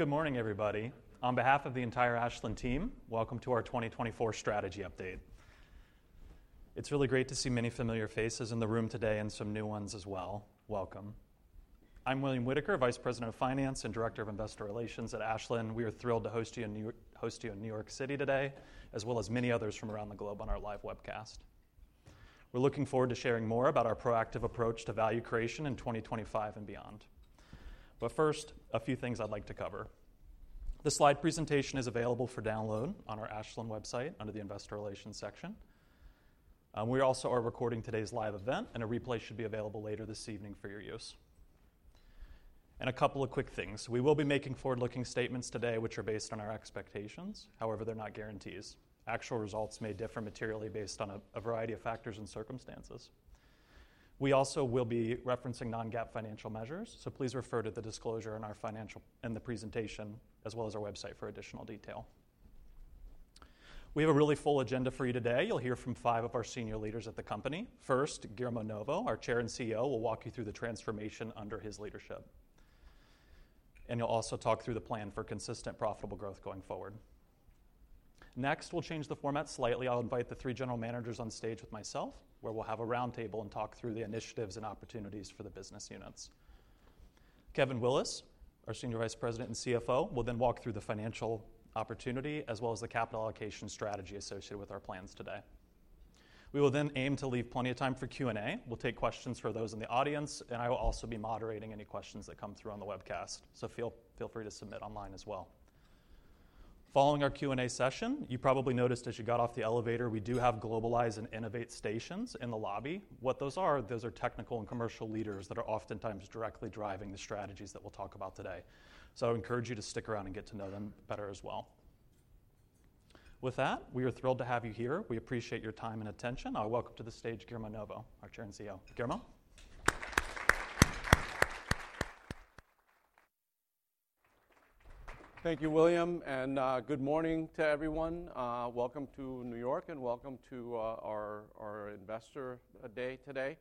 Good morning, everybody. On behalf of the entire Ashland team, welcome to our 2024 strategy update. It's really great to see many familiar faces in the room today and some new ones as well. Welcome. I'm William Whitaker, Vice President of Finance and Director of Investor Relations at Ashland. We are thrilled to host you in New York City today, as well as many others from around the globe on our live webcast. We're looking forward to sharing more about our proactive approach to value creation in 2025 and beyond. But first, a few things I'd like to cover. The slide presentation is available for download on our Ashland website under the Investor Relations section. We also are recording today's live event, and a replay should be available later this evening for your use. And a couple of quick things. We will be making forward-looking statements today, which are based on our expectations. However, they're not guarantees. Actual results may differ materially based on a variety of factors and circumstances. We also will be referencing non-GAAP financial measures, so please refer to the disclosure in our financial and the presentation, as well as our website for additional detail. We have a really full agenda for you today. You'll hear from five of our senior leaders at the company. First, Guillermo Novo, our Chair and CEO, will walk you through the transformation under his leadership, and he'll also talk through the plan for consistent, profitable growth going forward. Next, we'll change the format slightly. I'll invite the three general managers on stage with myself, where we'll have a roundtable and talk through the initiatives and opportunities for the business units. Kevin Willis, our Senior Vice President and CFO, will then walk through the financial opportunity, as well as the capital allocation strategy associated with our plans today. We will then aim to leave plenty of time for Q&A. We'll take questions for those in the audience, and I will also be moderating any questions that come through on the webcast. So feel free to submit online as well. Following our Q&A session, you probably noticed as you got off the elevator, we do have Globalize and Innovate stations in the lobby. What those are? Those are technical and commercial leaders that are oftentimes directly driving the strategies that we'll talk about today. So I encourage you to stick around and get to know them better as well. With that, we are thrilled to have you here. We appreciate your time and attention. I'll welcome to the stage Guillermo Novo, our Chair and CEO. Guillermo. Thank you, William, and good morning to everyone. Welcome to New York and welcome to our Investor Day today.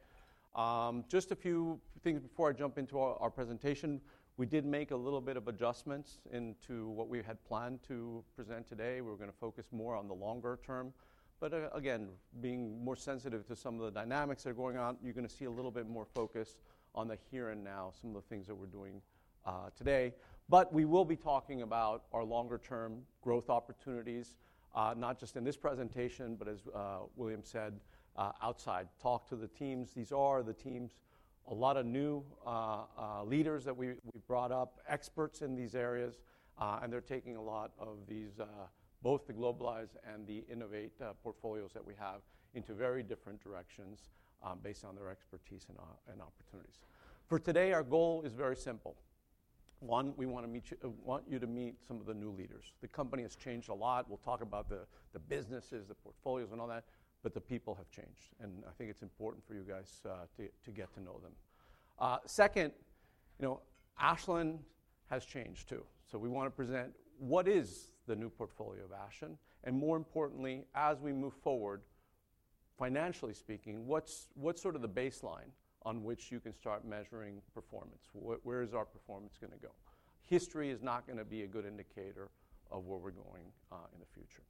Just a few things before I jump into our presentation. We did make a little bit of adjustments into what we had planned to present today. We were going to focus more on the longer term, but again, being more sensitive to some of the dynamics that are going on, you're going to see a little bit more focus on the here and now, some of the things that we're doing today, but we will be talking about our longer-term growth opportunities, not just in this presentation, but as William said, outside. Talk to the teams. These are the teams. A lot of new leaders that we brought up, experts in these areas, and they're taking a lot of these, both the Globalize and the Innovate portfolios that we have, into very different directions based on their expertise and opportunities. For today, our goal is very simple. One, we want you to meet some of the new leaders. The company has changed a lot. We'll talk about the businesses, the portfolios, and all that, but the people have changed, and I think it's important for you guys to get to know them. Second, Ashland has changed too. So we want to present what is the new portfolio of Ashland, and more importantly, as we move forward, financially speaking, what's sort of the baseline on which you can start measuring performance? Where is our performance going to go? History is not going to be a good indicator of where we're going in the future.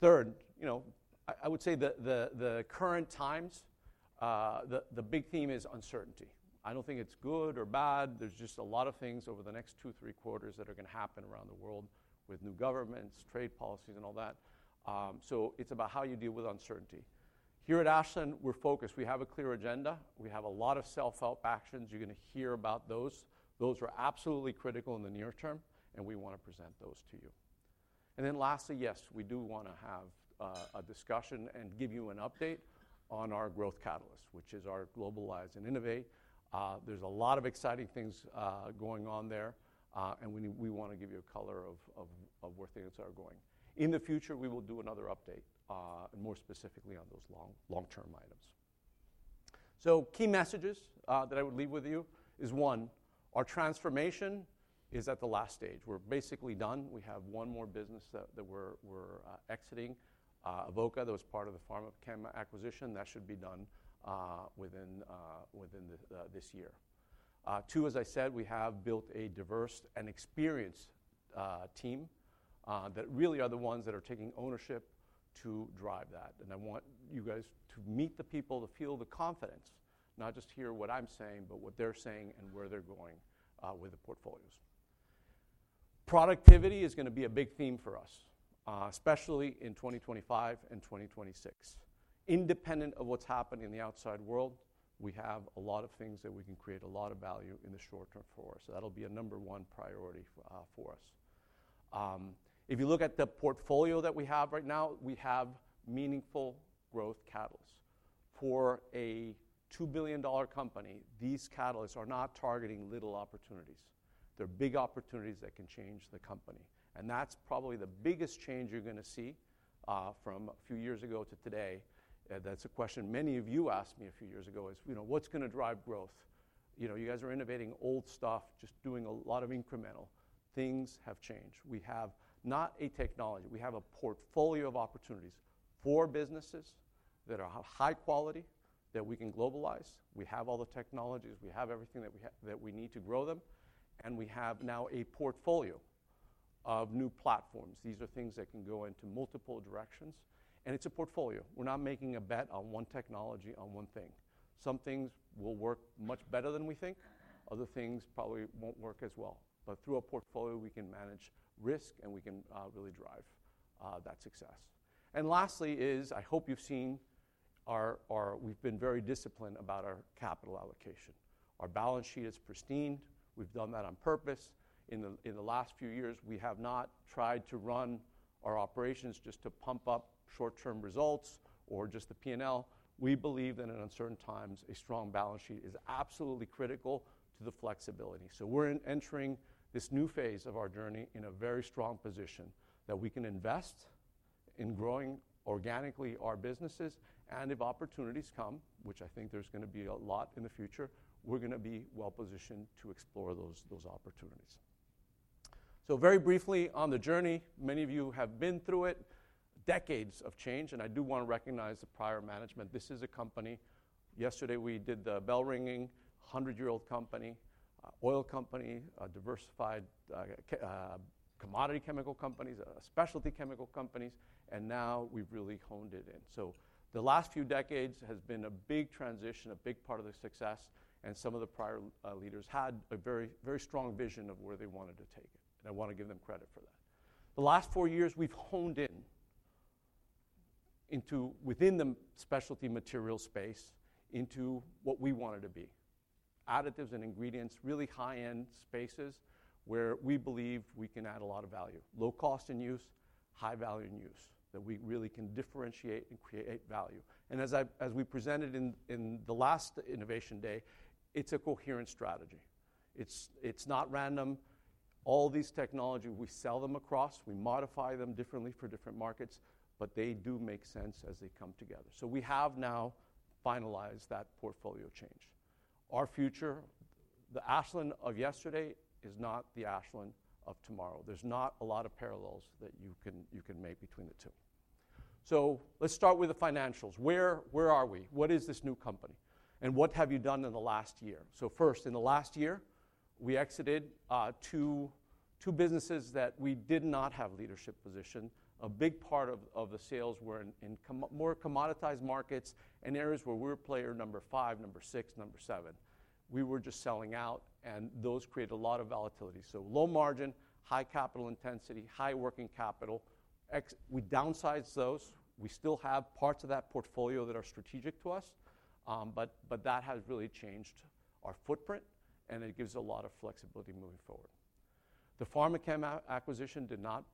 Third, I would say the current times, the big theme is uncertainty. I don't think it's good or bad. There's just a lot of things over the next two, three quarters that are going to happen around the world with new governments, trade policies, and all that. So it's about how you deal with uncertainty. Here at Ashland, we're focused. We have a clear agenda. We have a lot of self-help actions. You're going to hear about those. Those are absolutely critical in the near term, and we want to present those to you. And then lastly, yes, we do want to have a discussion and give you an update on our growth catalyst, which is our Globalize and Innovate. There's a lot of exciting things going on there, and we want to give you a color of where things are going. In the future, we will do another update, more specifically on those long-term items. So key messages that I would leave with you is one, our transformation is at the last stage. We're basically done. We have one more business that we're exiting, Avoca, that was part of the pharma acquisition. That should be done within this year. Two, as I said, we have built a diverse and experienced team that really are the ones that are taking ownership to drive that. And I want you guys to meet the people, to feel the confidence, not just hear what I'm saying, but what they're saying and where they're going with the portfolios. Productivity is going to be a big theme for us, especially in 2025 and 2026. Independent of what's happening in the outside world, we have a lot of things that we can create a lot of value in the short term for us, so that'll be a number one priority for us. If you look at the portfolio that we have right now, we have meaningful growth catalysts. For a $2 billion company, these catalysts are not targeting little opportunities. They're big opportunities that can change the company, and that's probably the biggest change you're going to see from a few years ago to today. That's a question many of you asked me a few years ago is, what's going to drive growth? You guys are innovating old stuff, just doing a lot of incremental. Things have changed. We have not a technology. We have a portfolio of opportunities for businesses that are high quality, that we can globalize. We have all the technologies. We have everything that we need to grow them. And we have now a portfolio of new platforms. These are things that can go into multiple directions. And it's a portfolio. We're not making a bet on one technology, on one thing. Some things will work much better than we think. Other things probably won't work as well. But through a portfolio, we can manage risk and we can really drive that success. And lastly, I hope you've seen we've been very disciplined about our capital allocation. Our balance sheet is pristine. We've done that on purpose. In the last few years, we have not tried to run our operations just to pump up short-term results or just the P&L. We believe that in uncertain times, a strong balance sheet is absolutely critical to the flexibility. So we're entering this new phase of our journey in a very strong position that we can invest in growing organically our businesses. And if opportunities come, which I think there's going to be a lot in the future, we're going to be well-positioned to explore those opportunities. So very briefly on the journey, many of you have been through it. Decades of change. And I do want to recognize the prior management. This is a company. Yesterday, we did the bell ringing, 100-year-old company, oil company, diversified commodity chemical companies, specialty chemical companies. And now we've really honed it in. So the last few decades has been a big transition, a big part of the success. And some of the prior leaders had a very strong vision of where they wanted to take it. And I want to give them credit for that. The last four years, we've honed in within the specialty material space into what we wanted to be. Additives and ingredients, really high-end spaces where we believe we can add a lot of value. Low cost in use, high value in use, that we really can differentiate and create value, and as we presented in the last Innovation Day, it's a coherent strategy. It's not random. All these technologies, we sell them across. We modify them differently for different markets, but they do make sense as they come together, so we have now finalized that portfolio change. Our future, the Ashland of yesterday, is not the Ashland of tomorrow. There's not a lot of parallels that you can make between the two, so let's start with the financials. Where are we? What is this new company, and what have you done in the last year? So first, in the last year, we exited two businesses that we did not have leadership position. A big part of the sales were in more commoditized markets and areas where we were player number five, number six, number seven. We were just selling out, and those created a lot of volatility. So low margin, high capital intensity, high working capital. We downsized those. We still have parts of that portfolio that are strategic to us, but that has really changed our footprint, and it gives a lot of flexibility moving forward. The pharma acquisition did not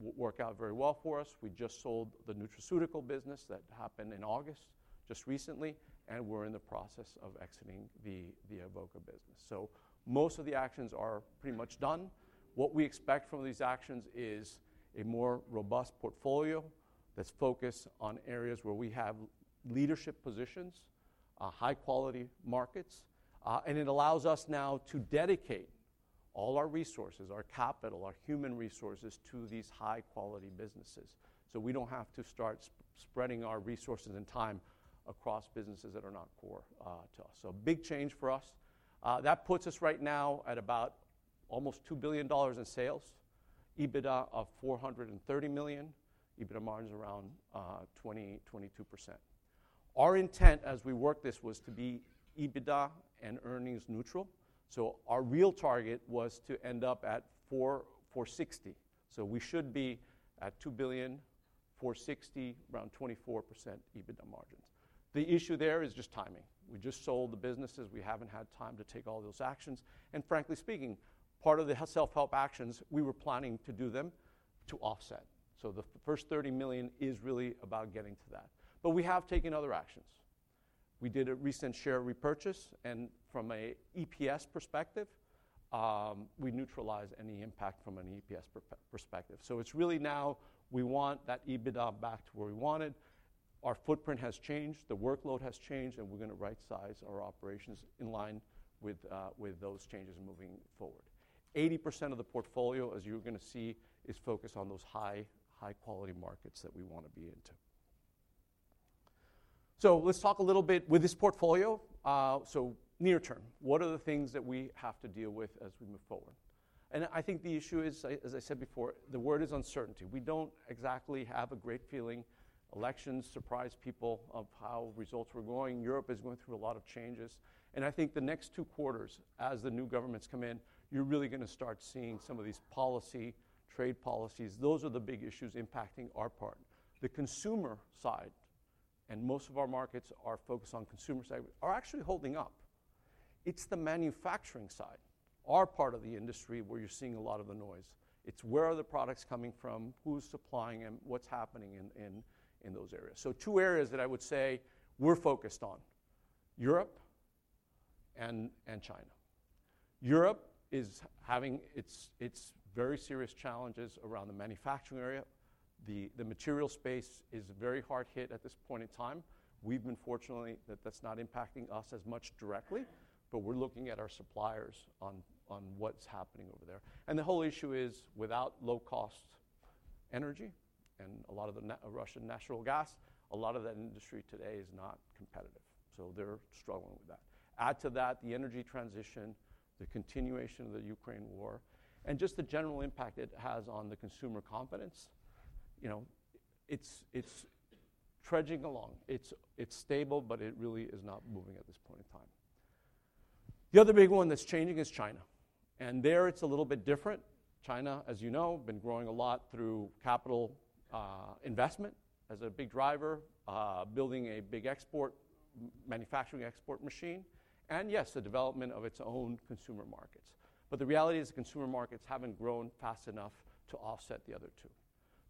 work out very well for us. We just sold the nutraceutical business that happened in August just recently, and we're in the process of exiting the Avoca business. So most of the actions are pretty much done. What we expect from these actions is a more robust portfolio that's focused on areas where we have leadership positions, high-quality markets, and it allows us now to dedicate all our resources, our capital, our human resources to these high-quality businesses, so we don't have to start spreading our resources and time across businesses that are not core to us, so big change for us. That puts us right now at about almost $2 billion in sales, EBITDA of $430 million. EBITDA margin is around 20%-22%. Our intent as we work this was to be EBITDA and earnings neutral, so our real target was to end up at $460 million. So we should be at $2 billion, $460 million, around 24% EBITDA margins. The issue there is just timing. We just sold the businesses. We haven't had time to take all those actions. Frankly speaking, part of the self-help actions we were planning to do them to offset. So the first $30 million is really about getting to that. But we have taken other actions. We did a recent share repurchase. And from an EPS perspective, we neutralized any impact from an EPS perspective. So it's really now we want that EBITDA back to where we wanted. Our footprint has changed. The workload has changed. And we're going to right-size our operations in line with those changes moving forward. 80% of the portfolio, as you're going to see, is focused on those high-quality markets that we want to be into. So let's talk a little bit with this portfolio. So near term, what are the things that we have to deal with as we move forward? And I think the issue is, as I said before, the word is uncertainty. We don't exactly have a great feeling. Elections surprised people of how results were going. Europe is going through a lot of changes, and I think the next two quarters, as the new governments come in, you're really going to start seeing some of these policy, trade policies. Those are the big issues impacting our part. The consumer side, and most of our markets are focused on consumer side, are actually holding up. It's the manufacturing side, our part of the industry where you're seeing a lot of the noise. It's where are the products coming from, who's supplying, and what's happening in those areas, so two areas that I would say we're focused on: Europe and China. Europe is having its very serious challenges around the manufacturing area. The material space is very hard hit at this point in time. We've been fortunate that that's not impacting us as much directly, but we're looking at our suppliers on what's happening over there, and the whole issue is without low-cost energy and a lot of the Russian natural gas, a lot of that industry today is not competitive, so they're struggling with that. Add to that the energy transition, the continuation of the Ukraine war, and just the general impact it has on the consumer confidence. It's trudging along. It's stable, but it really is not moving at this point in time. The other big one that's changing is China, and there it's a little bit different. China, as you know, has been growing a lot through capital investment as a big driver, building a big export manufacturing export machine, and yes, the development of its own consumer markets. But the reality is consumer markets haven't grown fast enough to offset the other two.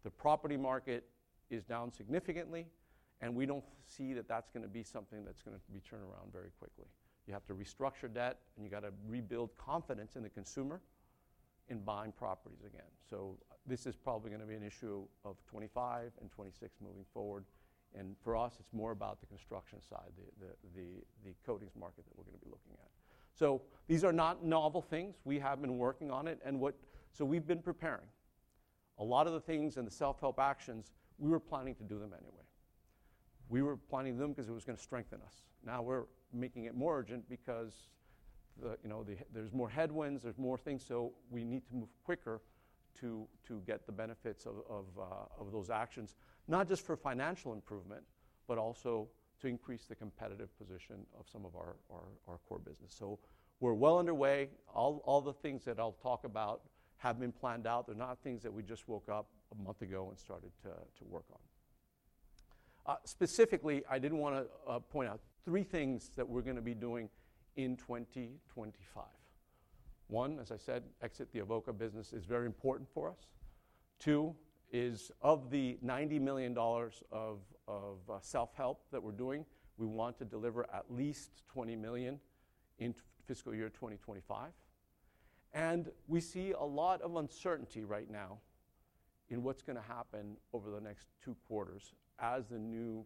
The property market is down significantly, and we don't see that that's going to be something that's going to be turned around very quickly. You have to restructure debt, and you got to rebuild confidence in the consumer in buying properties again. So this is probably going to be an issue of 2025 and 2026 moving forward. And for us, it's more about the construction side, the coatings market that we're going to be looking at. So these are not novel things. We have been working on it. And so we've been preparing. A lot of the things and the self-help actions, we were planning to do them anyway. We were planning them because it was going to strengthen us. Now we're making it more urgent because there's more headwinds, there's more things. We need to move quicker to get the benefits of those actions, not just for financial improvement, but also to increase the competitive position of some of our core business. We're well underway. All the things that I'll talk about have been planned out. They're not things that we just woke up a month ago and started to work on. Specifically, I didn't want to point out three things that we're going to be doing in 2025. One, as I said, exit the Avoca business is very important for us. Two is of the $90 million of self-help that we're doing, we want to deliver at least $20 million in fiscal year 2025. We see a lot of uncertainty right now in what's going to happen over the next two quarters as the new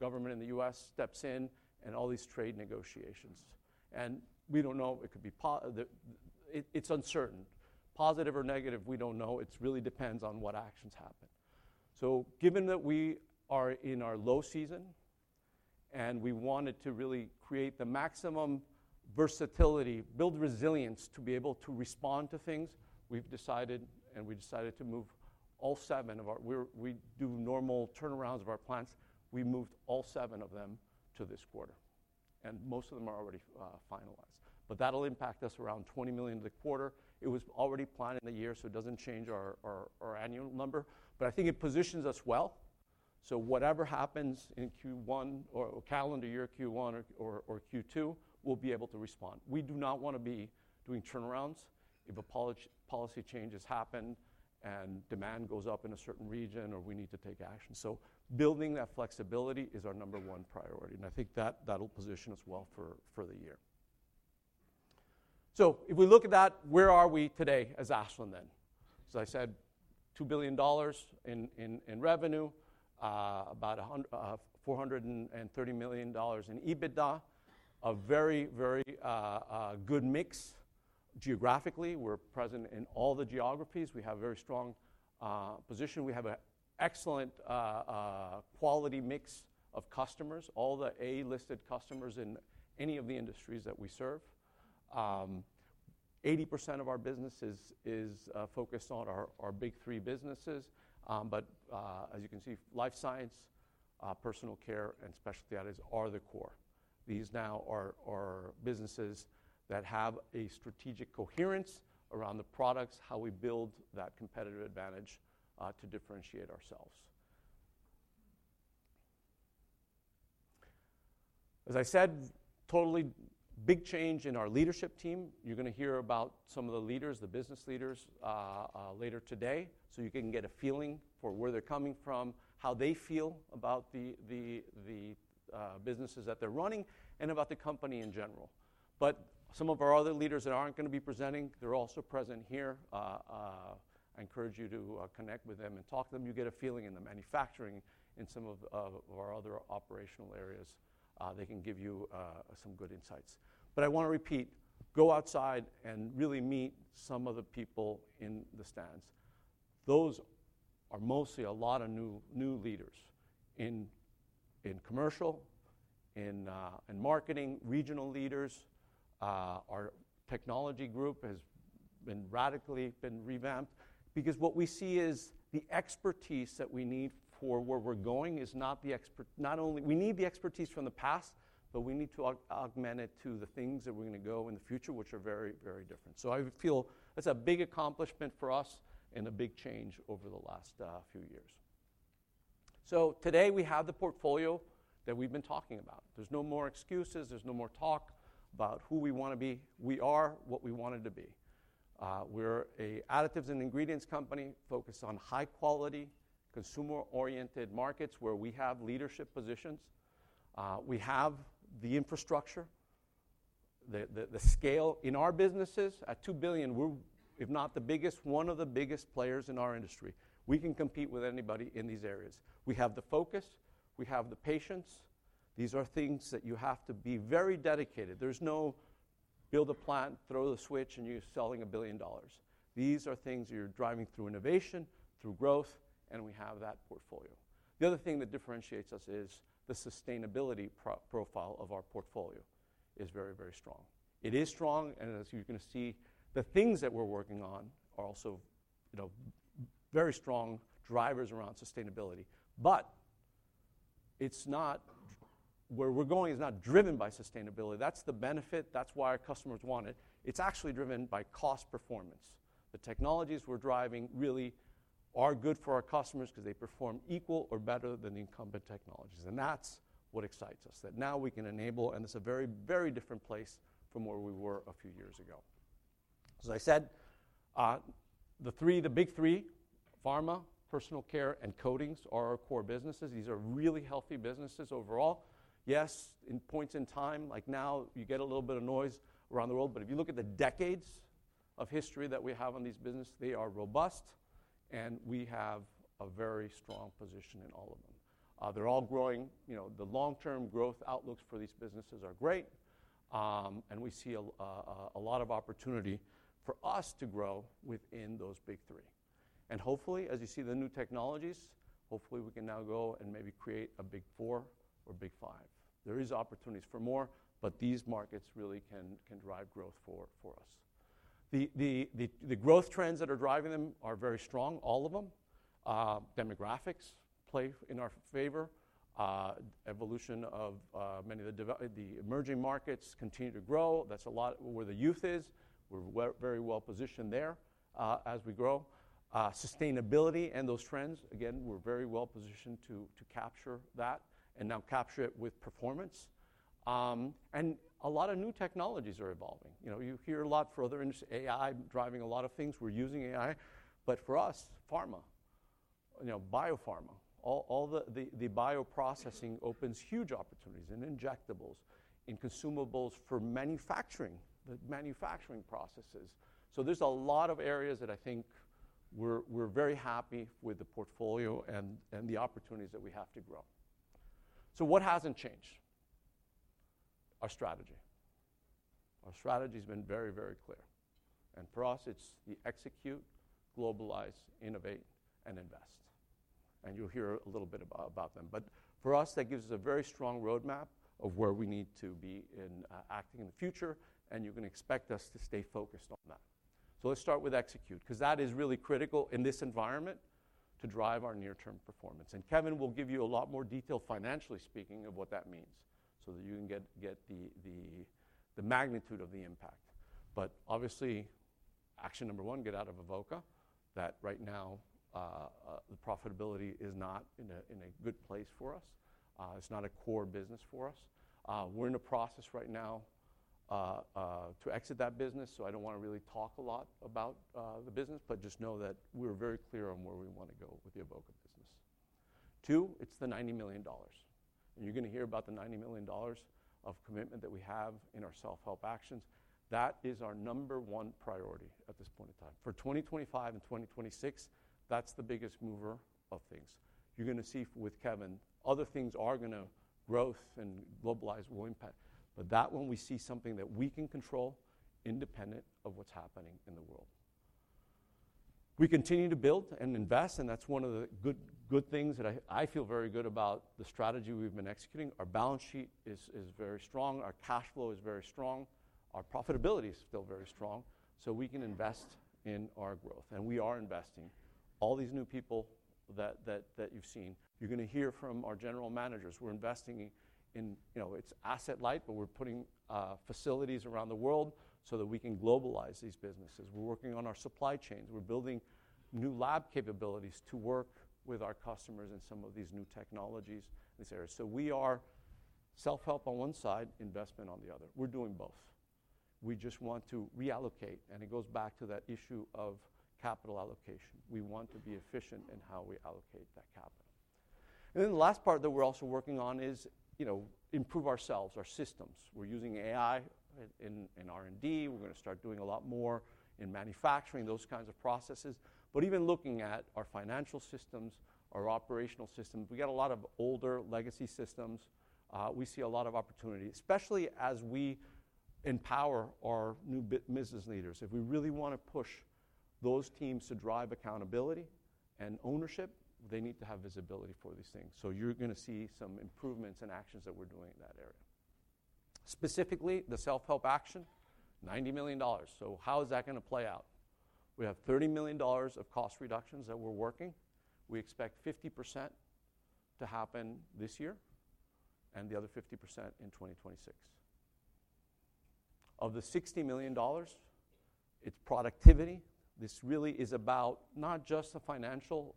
government in the U.S. steps in and all these trade negotiations. We don't know. It's uncertain. Positive or negative, we don't know. It really depends on what actions happen. So given that we are in our low season and we wanted to really create the maximum versatility, build resilience to be able to respond to things, we've decided to move all seven of our normal turnarounds of our plants. We moved all seven of them to this quarter. And most of them are already finalized. But that'll impact us around $20 million the quarter. It was already planned in the year, so it doesn't change our annual number. But I think it positions us well. So whatever happens in Q1 or calendar year Q1 or Q2, we'll be able to respond. We do not want to be doing turnarounds if policy changes happen and demand goes up in a certain region or we need to take action. So building that flexibility is our number one priority. And I think that'll position us well for the year. So if we look at that, where are we today as Ashland then? As I said, $2 billion in revenue, about $430 million in EBITDA, a very, very good mix geographically. We're present in all the geographies. We have a very strong position. We have an excellent quality mix of customers, all the A-listed customers in any of the industries that we serve. 80% of our business is focused on our big three businesses. But as you can see, Life Sciences, Personal Care, Specialty Additives are the core. These now are businesses that have a strategic coherence around the products, how we build that competitive advantage to differentiate ourselves. As I said, totally big change in our leadership team. You're going to hear about some of the leaders, the business leaders later today, so you can get a feeling for where they're coming from, how they feel about the businesses that they're running, and about the company in general, but some of our other leaders that aren't going to be presenting, they're also present here. I encourage you to connect with them and talk to them. You get a feeling in the manufacturing and some of our other operational areas. They can give you some good insights, but I want to repeat, go outside and really meet some of the people in the stands. Those are mostly a lot of new leaders in commercial, in marketing, regional leaders. Our technology group has radically been revamped because what we see is the expertise that we need for where we're going is not the expert not only we need the expertise from the past, but we need to augment it to the things that we're going to go in the future, which are very, very different. So I feel that's a big accomplishment for us and a big change over the last few years. So today we have the portfolio that we've been talking about. There's no more excuses. There's no more talk about who we want to be. We are what we wanted to be. We're an additives and ingredients company focused on high-quality, consumer-oriented markets where we have leadership positions. We have the infrastructure, the scale in our businesses. At $2 billion, we're, if not the biggest, one of the biggest players in our industry. We can compete with anybody in these areas. We have the focus. We have the patience. These are things that you have to be very dedicated. There's no build a plant, throw the switch, and you're selling $1 billion. These are things you're driving through innovation, through growth, and we have that portfolio. The other thing that differentiates us is the sustainability profile of our portfolio is very, very strong. It is strong, and as you're going to see, the things that we're working on are also very strong drivers around sustainability. But where we're going is not driven by sustainability. That's the benefit. That's why our customers want it. It's actually driven by cost performance. The technologies we're driving really are good for our customers because they perform equal or better than the incumbent technologies. And that's what excites us, that now we can enable, and it's a very, very different place from where we were a few years ago. As I said, the big three, pharma, personal care, and coatings are our core businesses. These are really healthy businesses overall. Yes, in points in time, like now, you get a little bit of noise around the world. But if you look at the decades of history that we have on these businesses, they are robust, and we have a very strong position in all of them. They're all growing. The long-term growth outlooks for these businesses are great. And we see a lot of opportunity for us to grow within those big three. And hopefully, as you see the new technologies, hopefully we can now go and maybe create a big four or big five. There are opportunities for more, but these markets really can drive growth for us. The growth trends that are driving them are very strong, all of them. Demographics play in our favor. Evolution of many of the emerging markets continue to grow. That's a lot where the youth is. We're very well positioned there as we grow. Sustainability and those trends, again, we're very well positioned to capture that and now capture it with performance. And a lot of new technologies are evolving. You hear a lot for other industries, AI driving a lot of things. We're using AI. But for us, pharma, biopharma, all the bioprocessing opens huge opportunities in injectables, in consumables for manufacturing, the manufacturing processes. So there's a lot of areas that I think we're very happy with the portfolio and the opportunities that we have to grow. So what hasn't changed? Our strategy. Our strategy has been very, very clear. And for us, it's the execute, globalize, innovate, and invest. And you'll hear a little bit about them. But for us, that gives us a very strong roadmap of where we need to be acting in the future. And you can expect us to stay focused on that. So let's start with execute because that is really critical in this environment to drive our near-term performance. And Kevin will give you a lot more detail, financially speaking, of what that means so that you can get the magnitude of the impact. But obviously, action number one, get out of Avoca. That right now the profitability is not in a good place for us. It's not a core business for us. We're in a process right now to exit that business. So I don't want to really talk a lot about the business, but just know that we're very clear on where we want to go with the Avoca business. Two, it's the $90 million. And you're going to hear about the $90 million of commitment that we have in our self-help actions. That is our number one priority at this point in time. For 2025 and 2026, that's the biggest mover of things. You're going to see with Kevin, other things are going to growth and globalize will impact. But that one, we see something that we can control independent of what's happening in the world. We continue to build and invest. And that's one of the good things that I feel very good about the strategy we've been executing. Our balance sheet is very strong. Our cash flow is very strong. Our profitability is still very strong. So we can invest in our growth. And we are investing. All these new people that you've seen, you're going to hear from our general managers. We're investing in its asset light, but we're putting facilities around the world so that we can globalize these businesses. We're working on our supply chains. We're building new lab capabilities to work with our customers in some of these new technologies in this area. So we are self-help on one side, investment on the other. We're doing both. We just want to reallocate. And it goes back to that issue of capital allocation. We want to be efficient in how we allocate that capital. And then the last part that we're also working on is improve ourselves, our systems. We're using AI in R&D. We're going to start doing a lot more in manufacturing, those kinds of processes. But even looking at our financial systems, our operational systems, we got a lot of older legacy systems. We see a lot of opportunity, especially as we empower our new business leaders. If we really want to push those teams to drive accountability and ownership, they need to have visibility for these things. So you're going to see some improvements and actions that we're doing in that area. Specifically, the self-help action, $90 million. So how is that going to play out? We have $30 million of cost reductions that we're working. We expect 50% to happen this year and the other 50% in 2026. Of the $60 million, it's productivity. This really is about not just the financial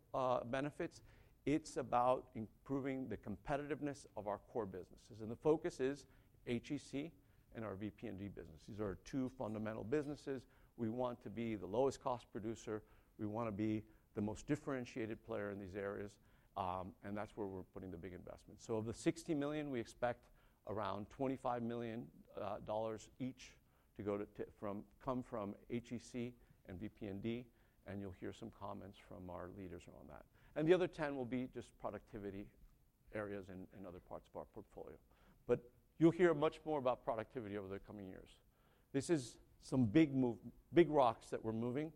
benefits. It's about improving the competitiveness of our core businesses. And the focus is HEC and our VP&D business. These are our two fundamental businesses. We want to be the lowest cost producer. We want to be the most differentiated player in these areas. And that's where we're putting the big investments. So of the $60 million, we expect around $25 million each to come from HEC and VP&D. And you'll hear some comments from our leaders around that. And the other 10 will be just productivity areas and other parts of our portfolio. But you'll hear much more about productivity over the coming years. This is some big rocks that we're moving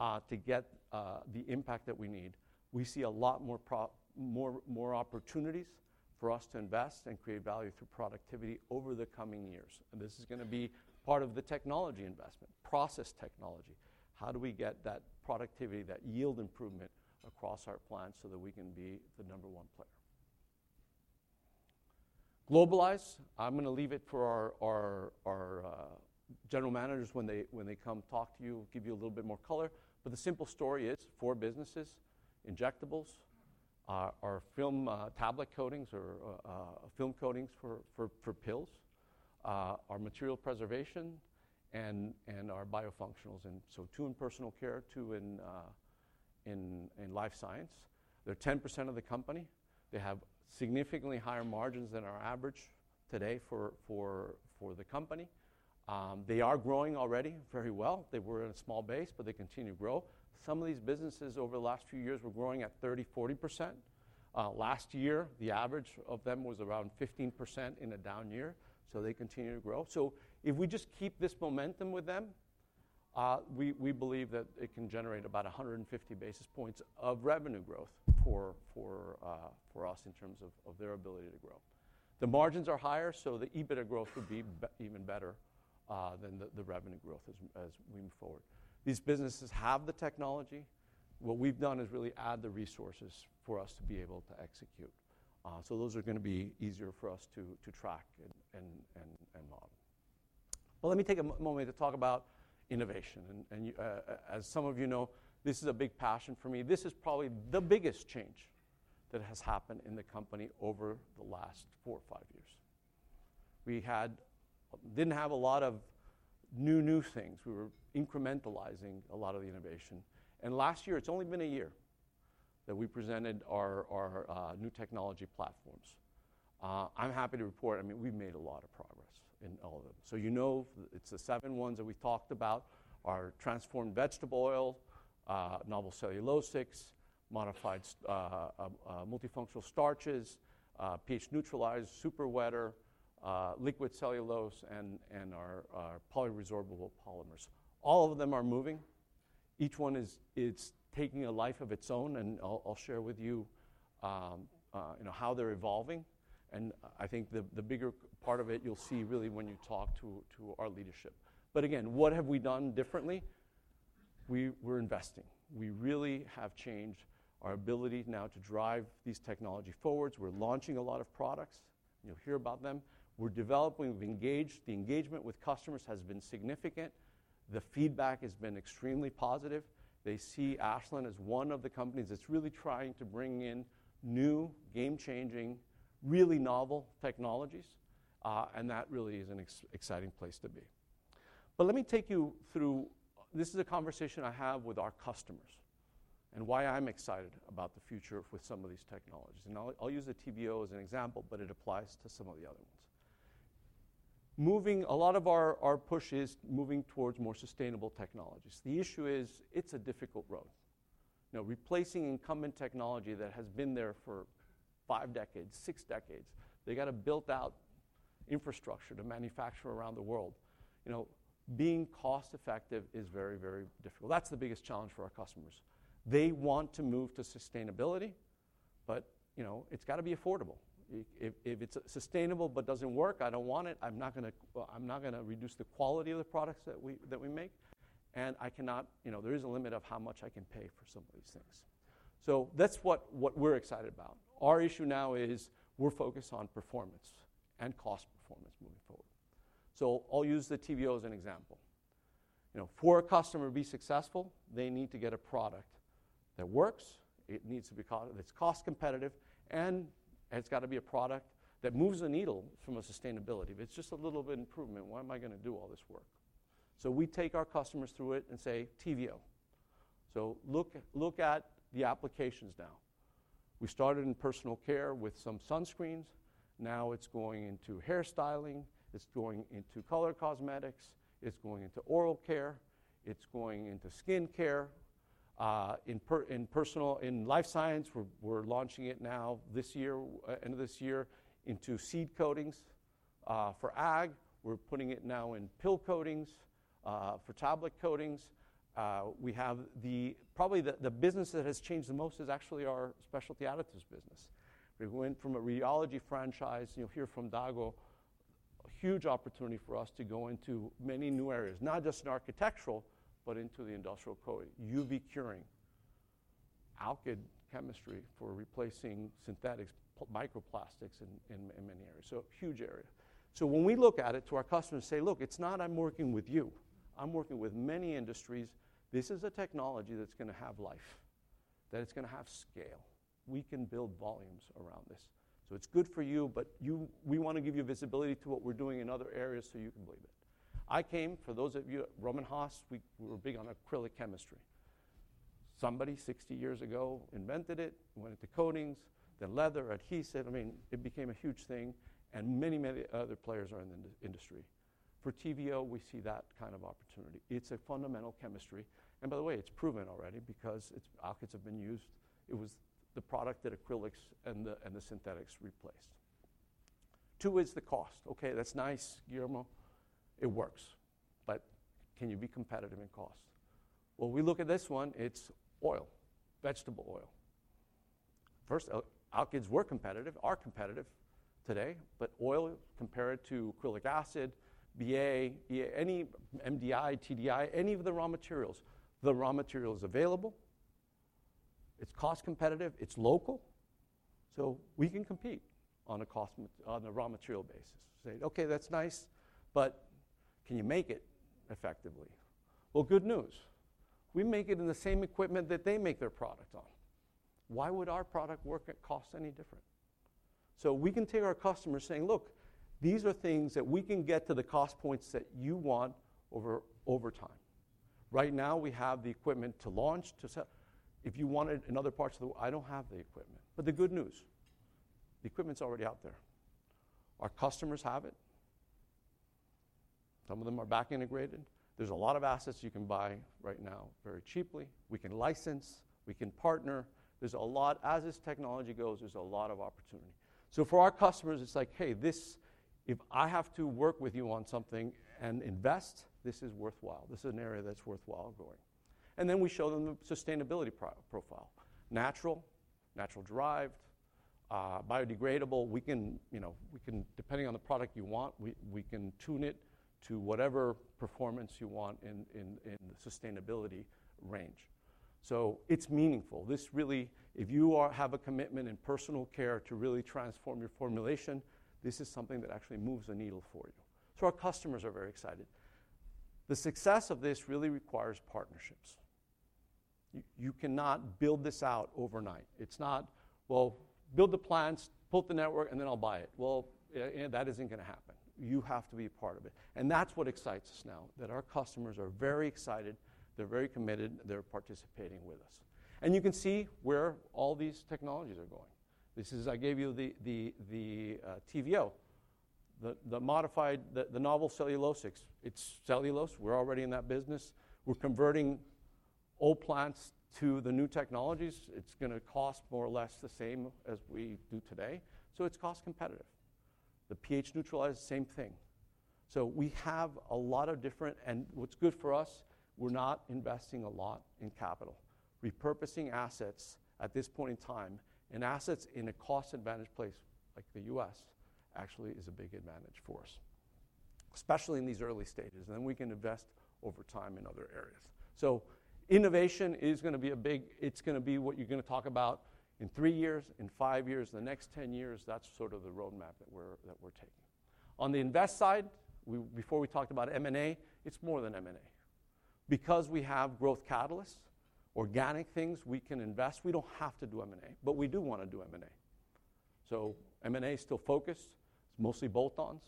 to get the impact that we need. We see a lot more opportunities for us to invest and create value through productivity over the coming years. And this is going to be part of the technology investment, process technology. How do we get that productivity, that yield improvement across our plants so that we can be the number one player? Globalize. I'm going to leave it for our general managers when they come talk to you, give you a little bit more color, but the simple story is four businesses: injectables, our film tablet coatings or film coatings for pills, our Microbial Protection, and our Biofunctionals, and so two in personal care, two Life Sciences. they're 10% of the company. They have significantly higher margins than our average today for the company. They are growing already very well. They were at a small base, but they continue to grow. Some of these businesses over the last few years were growing at 30%-40%. Last year, the average of them was around 15% in a down year, so they continue to grow. So if we just keep this momentum with them, we believe that it can generate about 150 basis points of revenue growth for us in terms of their ability to grow. The margins are higher, so the EBITDA growth would be even better than the revenue growth as we move forward. These businesses have the technology. What we've done is really add the resources for us to be able to execute. So those are going to be easier for us to track and model. Well, let me take a moment to talk about innovation. And as some of you know, this is a big passion for me. This is probably the biggest change that has happened in the company over the last four or five years. We didn't have a lot of new things. We were incrementalizing a lot of the innovation. Last year, it's only been a year that we presented our new technology platforms. I'm happy to report, I mean, we've made a lot of progress in all of them. So you know it's the seven ones that we talked about: our transformed vegetable oil, novel cellulosics, modified multifunctional starches, pH- neutralized, superwetter, liquid cellulose, and our bioresorbable polymers. All of them are moving. Each one is taking a life of its own. And I'll share with you how they're evolving. And I think the bigger part of it you'll see really when you talk to our leadership. But again, what have we done differently? We're investing. We really have changed our ability now to drive these technologies forward. We're launching a lot of products. You'll hear about them. We're developing. The engagement with customers has been significant. The feedback has been extremely positive. They see Ashland as one of the companies that's really trying to bring in new, game-changing, really novel technologies. And that really is an exciting place to be. But let me take you through this. This is a conversation I have with our customers and why I'm excited about the future with some of these technologies. And I'll use the TVO as an example, but it applies to some of the other ones. A lot of our push is moving towards more sustainable technologies. The issue is it's a difficult road. Replacing incumbent technology that has been there for five decades, six decades, they got to build out infrastructure to manufacture around the world. Being cost-effective is very, very difficult. That's the biggest challenge for our customers. They want to move to sustainability, but it's got to be affordable. If it's sustainable but doesn't work, I don't want it. I'm not going to reduce the quality of the products that we make. And I cannot, there is a limit of how much I can pay for some of these things. So that's what we're excited about. Our issue now is we're focused on performance and cost performance moving forward. So I'll use the TVO as an example. For a customer to be successful, they need to get a product that works. It needs to be cost-competitive. And it's got to be a product that moves the needle from a sustainability. If it's just a little bit of improvement, why am I going to do all this work? So we take our customers through it and say, "TVO. So look at the applications now." We started in personal care with some sunscreens. Now it's going into hairstyling. It's going into color cosmetics. It's going into oral care. It's going into skin care. Life Sciences, we're launching it now this year, end of this year, into seed coatings. For ag, we're putting it now in pill coatings. For tablet coatings, we have the probably the business that has changed the most is Specialty Additives business. we went from a rheology franchise. You'll hear from Dago, a huge opportunity for us to go into many new areas, not just in architectural, but into the industrial coating. UV curing, alkyd chemistry for replacing synthetics, microplastics in many areas. Huge area. When we look at it to our customers and say, "Look, it's not I'm working with you. I'm working with many industries. This is a technology that's going to have life, that it's going to have scale. We can build volumes around this. So it's good for you, but we want to give you visibility to what we're doing in other areas so you can believe it." I came, for those of you, Rohm and Haas, we were big on acrylic chemistry. Somebody 60 years ago invented it, went into coatings, then leather, adhesive. I mean, it became a huge thing. And many, many other players are in the industry. For TVO, we see that kind of opportunity. It's a fundamental chemistry. And by the way, it's proven already because alkyds have been used. It was the product that acrylics and the synthetics replaced. Two is the cost. Okay, that's nice, Guillermo. It works. But can you be competitive in cost? Well, we look at this one. It's oil, vegetable oil. First, alkyds were competitive, are competitive today. But oil, compared to acrylic acid, BA, any MDI, TDI, any of the raw materials, the raw material is available. It's cost competitive. It's local. So we can compete on a raw material basis. We say, "Okay, that's nice. But can you make it effectively?" Well, good news. We make it in the same equipment that they make their product on. Why would our product work at cost any different? So we can take our customers saying, "Look, these are things that we can get to the cost points that you want over time." Right now, we have the equipment to launch. If you want it in other parts of the world, I don't have the equipment. But the good news, the equipment's already out there. Our customers have it. Some of them are back integrated. There's a lot of assets you can buy right now very cheaply. We can license. We can partner. There's a lot. As this technology goes, there's a lot of opportunity. So for our customers, it's like, "Hey, if I have to work with you on something and invest, this is worthwhile. This is an area that's worthwhile going." And then we show them the sustainability profile. Natural, natural derived, biodegradable. Depending on the product you want, we can tune it to whatever performance you want in the sustainability range. So it's meaningful. If you have a commitment in personal care to really transform your formulation, this is something that actually moves the needle for you. So our customers are very excited. The success of this really requires partnerships. You cannot build this out overnight. It's not, "Well, build the plants, build the network, and then I'll buy it." Well, that isn't going to happen. You have to be a part of it. That's what excites us now, that our customers are very excited. They're very committed. They're participating with us. And you can see where all these technologies are going. I gave you the TVO, the novel cellulosics. It's cellulose. We're already in that business. We're converting old plants to the new technologies. It's going to cost more or less the same as we do today. So it's cost competitive. The pH-neutralized, same thing. So we have a lot of different and what's good for us, we're not investing a lot in capital. Repurposing assets at this point in time and assets in a cost-advantage place like the U.S. actually is a big advantage for us, especially in these early stages. And then we can invest over time in other areas. So innovation is going to be a big, it's going to be what you're going to talk about in three years, in five years, the next 10 years. That's sort of the roadmap that we're taking. On the invest side, before we talked about M&A, it's more than M&A. Because we have growth catalysts, organic things we can invest, we don't have to do M&A, but we do want to do M&A. So M&A is still focused. It's mostly bolt-ons,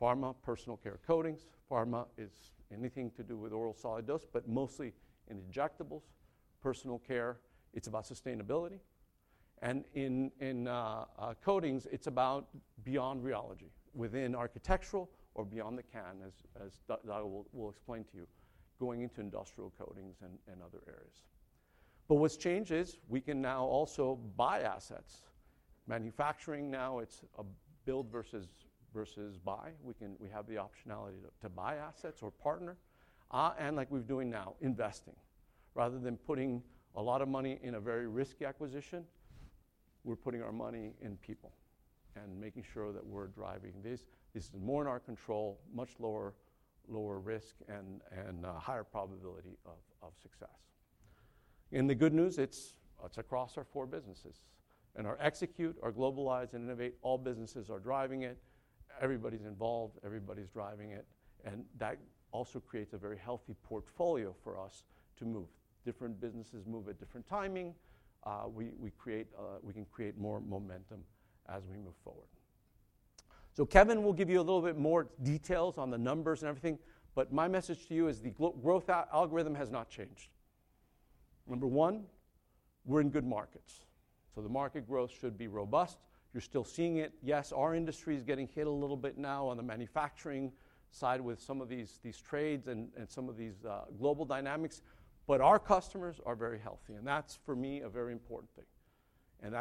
pharma, personal care coatings. Pharma is anything to do with oral solid dose, but mostly in injectables, personal care. It's about sustainability, and in coatings, it's about beyond rheology, within architectural or beyond the can, as Dago will explain to you, going into industrial coatings and other areas. But what's changed is we can now also buy assets. Manufacturing now, it's a build versus buy. We have the optionality to buy assets or partner. And like we're doing now, investing. Rather than putting a lot of money in a very risky acquisition, we're putting our money in people and making sure that we're driving this. This is more in our control, much lower risk, and higher probability of success. And the good news, it's across our four businesses. And our execute, our globalize, and innovate, all businesses are driving it. Everybody's involved. Everybody's driving it. And that also creates a very healthy portfolio for us to move. Different businesses move at different timing. We can create more momentum as we move forward. So Kevin will give you a little bit more details on the numbers and everything. But my message to you is the growth algorithm has not changed. Number one, we're in good markets. So the market growth should be robust. You're still seeing it. Yes, our industry is getting hit a little bit now on the manufacturing side with some of these trades and some of these global dynamics, but our customers are very healthy, and that's, for me, a very important thing, and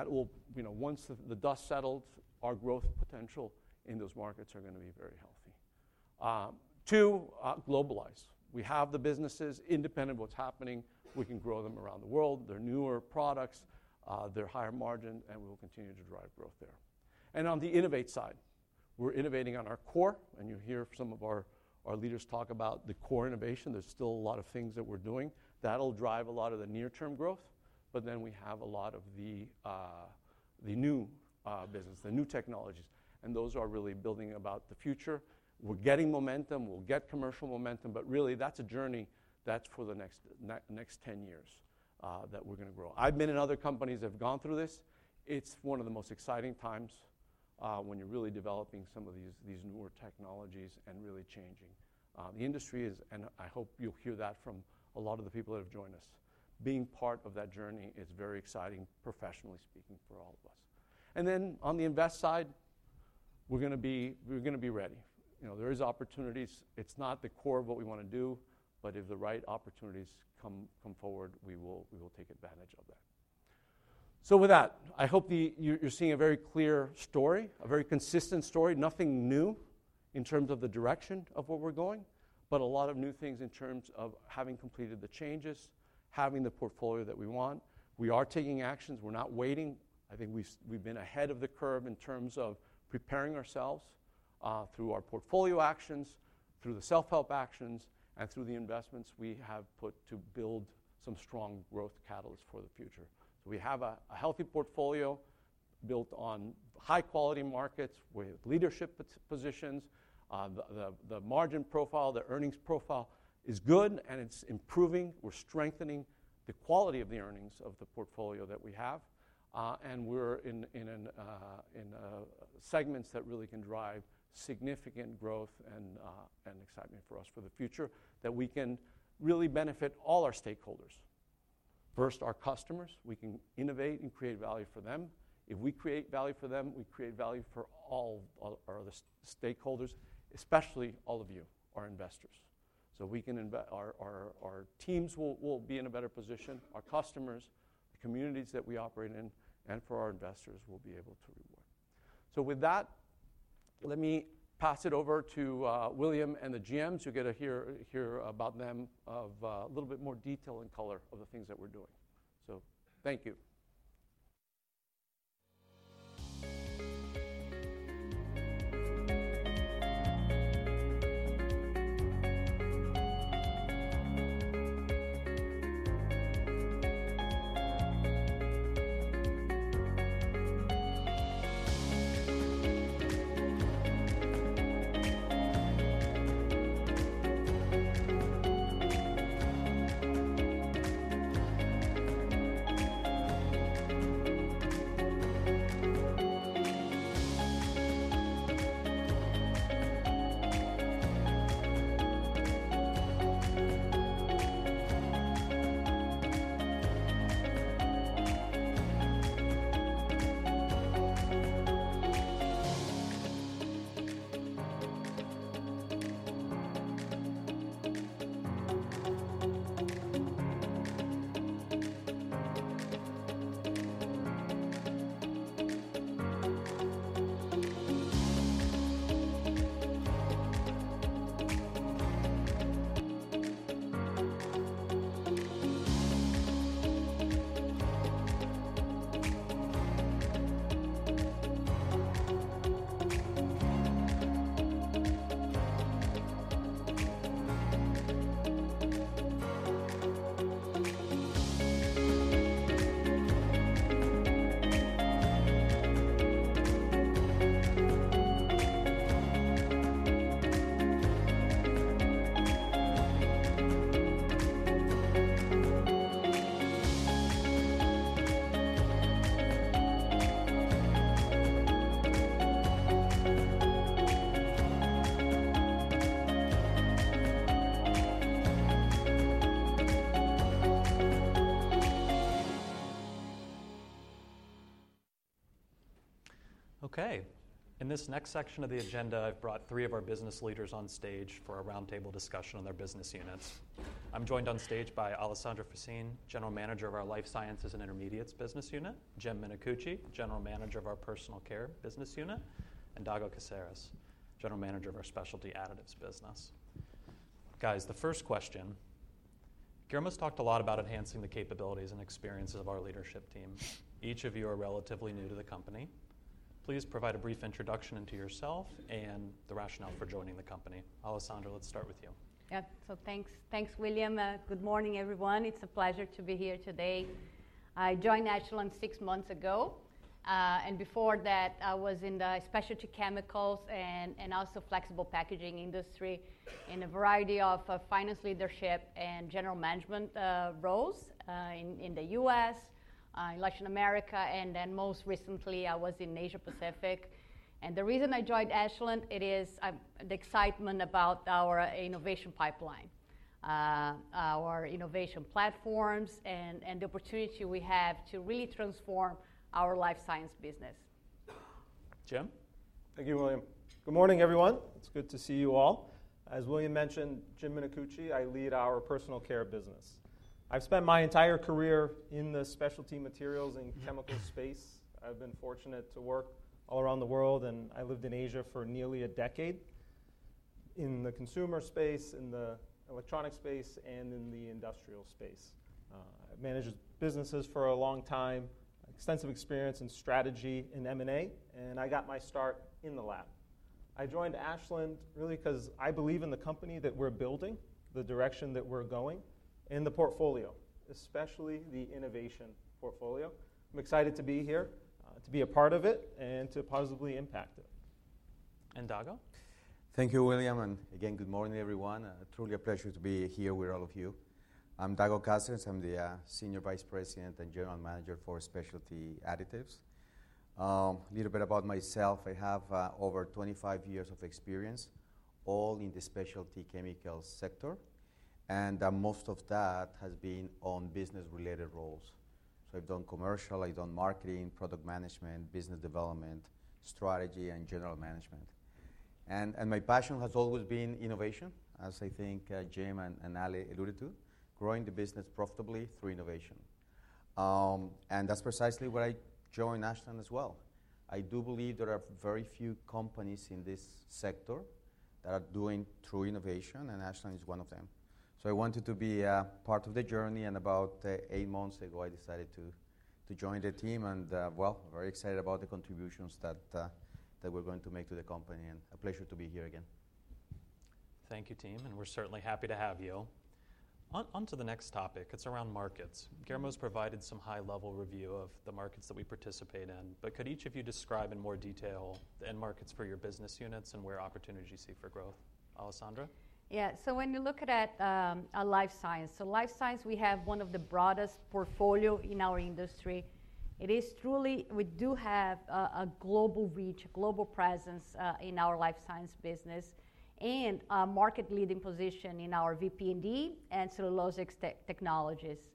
once the dust settles, our growth potential in those markets are going to be very healthy. Two, globalize. We have the businesses independent of what's happening, we can grow them around the world. They're newer products. They're higher margin, and we will continue to drive growth there, and on the innovate side, we're innovating on our core, and you'll hear some of our leaders talk about the core innovation. There's still a lot of things that we're doing that'll drive a lot of the near-term growth, but then we have a lot of the new business, the new technologies. And those are really building about the future. We're getting momentum. We'll get commercial momentum. But really, that's a journey that's for the next 10 years that we're going to grow. I've been in other companies that have gone through this. It's one of the most exciting times when you're really developing some of these newer technologies and really changing. The industry is, and I hope you'll hear that from a lot of the people that have joined us, being part of that journey is very exciting, professionally speaking, for all of us. And then on the invest side, we're going to be ready. There are opportunities. It's not the core of what we want to do. But if the right opportunities come forward, we will take advantage of that. So with that, I hope you're seeing a very clear story, a very consistent story. Nothing new in terms of the direction of what we're going, but a lot of new things in terms of having completed the changes, having the portfolio that we want. We are taking actions. We're not waiting. I think we've been ahead of the curve in terms of preparing ourselves through our portfolio actions, through the self-help actions, and through the investments we have put to build some strong growth catalysts for the future, so we have a healthy portfolio built on high-quality markets with leadership positions. The margin profile, the earnings profile is good, and it's improving. We're strengthening the quality of the earnings of the portfolio that we have, and we're in segments that really can drive significant growth and excitement for us for the future that we can really benefit all our stakeholders. First, our customers. We can innovate and create value for them. If we create value for them, we create value for all our stakeholders, especially all of you, our investors. So our teams will be in a better position, our customers, the communities that we operate in, and for our investors, we'll be able to reward. So with that, let me pass it over to William and the GMs. You'll get to hear about them of a little bit more detail and color of the things that we're doing. So thank you. Okay. In this next section of the agenda, I've brought three of our business leaders on stage for a roundtable discussion on their business units. I'm joined on stage by Alessandra Faccin, General Manager of Life Sciences and Intermediates business unit. Jim Minicucci, General Manager of our Personal Care business unit. And Dago Caceres, General Manager Specialty Additives business. guys, the first question. Guillermo's talked a lot about enhancing the capabilities and experiences of our leadership team. Each of you are relatively new to the company. Please provide a brief introduction into yourself and the rationale for joining the company. Alessandra, let's start with you. Yeah. So thanks, William. Good morning, everyone. It's a pleasure to be here today. I joined Ashland six months ago. And before that, I was in the specialty chemicals and also flexible packaging industry in a variety of finance leadership and general management roles in the U.S., in Latin America. And then most recently, I was in Asia-Pacific. And the reason I joined Ashland, it is the excitement about our innovation pipeline, our innovation platforms, and the opportunity we have to really transform Life Sciences business. Jim. Thank you, William. Good morning, everyone. It's good to see you all. As William mentioned, Jim Minicucci, I lead our Personal Care business. I've spent my entire career in the specialty materials and chemical space. I've been fortunate to work all around the world, and I lived in Asia for nearly a decade in the consumer space, in the electronic space, and in the industrial space. I've managed businesses for a long time, extensive experience and strategy in M&A, and I got my start in the lab. I joined Ashland really because I believe in the company that we're building, the direction that we're going, and the portfolio, especially the innovation portfolio. I'm excited to be here, to be a part of it, and to positively impact it. And Dago. Thank you, William, and again, good morning, everyone. Truly a pleasure to be here with all of you. I'm Dago Caceres. I'm the Senior Vice President and General manager for Specialty Additives. A little bit about myself. I have over 25 years of experience all in the specialty chemicals sector. And most of that has been on business-related roles. So I've done commercial. I've done marketing, product management, business development, strategy, and general management. And my passion has always been innovation, as I think Jim and Ali alluded to, growing the business profitably through innovation. And that's precisely why I joined Ashland as well. I do believe there are very few companies in this sector that are doing true innovation. And Ashland is one of them. So I wanted to be part of the journey. And about eight months ago, I decided to join the team. And, well, very excited about the contributions that we're going to make to the company. And a pleasure to be here again. Thank you, team. And we're certainly happy to have you. Onto the next topic. It's around markets. Guillermo's provided some high-level review of the markets that we participate in. But could each of you describe in more detail the end markets for your business units and where opportunities you see for growth? Alessandra. Yeah. So when you look at Life Sciences, so Life Sciences, we have one of the broadest portfolios in our industry. It is truly we do have a global reach, a global presence in our Life Sciences business and a market-leading position in our VP&D and cellulose technologies.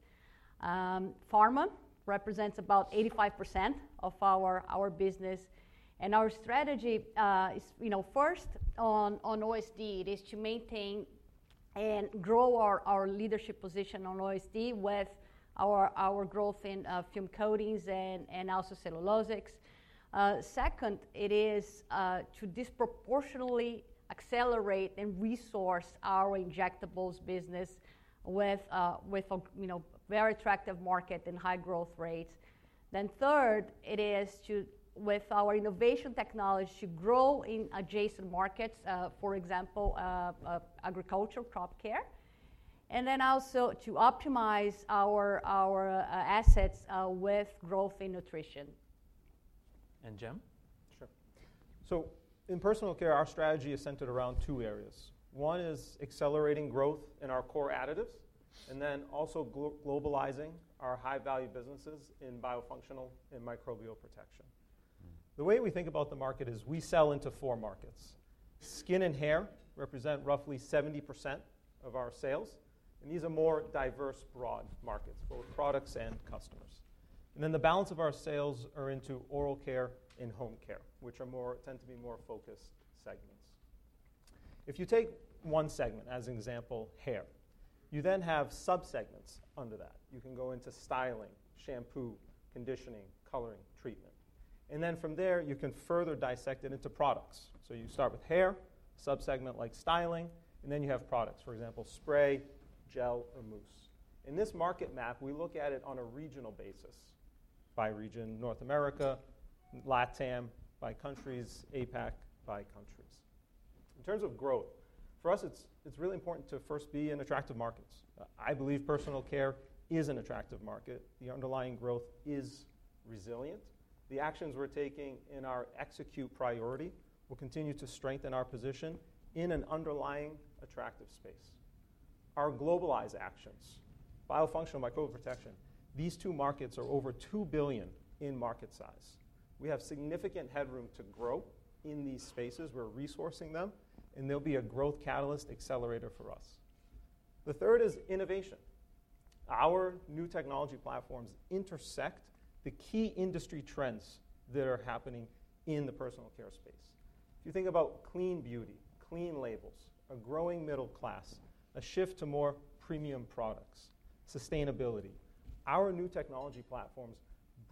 Pharma represents about 85% of our business. And our strategy is first on OSD. It is to maintain and grow our leadership position on OSD with our growth in film coatings and also cellulosics. Second, it is to disproportionately accelerate and resource our injectables business with a very attractive market and high growth rates. Then, third, it is with our innovation technology to grow in adjacent markets, for example, agriculture, crop care, and then also to optimize our assets with growth in nutrition. And, Jim. Sure. So in Personal Care, our strategy is centered around two areas. One is accelerating growth in our core additives and then also globalizing our high-value businesses in Biofunctionals and Microbial Protection. The way we think about the market is we sell into four markets. Skin and hair represent roughly 70% of our sales. And these are more diverse, broad markets for products and customers. And then the balance of our sales are into oral care and home care, which tend to be more focused segments. If you take one segment as an example, hair, you then have subsegments under that. You can go into styling, shampoo, conditioning, coloring, treatment. And then from there, you can further dissect it into products. So you start with hair, subsegment like styling, and then you have products, for example, spray, gel, or mousse. In this market map, we look at it on a regional basis by region, North America, LATAM by countries, APAC by countries. In terms of growth, for us, it's really important to first be in attractive markets. I believe Personal Care is an attractive market. The underlying growth is resilient. The actions we're taking in our execute priority will continue to strengthen our position in an underlying attractive space. Our globalized actions, Biofunctionals and Microbial Protection, these two markets are over $2 billion in market size. We have significant headroom to grow in these spaces. We're resourcing them. And they'll be a growth catalyst accelerator for us. The third is innovation. Our new technology platforms intersect the key industry trends that are happening in the Personal Care space. If you think about clean beauty, clean labels, a growing middle class, a shift to more premium products, sustainability, our new technology platforms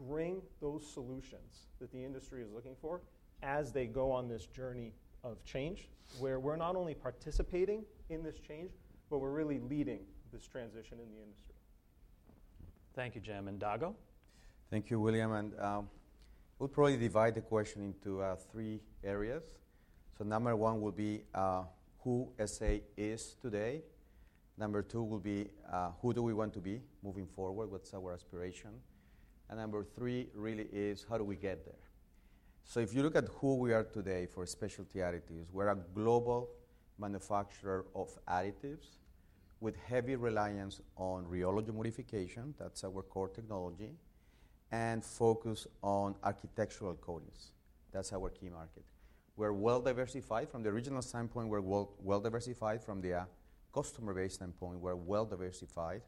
bring those solutions that the industry is looking for as they go on this journey of change where we're not only participating in this change, but we're really leading this transition in the industry. Thank you, Jim. And Dago. Thank you, William. And we'll probably divide the question into three areas. So number one will be who Ashland is today. Number two will be who do we want to be moving forward? What's our aspiration? And number three really is how do we get there? So if you look at who we are Specialty Additives, we're a global manufacturer of additives with heavy reliance on rheology modification. That's our core technology and focus on architectural coatings. That's our key market. We're well diversified from the original standpoint. We're well diversified from the customer-based standpoint. We're well diversified.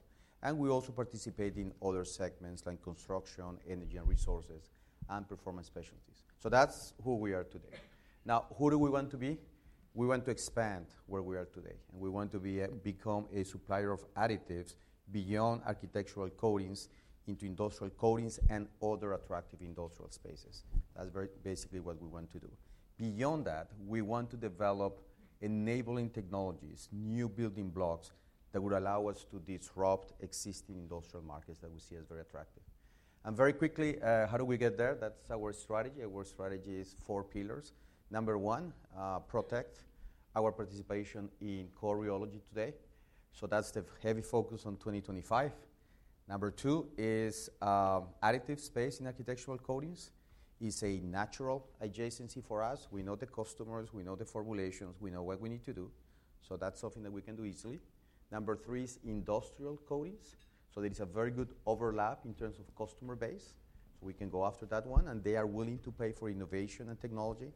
And we also participate in other segments like construction, energy and resources, and performance specialties. So that's who we are today. Now, who do we want to be? We want to expand where we are today. And we want to become a supplier of additives beyond architectural coatings into industrial coatings and other attractive industrial spaces. That's basically what we want to do. Beyond that, we want to develop enabling technologies, new building blocks that would allow us to disrupt existing industrial markets that we see as very attractive. And very quickly, how do we get there? That's our strategy. Our strategy is four pillars. Number one, protect our participation in core rheology today. So that's the heavy focus on 2025. Number two is additive space in architectural coatings is a natural adjacency for us. We know the customers. We know the formulations. We know what we need to do. So that's something that we can do easily. Number three is industrial coatings. So there is a very good overlap in terms of customer base. So we can go after that one. And they are willing to pay for innovation and technology.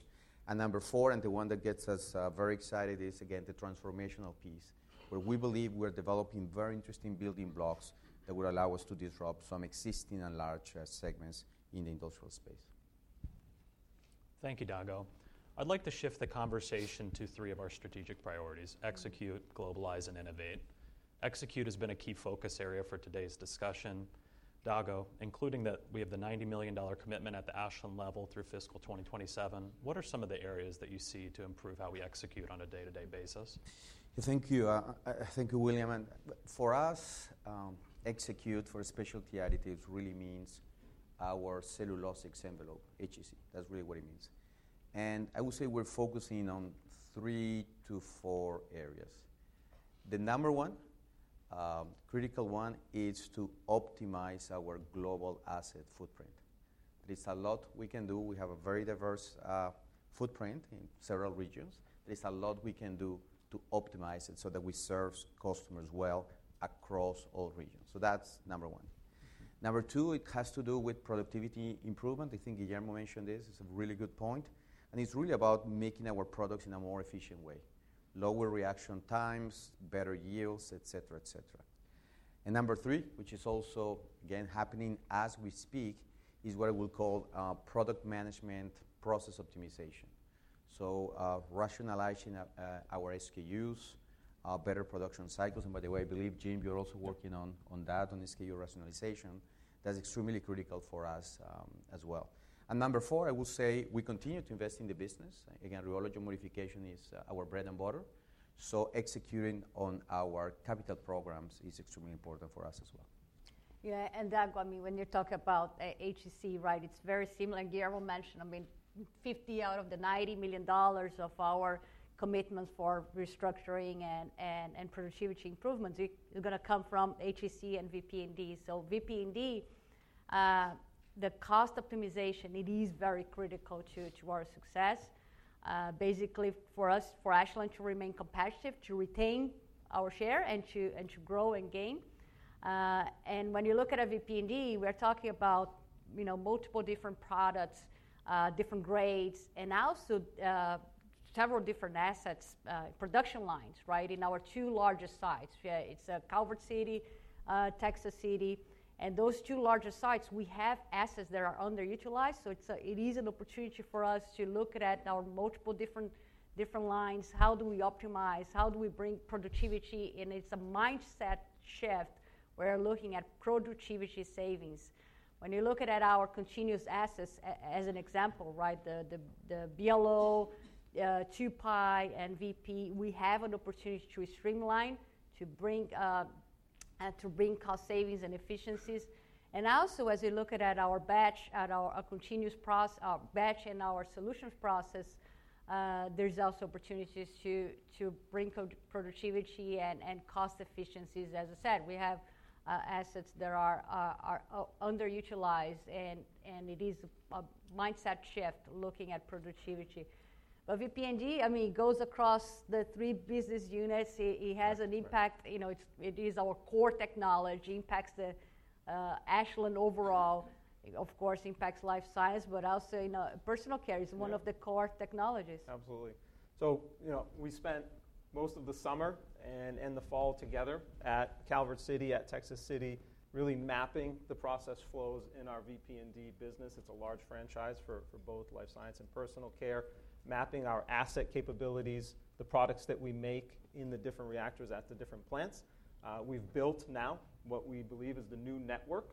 And number four, and the one that gets us very excited, is again the transformational piece where we believe we're developing very interesting building blocks that would allow us to disrupt some existing and large segments in the industrial space. Thank you, Dago. I'd like to shift the conversation to three of our strategic priorities: execute, globalize, and innovate. Execute has been a key focus area for today's discussion. Dago, including that we have the $90 million commitment at the Ashland level through fiscal 2027, what are some of the areas that you see to improve how we execute on a day-to-day basis? Thank you. I thank you, William. For us, Specialty Additives really means our cellulosic envelope, HEC. That's really what it means. I would say we're focusing on three to four areas. The number one, critical one, is to optimize our global asset footprint. There is a lot we can do. We have a very diverse footprint in several regions. There is a lot we can do to optimize it so that we serve customers well across all regions. So that's number one. Number two, it has to do with productivity improvement. I think Guillermo mentioned this. It's a really good point. It's really about making our products in a more efficient way, lower reaction times, better yields, et cetera, et cetera. Number three, which is also, again, happening as we speak, is what I will call product management process optimization. So rationalizing our SKUs, better production cycles. By the way, I believe, Jim, you're also working on that, on SKU rationalization. That's extremely critical for us as well. Number four, I will say we continue to invest in the business. Again, rheology modification is our bread and butter. So executing on our capital programs is extremely important for us as well. Yeah. Dago, I mean, when you talk about HEC, right, it's very similar. Guillermo mentioned, I mean, 50 out of the $90 million of our commitments for restructuring and productivity improvements is going to come from HEC and VP&D. So, VP&D, the cost optimization, it is very critical to our success, basically for us, for Ashland, to remain competitive, to retain our share, and to grow and gain. And when you look at VP&D, we're talking about multiple different products, different grades, and also several different assets, production lines, right, in our two largest sites. It's Calvert City, Texas City. And those two larger sites, we have assets that are underutilized. So it is an opportunity for us to look at our multiple different lines. How do we optimize? How do we bring productivity? And it's a mindset shift where we're looking at productivity savings. When you look at our continuous assets as an example, right, the BLO, 2-Py, and VP, we have an opportunity to streamline, to bring cost savings and efficiencies. And also, as we look at our batch, our continuous batch and our solutions process, there's also opportunities to bring productivity and cost efficiencies. As I said, we have assets that are underutilized. And it is a mindset shift looking at productivity. But VP&D, I mean, it goes across the three business units. It has an impact. It is our core technology. It impacts the Ashland overall. Of course, it impacts Life Sciences. But also, Personal Care is one of the core technologies. Absolutely. So we spent most of the summer and the fall together at Calvert City, at Texas City, really mapping the process flows in our VP&D business. It's a large franchise for both Life Sciences and personal care, mapping our asset capabilities, the products that we make in the different reactors at the different plants. We've built now what we believe is the new network.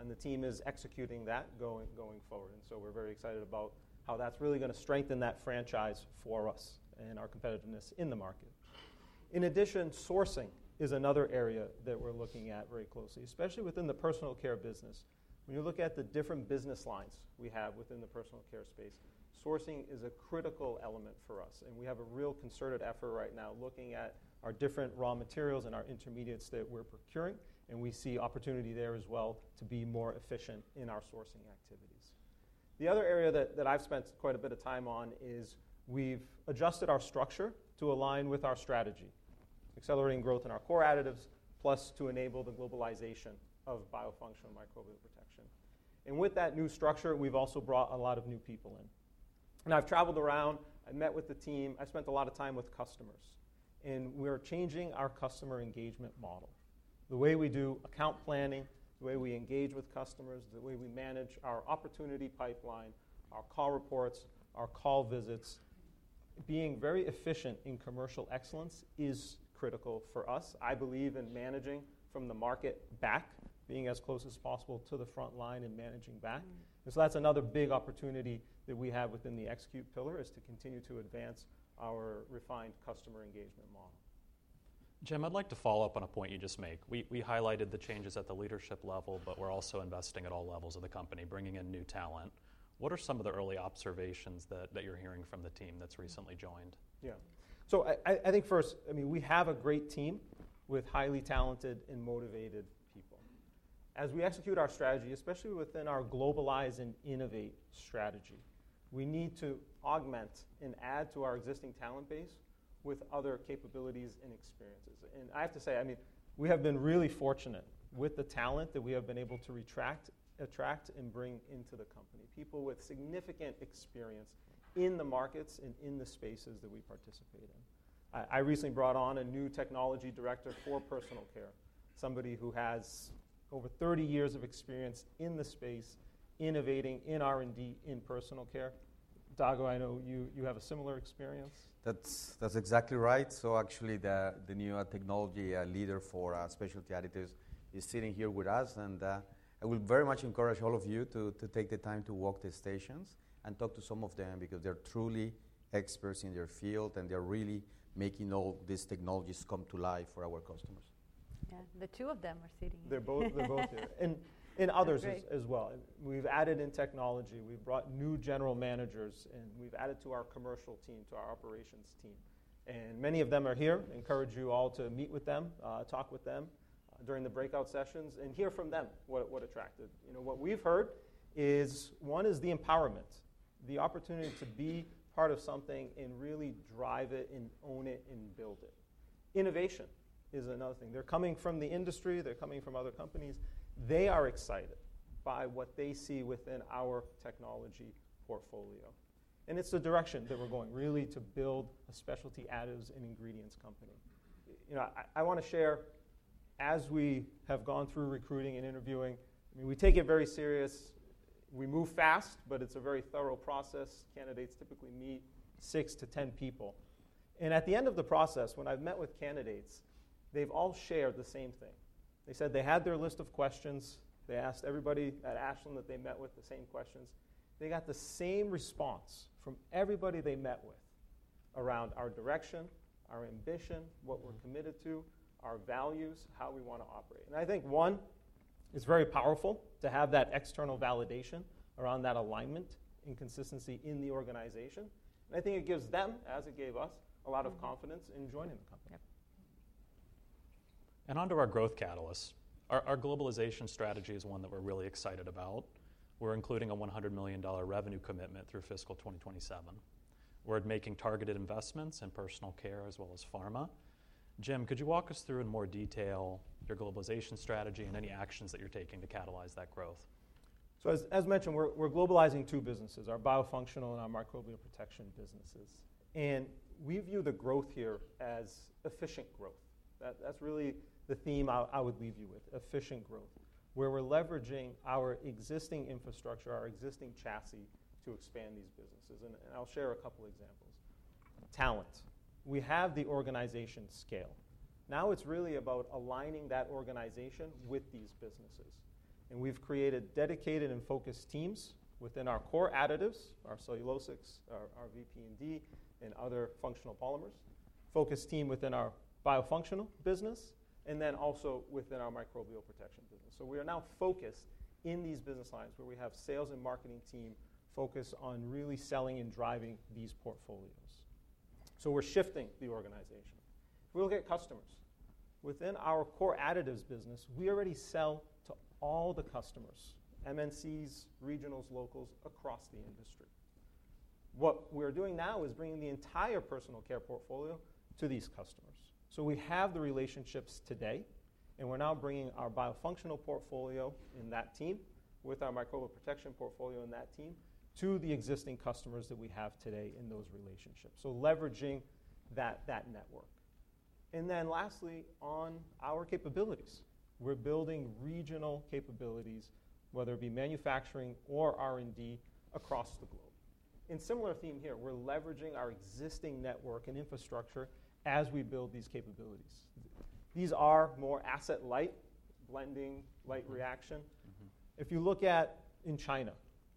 And the team is executing that going forward. And so we're very excited about how that's really going to strengthen that franchise for us and our competitiveness in the market. In addition, sourcing is another area that we're looking at very closely, especially within the Personal Care business. When you look at the different business lines we have within the Personal Care space, sourcing is a critical element for us. And we have a real concerted effort right now looking at our different raw materials and our intermediates that we're procuring. And we see opportunity there as well to be more efficient in our sourcing activities. The other area that I've spent quite a bit of time on is we've adjusted our structure to align with our strategy, accelerating growth in our core additives, plus to enable the globalization of Biofunctionals and Microbial Protection. And with that new structure, we've also brought a lot of new people in. And I've traveled around. I met with the team. I spent a lot of time with customers. And we're changing our customer engagement model. The way we do account planning, the way we engage with customers, the way we manage our opportunity pipeline, our call reports, our call visits, being very efficient in commercial excellence is critical for us. I believe in managing from the market back, being as close as possible to the front line and managing back. And so that's another big opportunity that we have within the execute pillar is to continue to advance our refined customer engagement model. Jim, I'd like to follow up on a point you just made. We highlighted the changes at the leadership level, but we're also investing at all levels of the company, bringing in new talent. What are some of the early observations that you're hearing from the team that's recently joined? Yeah. So I think first, I mean, we have a great team with highly talented and motivated people. As we execute our strategy, especially within our globalize and innovate strategy, we need to augment and add to our existing talent base with other capabilities and experiences. And I have to say, I mean, we have been really fortunate with the talent that we have been able to attract and bring into the company, people with significant experience in the markets and in the spaces that we participate in. I recently brought on a new technology director for Personal Care, somebody who has over 30 years of experience in the space, innovating in R&D in Personal Care. Dago, I know you have a similar experience. That's exactly right. So actually, the new technology Specialty Additives is sitting here with us. And I would very much encourage all of you to take the time to walk the stations and talk to some of them because they're truly experts in their field, and they're really making all these technologies come to life for our customers. Yeah. The two of them are sitting here. They're both here. And others as well. We've added in technology. We've brought new general managers, and we've added to our commercial team, to our operations team. And many of them are here. Encourage you all to meet with them, talk with them during the breakout sessions, and hear from them what attracted. What we've heard is one is the empowerment, the opportunity to be part of something and really drive it and own it and build it. Innovation is another thing. They're coming from the industry. They're coming from other companies. They are excited by what they see within our technology portfolio, and it's the direction that we're going, really, to Specialty Additives and ingredients company. I want to share, as we have gone through recruiting and interviewing, I mean, we take it very serious. We move fast, but it's a very thorough process. Candidates typically meet six to 10 people, and at the end of the process, when I've met with candidates, they've all shared the same thing. They said they had their list of questions. They asked everybody at Ashland that they met with the same questions. They got the same response from everybody they met with around our direction, our ambition, what we're committed to, our values, how we want to operate. I think, one, it's very powerful to have that external validation around that alignment and consistency in the organization. I think it gives them, as it gave us, a lot of confidence in joining the company. Under our growth catalysts, our globalization strategy is one that we're really excited about. We're including a $100 million revenue commitment through fiscal 2027. We're making targeted investments in Personal Care as well as pharma. Jim, could you walk us through in more detail your globalization strategy and any actions that you're taking to catalyze that growth? As mentioned, we're globalizing two businesses, our Biofunctionals and our Microbial Protection businesses. We view the growth here as efficient growth. That's really the theme I would leave you with, efficient growth, where we're leveraging our existing infrastructure, our existing chassis to expand these businesses. I'll share a couple of examples. Talent. We have the organizational scale. Now it's really about aligning that organization with these businesses, and we've created dedicated and focused teams within our core additives, our cellulosics, our VP&D, and other functional polymers, focused team within our Biofunctionals business, and then also within our Microbial Protection business, so we are now focused in these business lines where we have sales and marketing team focused on really selling and driving these portfolios, so we're shifting the organization. We look at customers. Within our core additives business, we already sell to all the customers, MNCs, regionals, locals across the industry. What we're doing now is bringing the entire Personal Care portfolio to these customers. So we have the relationships today, and we're now bringing our Biofunctionals portfolio in that team with our Microbial Protection portfolio in that team to the existing customers that we have today in those relationships, so leveraging that network. And then lastly, on our capabilities, we're building regional capabilities, whether it be manufacturing or R&D across the globe. In similar theme here, we're leveraging our existing network and infrastructure as we build these capabilities. These are more asset-light, blending, light reaction. If you look at in China,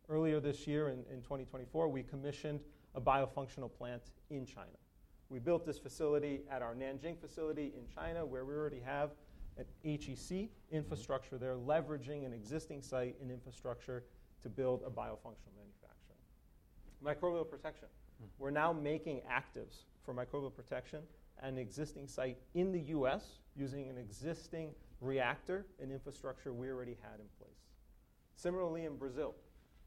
earlier this year in 2024, we commissioned a Biofunctionals plant in China. We built this facility at our Nanjing facility in China where we already have an HEC infrastructure there, leveraging an existing site and infrastructure to build a Biofunctionals manufacturer. Microbial Protection. We're now making actives for Microbial Protection at an existing site in the U.S. using an existing reactor and infrastructure we already had in place. Similarly, in Brazil,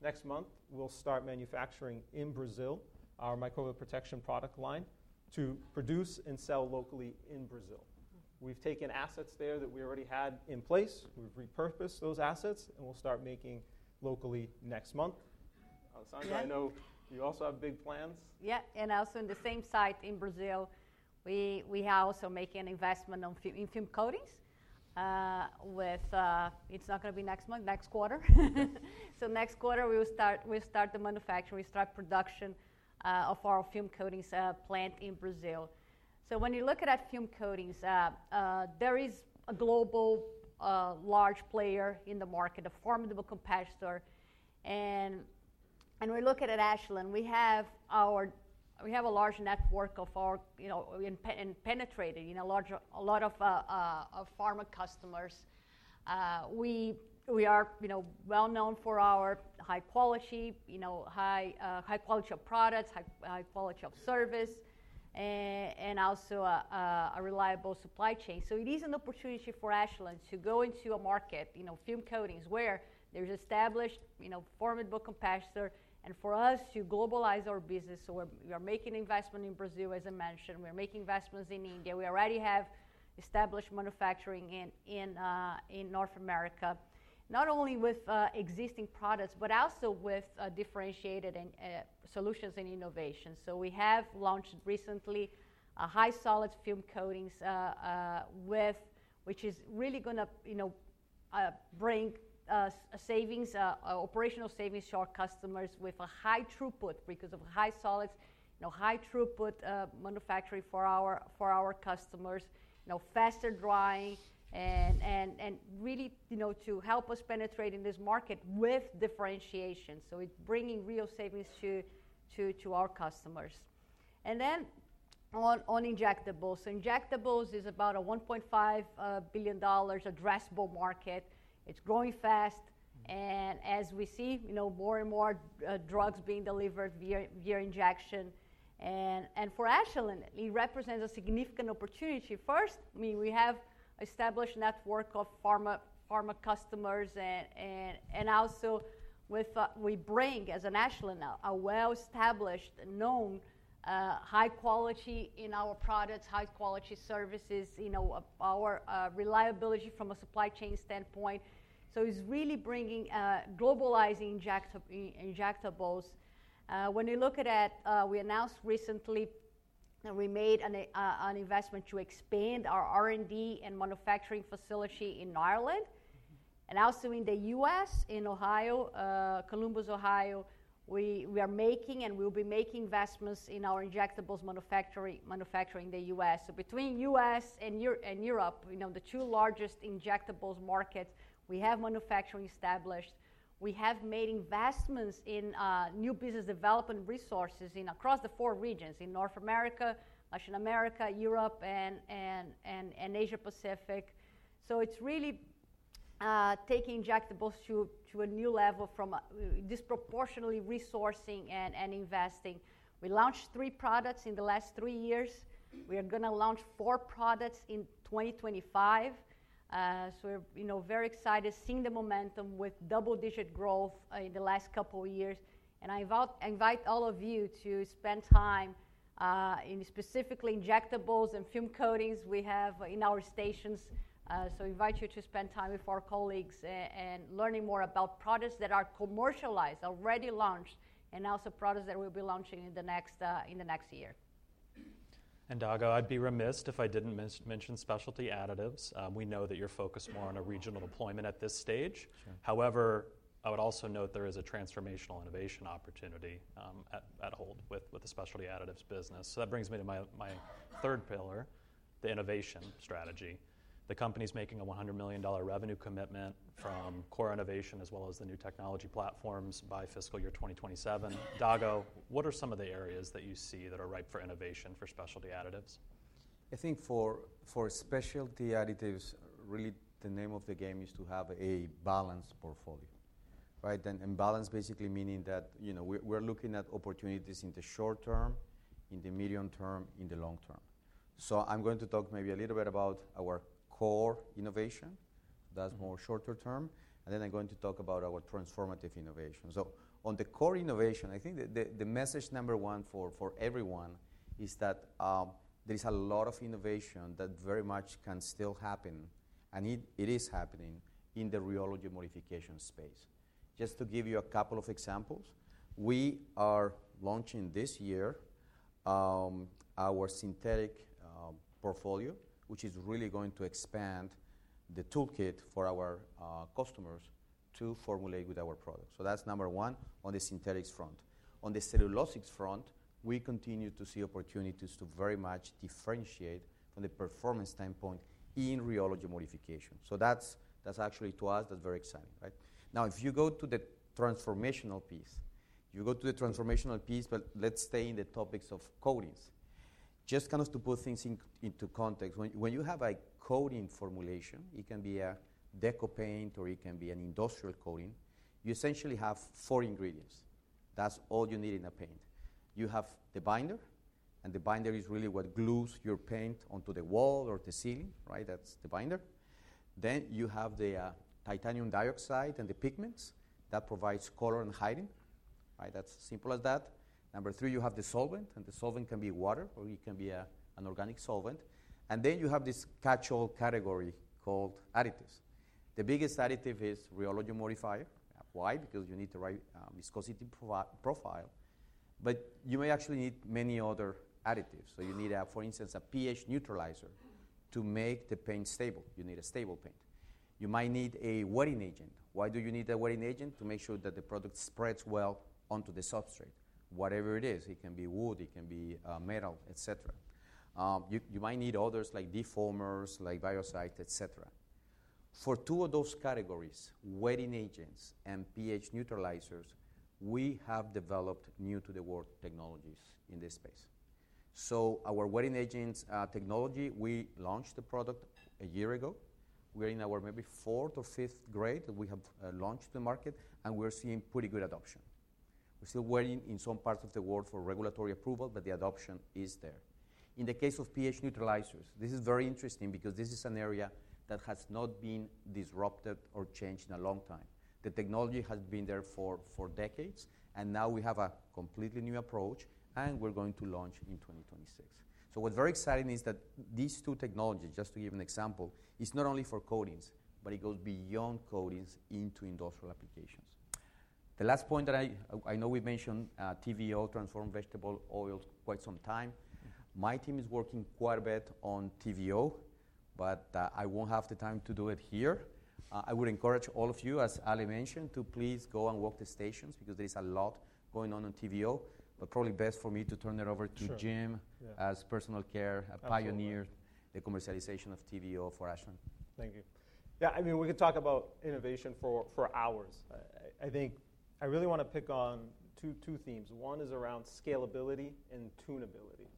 next month, we'll start manufacturing in Brazil our Microbial Protection product line to produce and sell locally in Brazil. We've taken assets there that we already had in place. We've repurposed those assets, and we'll start making locally next month. Alessandra, I know you also have big plans. Yeah. And also in the same site in Brazil, we are also making an investment in film coatings. It's not going to be next month, next quarter. So next quarter, we'll start the manufacturing. We'll start production of our film coatings plant in Brazil. So when you look at film coatings, there is a global large player in the market, a formidable competitor. When we look at Ashland, we have a large network of ours and have penetrated a lot of pharma customers. We are well-known for our high quality of products, high quality of service, and also a reliable supply chain. It is an opportunity for Ashland to go into a market, film coatings, where there's an established formidable competitor. For us to globalize our business, we are making an investment in Brazil, as I mentioned. We are making investments in India. We already have established manufacturing in North America, not only with existing products, but also with differentiated solutions and innovations. We have launched recently high-solids film coatings, which is really going to bring operational savings to our customers with high throughput because of high solids, high throughput manufacturing for our customers, faster drying, and really to help us penetrate in this market with differentiation. So it's bringing real savings to our customers. And then on injectables. Injectables is about a $1.5 billion addressable market. It's growing fast. And as we see more and more drugs being delivered via injection. And for Ashland, it represents a significant opportunity. First, I mean, we have an established network of pharma customers. And also, we bring, as an Ashland, a well-established, known high quality in our products, high quality services, our reliability from a supply chain standpoint. So it's really bringing globalizing injectables. When you look at it, we announced recently that we made an investment to expand our R&D and manufacturing facility in Ireland and also in the U.S., in Ohio, Columbus, Ohio. We are making and we'll be making investments in our injectables manufacturing in the U.S. So between U.S. and Europe, the two largest injectables markets, we have manufacturing established. We have made investments in new business development resources across the four regions in North America, Latin America, Europe, and Asia-Pacific. So it's really taking injectables to a new level from disproportionately resourcing and investing. We launched three products in the last three years. We are going to launch four products in 2025. So we're very excited seeing the momentum with double-digit growth in the last couple of years. And I invite all of you to spend time in specifically injectables and film coatings we have in our stations. So I invite you to spend time with our colleagues and learning more about products that are commercialized, already launched, and also products that we'll be launching in the next year. And Dago, I'd be remiss if I didn't mention Specialty Additives. we know that you're focused more on a regional deployment at this stage. However, I would also note there is a transformational innovation opportunity afoot Specialty Additives business. so that brings me to my third pillar, the innovation strategy. The company's making a $100 million revenue commitment from core innovation as well as the new technology platforms by fiscal year 2027. Dago, what are some of the areas that you see that are ripe for innovation for Specialty Additives? I think for Specialty Additives, really the name of the game is to have a balanced portfolio, right? And balanced basically meaning that we're looking at opportunities in the short term, in the medium term, in the long term. So I'm going to talk maybe a little bit about our core innovation. That's more shorter term. And then I'm going to talk about our transformative innovation. So on the core innovation, I think the message number one for everyone is that there is a lot of innovation that very much can still happen, and it is happening in the rheology modification space. Just to give you a couple of examples, we are launching this year our synthetic portfolio, which is really going to expand the toolkit for our customers to formulate with our products. So that's number one on the synthetics front. On the cellulosics front, we continue to see opportunities to very much differentiate from the performance standpoint in rheology modification. So that's actually to us, that's very exciting, right? Now, if you go to the transformational piece, you go to the transformational piece, but let's stay in the topics of coatings. Just kind of to put things into context, when you have a coating formulation, it can be a deco paint or it can be an industrial coating, you essentially have four ingredients. That's all you need in a paint. You have the binder, and the binder is really what glues your paint onto the wall or the ceiling, right? That's the binder. Then you have the titanium dioxide and the pigments that provide color and hiding, right? That's as simple as that. Number three, you have the solvent, and the solvent can be water or it can be an organic solvent. And then you have this catch-all category called additives. The biggest additive is rheology modifier. Why? Because you need the right viscosity profile. But you may actually need many other additives. So you need, for instance, a pH neutralizer to make the paint stable. You need a stable paint. You might need a wetting agent. Why do you need a wetting agent? To make sure that the product spreads well onto the substrate. Whatever it is, it can be wood, it can be metal, etc. You might need others like defoamers, like biocides, etc. For two of those categories, wetting agents and pH neutralizers, we have developed new-to-the-world technologies in this space. So our wetting agents technology, we launched the product a year ago. We are in our maybe fourth or fifth grade that we have launched to the market, and we're seeing pretty good adoption. We're still waiting in some parts of the world for regulatory approval, but the adoption is there. In the case of pH neutralizers, this is very interesting because this is an area that has not been disrupted or changed in a long time. The technology has been there for decades, and now we have a completely new approach, and we're going to launch in 2026. So what's very exciting is that these two technologies, just to give an example, it's not only for coatings, but it goes beyond coatings into industrial applications. The last point that I know we've mentioned TVO, Transformed Vegetable Oil, quite some time. My team is working quite a bit on TVO, but I won't have the time to do it here. I would encourage all of you, as Ali mentioned, to please go and walk the stations because there is a lot going on in TVO, but probably best for me to turn it over to Jim as Personal Care pioneer, the commercialization of TVO for Ashland. Thank you. Yeah, I mean, we could talk about innovation for hours. I think I really want to pick on two themes. One is around scalability and tunability.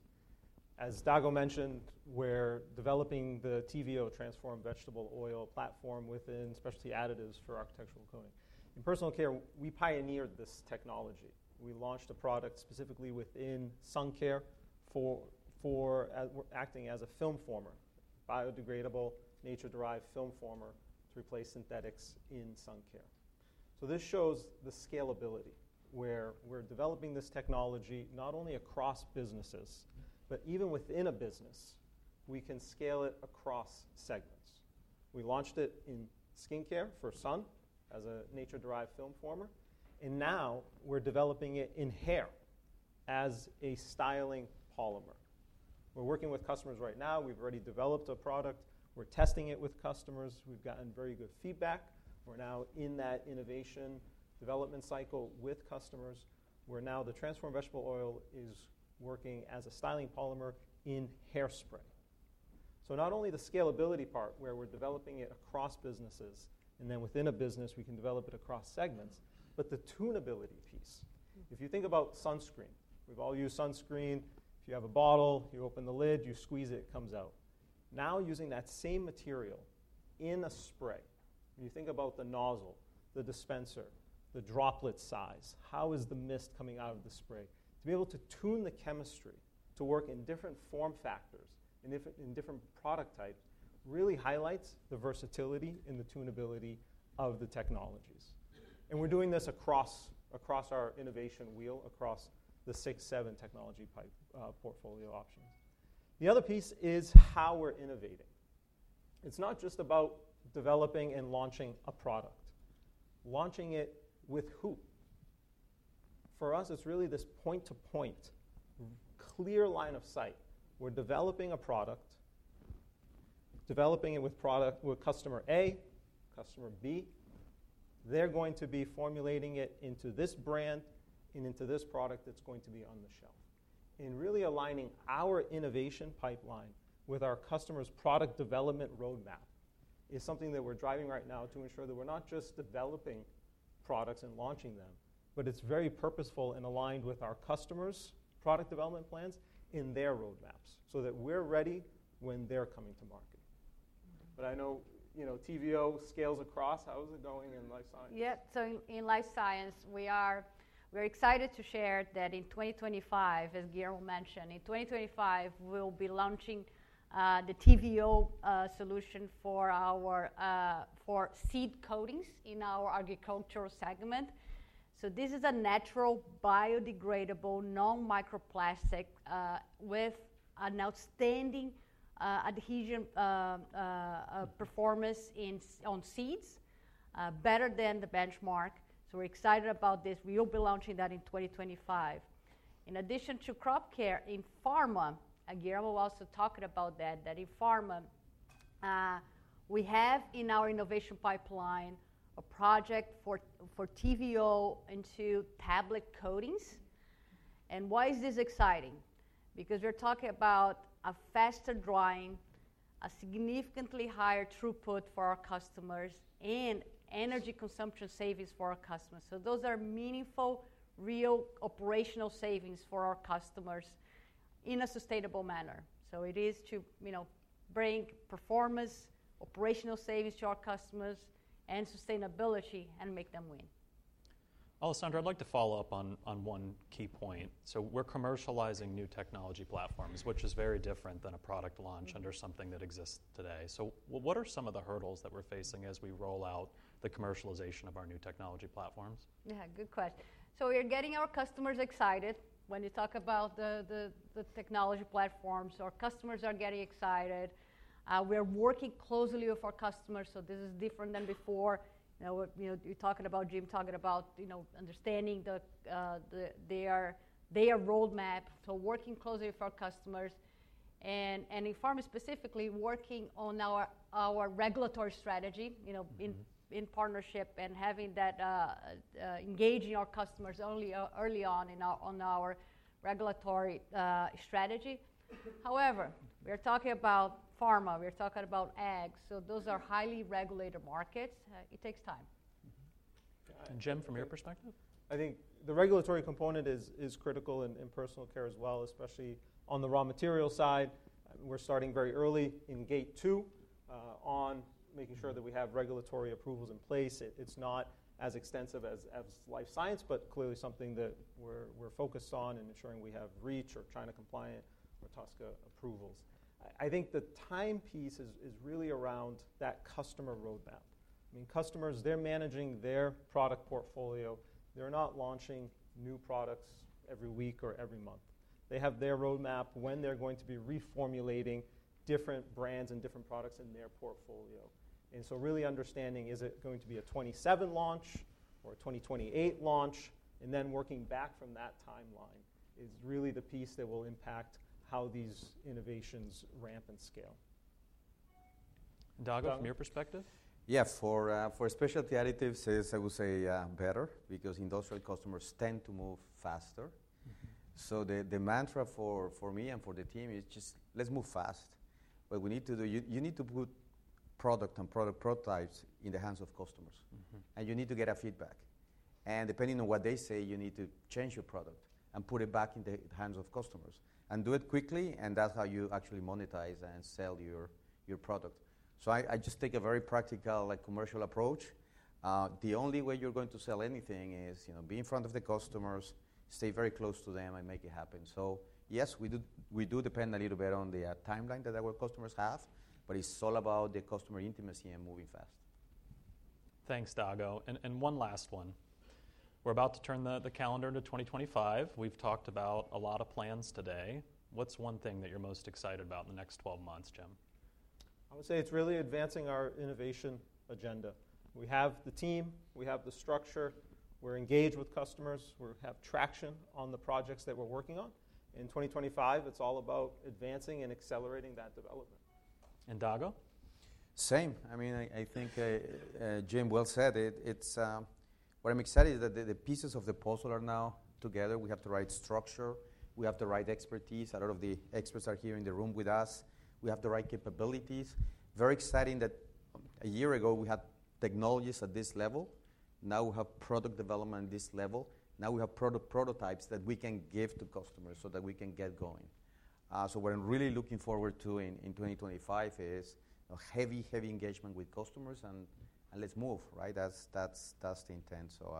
As Dago mentioned, we're developing the TVO, Transformed Vegetable Oil Specialty Additives for architectural coating. In Personal Care, we pioneered this technology. We launched a product specifically within sun care for acting as a film former, biodegradable, nature-derived film former to replace synthetics in sun care. So this shows the scalability where we're developing this technology not only across businesses, but even within a business, we can scale it across segments. We launched it in skincare for sun as a nature-derived film former, and now we're developing it in hair as a styling polymer. We're working with customers right now. We've already developed a product. We're testing it with customers. We've gotten very good feedback. We're now in that innovation development cycle with customers. We're now [using] the Transformed Vegetable Oil is working as a styling polymer in hairspray. So not only the scalability part where we're developing it across businesses and then within a business, we can develop it across segments, but the tunability piece. If you think about sunscreen, we've all used sunscreen. If you have a bottle, you open the lid, you squeeze it, it comes out. Now using that same material in a spray, when you think about the nozzle, the dispenser, the droplet size, how is the mist coming out of the spray? To be able to tune the chemistry to work in different form factors and different product types really highlights the versatility and the tunability of the technologies. We're doing this across our innovation wheel, across the six, seven technology portfolio options. The other piece is how we're innovating. It's not just about developing and launching a product. Launching it with who? For us, it's really this point-to-point, clear line of sight. We're developing a product, developing it with customer A, customer B. They're going to be formulating it into this brand and into this product that's going to be on the shelf, and really aligning our innovation pipeline with our customer's product development roadmap is something that we're driving right now to ensure that we're not just developing products and launching them, but it's very purposeful and aligned with our customers' product development plans in their roadmaps so that we're ready when they're coming to market. But I know TVO scales across. How is it going Life Sciences? yeah. Life Sciences, we are very excited to share that in 2025, as Guillermo mentioned, in 2025, we'll be launching the TVO solution for seed coatings in our agricultural segment. This is a natural biodegradable, non-microplastic with an outstanding adhesion performance on seeds, better than the benchmark. We're excited about this. We will be launching that in 2025. In addition to crop care in pharma, Guillermo was also talking about that, that in pharma, we have in our innovation pipeline a project for TVO into tablet coatings. Why is this exciting? Because we're talking about a faster drying, a significantly higher throughput for our customers, and energy consumption savings for our customers. Those are meaningful, real operational savings for our customers in a sustainable manner. It is to bring performance, operational savings to our customers, and sustainability and make them win. Alessandra, I'd like to follow up on one key point. So we're commercializing new technology platforms, which is very different than a product launch under something that exists today. So what are some of the hurdles that we're facing as we roll out the commercialization of our new technology platforms? Yeah, good question. So we are getting our customers excited when you talk about the technology platforms. Our customers are getting excited. We are working closely with our customers. So this is different than before. You're talking about Jim talking about understanding their roadmap. So working closely with our customers. And in pharma specifically, working on our regulatory strategy in partnership and having that engaging our customers early on in our regulatory strategy. However, we're talking about pharma. We're talking about ag. So those are highly regulated markets. It takes time. And Jim, from your perspective? I think the regulatory component is critical in Personal Care as well, especially on the raw material side. We're starting very early in Gate 2 on making sure that we have regulatory approvals in place. It's not as extensive Life Sciences, but clearly something that we're focused on in ensuring we have REACH or China compliant or TSCA approvals. I think the time piece is really around that customer roadmap. I mean, customers, they're managing their product portfolio. They're not launching new products every week or every month. They have their roadmap when they're going to be reformulating different brands and different products in their portfolio. And so really understanding, is it going to be a 2027 launch or a 2028 launch? And then working back from that timeline is really the piece that will impact how these innovations ramp and scale. And Dago, from your perspective? Specialty Additives, i would say better because industrial customers tend to move faster. So the mantra for me and for the team is just, let's move fast. What we need to do, you need to put product and product prototypes in the hands of customers, and you need to get feedback. And depending on what they say, you need to change your product and put it back in the hands of customers and do it quickly, and that's how you actually monetize and sell your product. So I just take a very practical commercial approach. The only way you're going to sell anything is be in front of the customers, stay very close to them, and make it happen. So yes, we do depend a little bit on the timeline that our customers have, but it's all about the customer intimacy and moving fast. Thanks, Dago. And one last one. We're about to turn the calendar into 2025. We've talked about a lot of plans today. What's one thing that you're most excited about in the next 12 months, Jim? I would say it's really advancing our innovation agenda. We have the team, we have the structure, we're engaged with customers, we have traction on the projects that we're working on. In 2025, it's all about advancing and accelerating that development. And Dago? Same. I mean, I think Jim well said it. What I'm excited is that the pieces of the puzzle are now together. We have the right structure, we have the right expertise. A lot of the experts are here in the room with us. We have the right capabilities. Very exciting that a year ago we had technologies at this level. Now we have product development at this level. Now we have product prototypes that we can give to customers so that we can get going. So what I'm really looking forward to in 2025 is heavy, heavy engagement with customers and let's move, right? That's the intent. So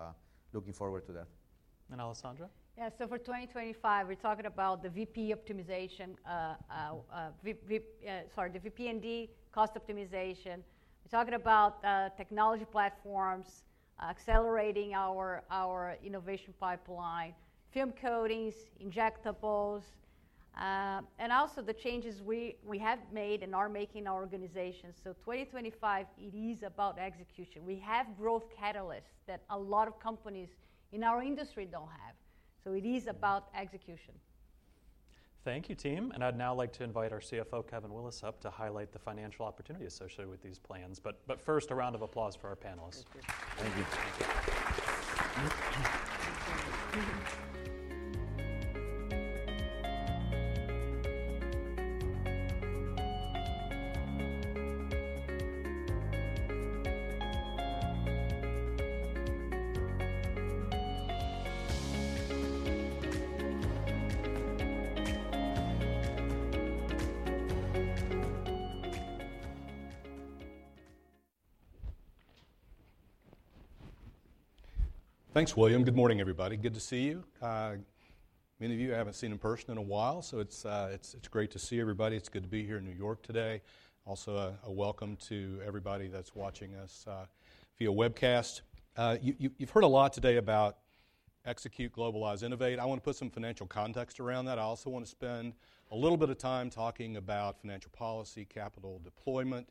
looking forward to that. And Alessandra? Yeah. So for 2025, we're talking about the VP&D optimization, sorry, the VP&D cost optimization. We're talking about technology platforms, accelerating our innovation pipeline, film coatings, injectables, and also the changes we have made and are making in our organization. So 2025, it is about execution. We have growth catalysts that a lot of companies in our industry don't have. So it is about execution. Thank you, team. And I'd now like to invite our CFO, Kevin Willis, up to highlight the financial opportunity associated with these plans. But first, a round of applause for our panelists. Thank you. Thank you. Thanks, William. Good morning, everybody. Good to see you. Many of you I haven't seen in person in a while, so it's great to see everybody. It's good to be here in New York today. Also, a welcome to everybody that's watching us via webcast. You've heard a lot today about execute, globalize, innovate. I want to put some financial context around that. I also want to spend a little bit of time talking about financial policy, capital deployment,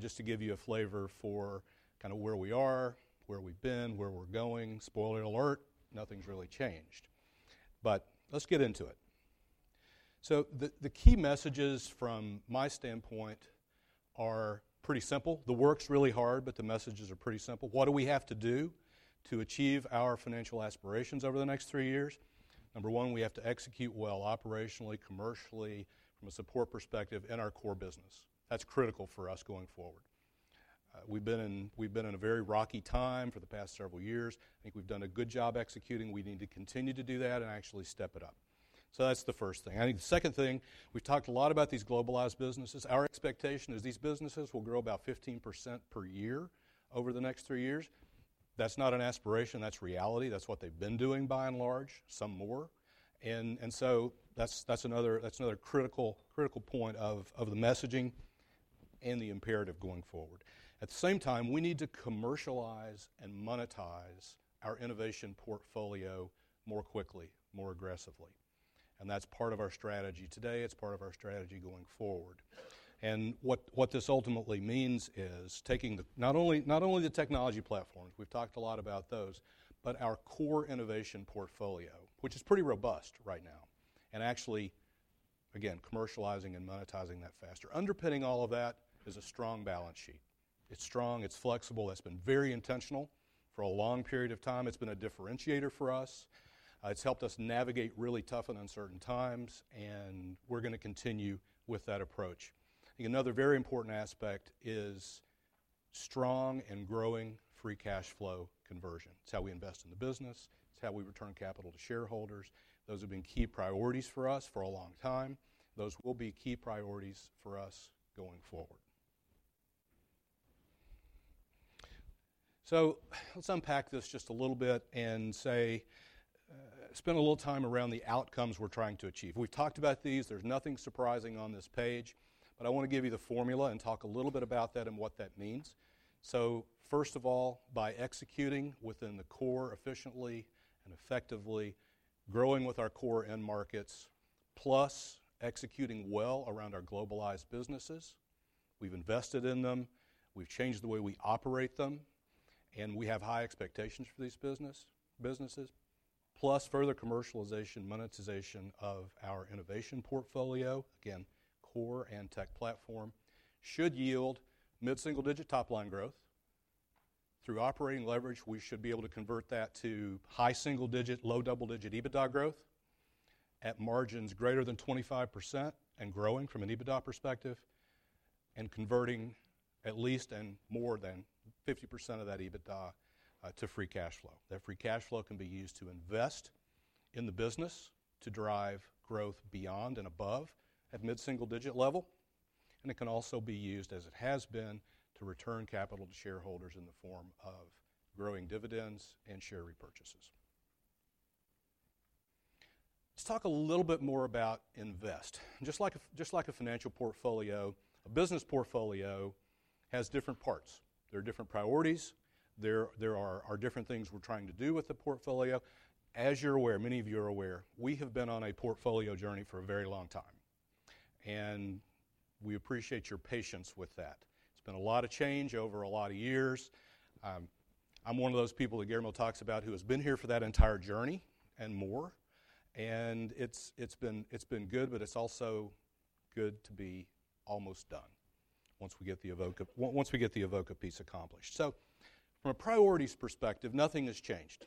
just to give you a flavor for kind of where we are, where we've been, where we're going. Spoiler alert, nothing's really changed. But let's get into it. So the key messages from my standpoint are pretty simple. The work's really hard, but the messages are pretty simple. What do we have to do to achieve our financial aspirations over the next three years? Number one, we have to execute well operationally, commercially, from a support perspective in our core business. That's critical for us going forward. We've been in a very rocky time for the past several years. I think we've done a good job executing. We need to continue to do that and actually step it up. So that's the first thing. I think the second thing, we've talked a lot about these globalized businesses. Our expectation is these businesses will grow about 15% per year over the next three years. That's not an aspiration. That's reality. That's what they've been doing by and large, some more. And so that's another critical point of the messaging and the imperative going forward. At the same time, we need to commercialize and monetize our innovation portfolio more quickly, more aggressively. And that's part of our strategy today. It's part of our strategy going forward. And what this ultimately means is taking not only the technology platforms, we've talked a lot about those, but our core innovation portfolio, which is pretty robust right now, and actually, again, commercializing and monetizing that faster. Underpinning all of that is a strong balance sheet. It's strong, it's flexible. That's been very intentional for a long period of time. It's been a differentiator for us. It's helped us navigate really tough and uncertain times, and we're going to continue with that approach. I think another very important aspect is strong and growing free cash flow conversion. It's how we invest in the business. It's how we return capital to shareholders. Those have been key priorities for us for a long time. Those will be key priorities for us going forward. So let's unpack this just a little bit and say, spend a little time around the outcomes we're trying to achieve. We've talked about these. There's nothing surprising on this page, but I want to give you the formula and talk a little bit about that and what that means. So first of all, by executing within the core efficiently and effectively, growing with our core end markets, plus executing well around our globalized businesses, we've invested in them, we've changed the way we operate them, and we have high expectations for these businesses, plus further commercialization, monetization of our innovation portfolio, again, core and tech platform, should yield mid-single-digit top-line growth. Through operating leverage, we should be able to convert that to high single-digit, low double-digit EBITDA growth at margins greater than 25% and growing from an EBITDA perspective and converting at least and more than 50% of that EBITDA to free cash flow. That free cash flow can be used to invest in the business, to drive growth beyond and above at mid-single-digit level, and it can also be used, as it has been, to return capital to shareholders in the form of growing dividends and share repurchases. Let's talk a little bit more about invest. Just like a financial portfolio, a business portfolio has different parts. There are different priorities. There are different things we're trying to do with the portfolio. As you're aware, many of you are aware, we have been on a portfolio journey for a very long time, and we appreciate your patience with that. It's been a lot of change over a lot of years. I'm one of those people that Guillermo talks about who has been here for that entire journey and more. And it's been good, but it's also good to be almost done once we get the Avoca piece accomplished. So from a priorities perspective, nothing has changed.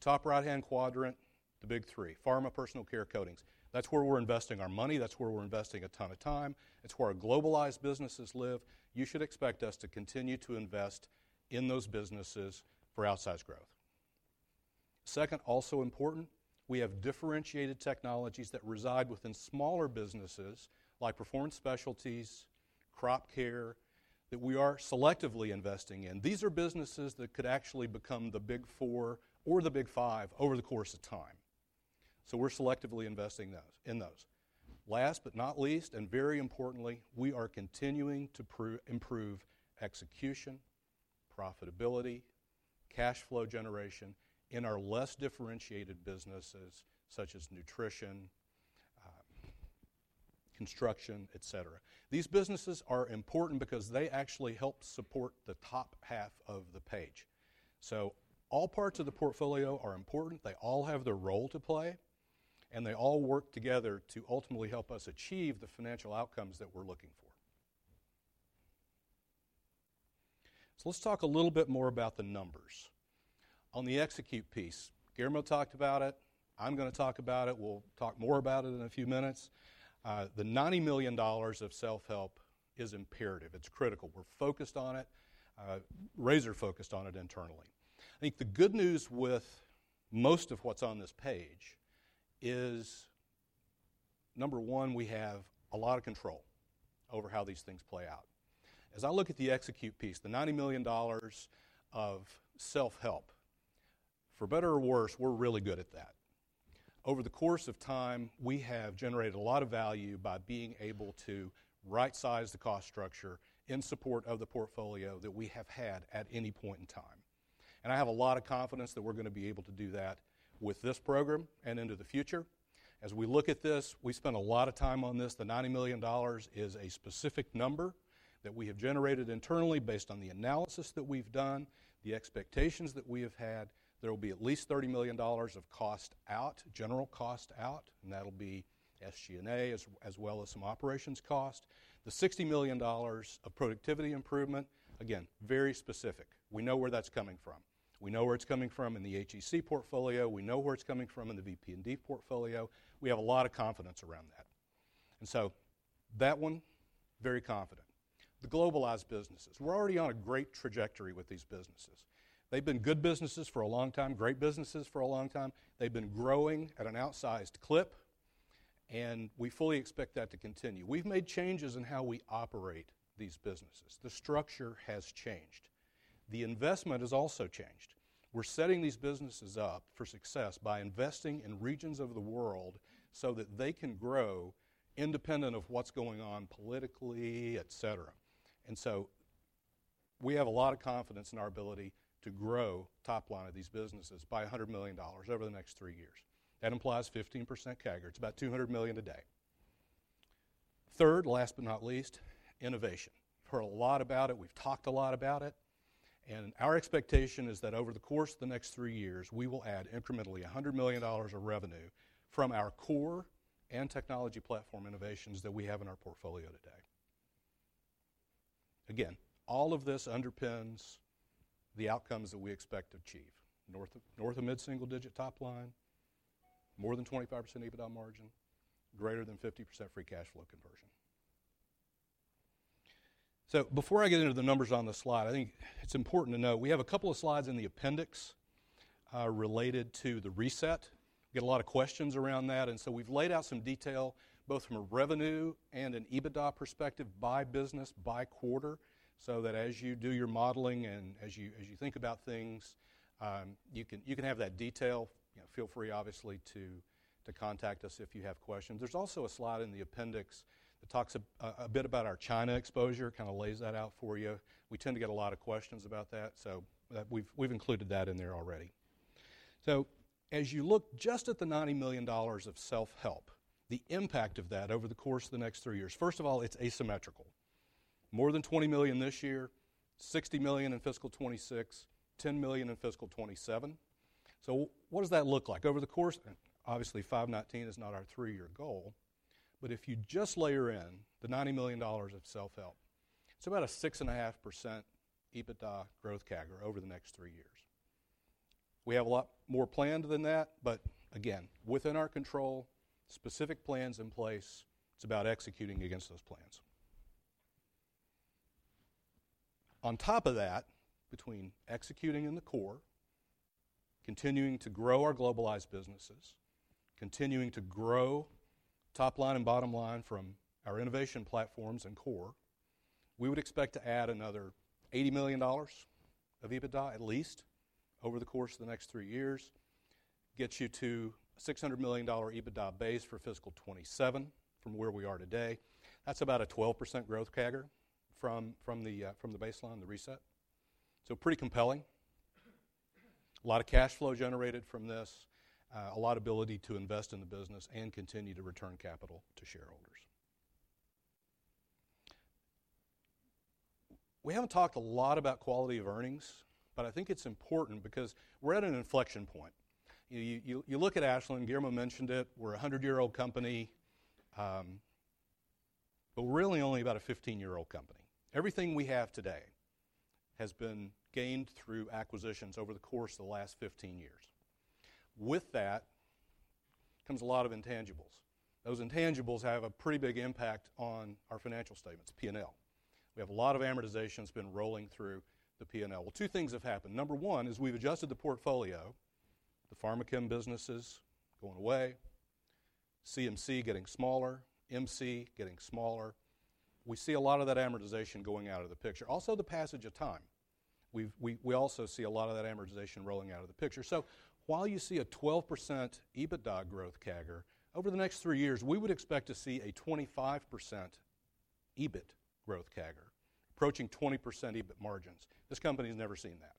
Top right-hand quadrant, the big three, Pharma, Personal Care, Coatings. That's where we're investing our money. That's where we're investing a ton of time. It's where our globalized businesses live. You should expect us to continue to invest in those businesses for outsized growth. Second, also important, we have differentiated technologies that reside within smaller businesses like performance specialties, crop care that we are selectively investing in. These are businesses that could actually become the big four or the big five over the course of time. So we're selectively investing in those. Last but not least, and very importantly, we are continuing to improve execution, profitability, cash flow generation in our less differentiated businesses such as nutrition, construction, etc. These businesses are important because they actually help support the top half of the page. So all parts of the portfolio are important. They all have their role to play, and they all work together to ultimately help us achieve the financial outcomes that we're looking for. So let's talk a little bit more about the numbers. On the execute piece, Guillermo talked about it. I'm going to talk about it. We'll talk more about it in a few minutes. The $90 million of self-help is imperative. It's critical. We're focused on it. Razor-focused on it internally. I think the good news with most of what's on this page is, number one, we have a lot of control over how these things play out. As I look at the execute piece, the $90 million of self-help, for better or worse, we're really good at that. Over the course of time, we have generated a lot of value by being able to right-size the cost structure in support of the portfolio that we have had at any point in time. And I have a lot of confidence that we're going to be able to do that with this program and into the future. As we look at this, we spent a lot of time on this. The $90 million is a specific number that we have generated internally based on the analysis that we've done, the expectations that we have had. There will be at least $30 million of cost out, general cost out, and that'll be SG&A as well as some operations cost. The $60 million of productivity improvement, again, very specific. We know where that's coming from. We know where it's coming from in the HEC portfolio. We know where it's coming from in the VP&D portfolio. We have a lot of confidence around that. And so that one, very confident. The globalized businesses, we're already on a great trajectory with these businesses. They've been good businesses for a long time, great businesses for a long time. They've been growing at an outsized clip, and we fully expect that to continue. We've made changes in how we operate these businesses. The structure has changed. The investment has also changed. We're setting these businesses up for success by investing in regions of the world so that they can grow independent of what's going on politically, etc. And so we have a lot of confidence in our ability to grow top line of these businesses by $100 million over the next three years. That implies 15% CAGR. It's about $200 million a day. Third, last but not least, innovation. We've heard a lot about it. We've talked a lot about it. And our expectation is that over the course of the next three years, we will add incrementally $100 million of revenue from our core and technology platform innovations that we have in our portfolio today. Again, all of this underpins the outcomes that we expect to achieve. North of mid-single-digit top line, more than 25% EBITDA margin, greater than 50% free cash flow conversion. So before I get into the numbers on the slide, I think it's important to note we have a couple of slides in the appendix related to the reset. We get a lot of questions around that. And so we've laid out some detail both from a revenue and an EBITDA perspective by business, by quarter, so that as you do your modeling and as you think about things, you can have that detail. Feel free, obviously, to contact us if you have questions. There's also a slide in the appendix that talks a bit about our China exposure, kind of lays that out for you. We tend to get a lot of questions about that, so we've included that in there already. So as you look just at the $90 million of self-help, the impact of that over the course of the next three years, first of all, it's asymmetrical. More than $20 million this year, $60 million in fiscal 2026, $10 million in fiscal 2027. So what does that look like? Over the course, obviously, 519 is not our three-year goal, but if you just layer in the $90 million of self-help, it's about a 6.5% EBITDA growth CAGR over the next three years. We have a lot more planned than that, but again, within our control, specific plans in place. It's about executing against those plans. On top of that, between executing in the core, continuing to grow our globalized businesses, continuing to grow top line and bottom line from our innovation platforms and core, we would expect to add another $80 million of EBITDA at least over the course of the next three years. Gets you to a $600 million EBITDA base for fiscal 2027 from where we are today. That's about a 12% growth CAGR from the baseline, the reset. So pretty compelling. A lot of cash flow generated from this, a lot of ability to invest in the business and continue to return capital to shareholders. We haven't talked a lot about quality of earnings, but I think it's important because we're at an inflection point. You look at Ashland, Guillermo mentioned it. We're a 100-year-old company, but we're really only about a 15-year-old company. Everything we have today has been gained through acquisitions over the course of the last 15 years. With that comes a lot of intangibles. Those intangibles have a pretty big impact on our financial statements, P&L. We have a lot of amortization that's been rolling through the P&L. Two things have happened. Number one is we've adjusted the portfolio. The Pharmachem businesses going away, CMC getting smaller, MC getting smaller. We see a lot of that amortization going out of the picture. Also, the passage of time. We also see a lot of that amortization rolling out of the picture. While you see a 12% EBITDA growth CAGR over the next three years, we would expect to see a 25% EBIT growth CAGR, approaching 20% EBIT margins. This company has never seen that.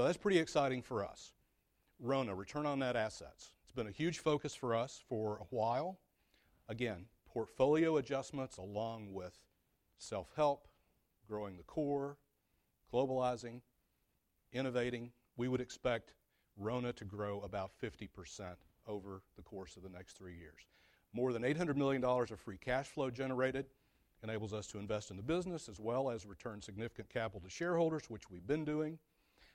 That's pretty exciting for us. RONA, return on net assets. It's been a huge focus for us for a while. Again, portfolio adjustments along with self-help, growing the core, globalizing, innovating. We would expect RONA to grow about 50% over the course of the next three years. More than $800 million of free cash flow generated enables us to invest in the business as well as return significant capital to shareholders, which we've been doing,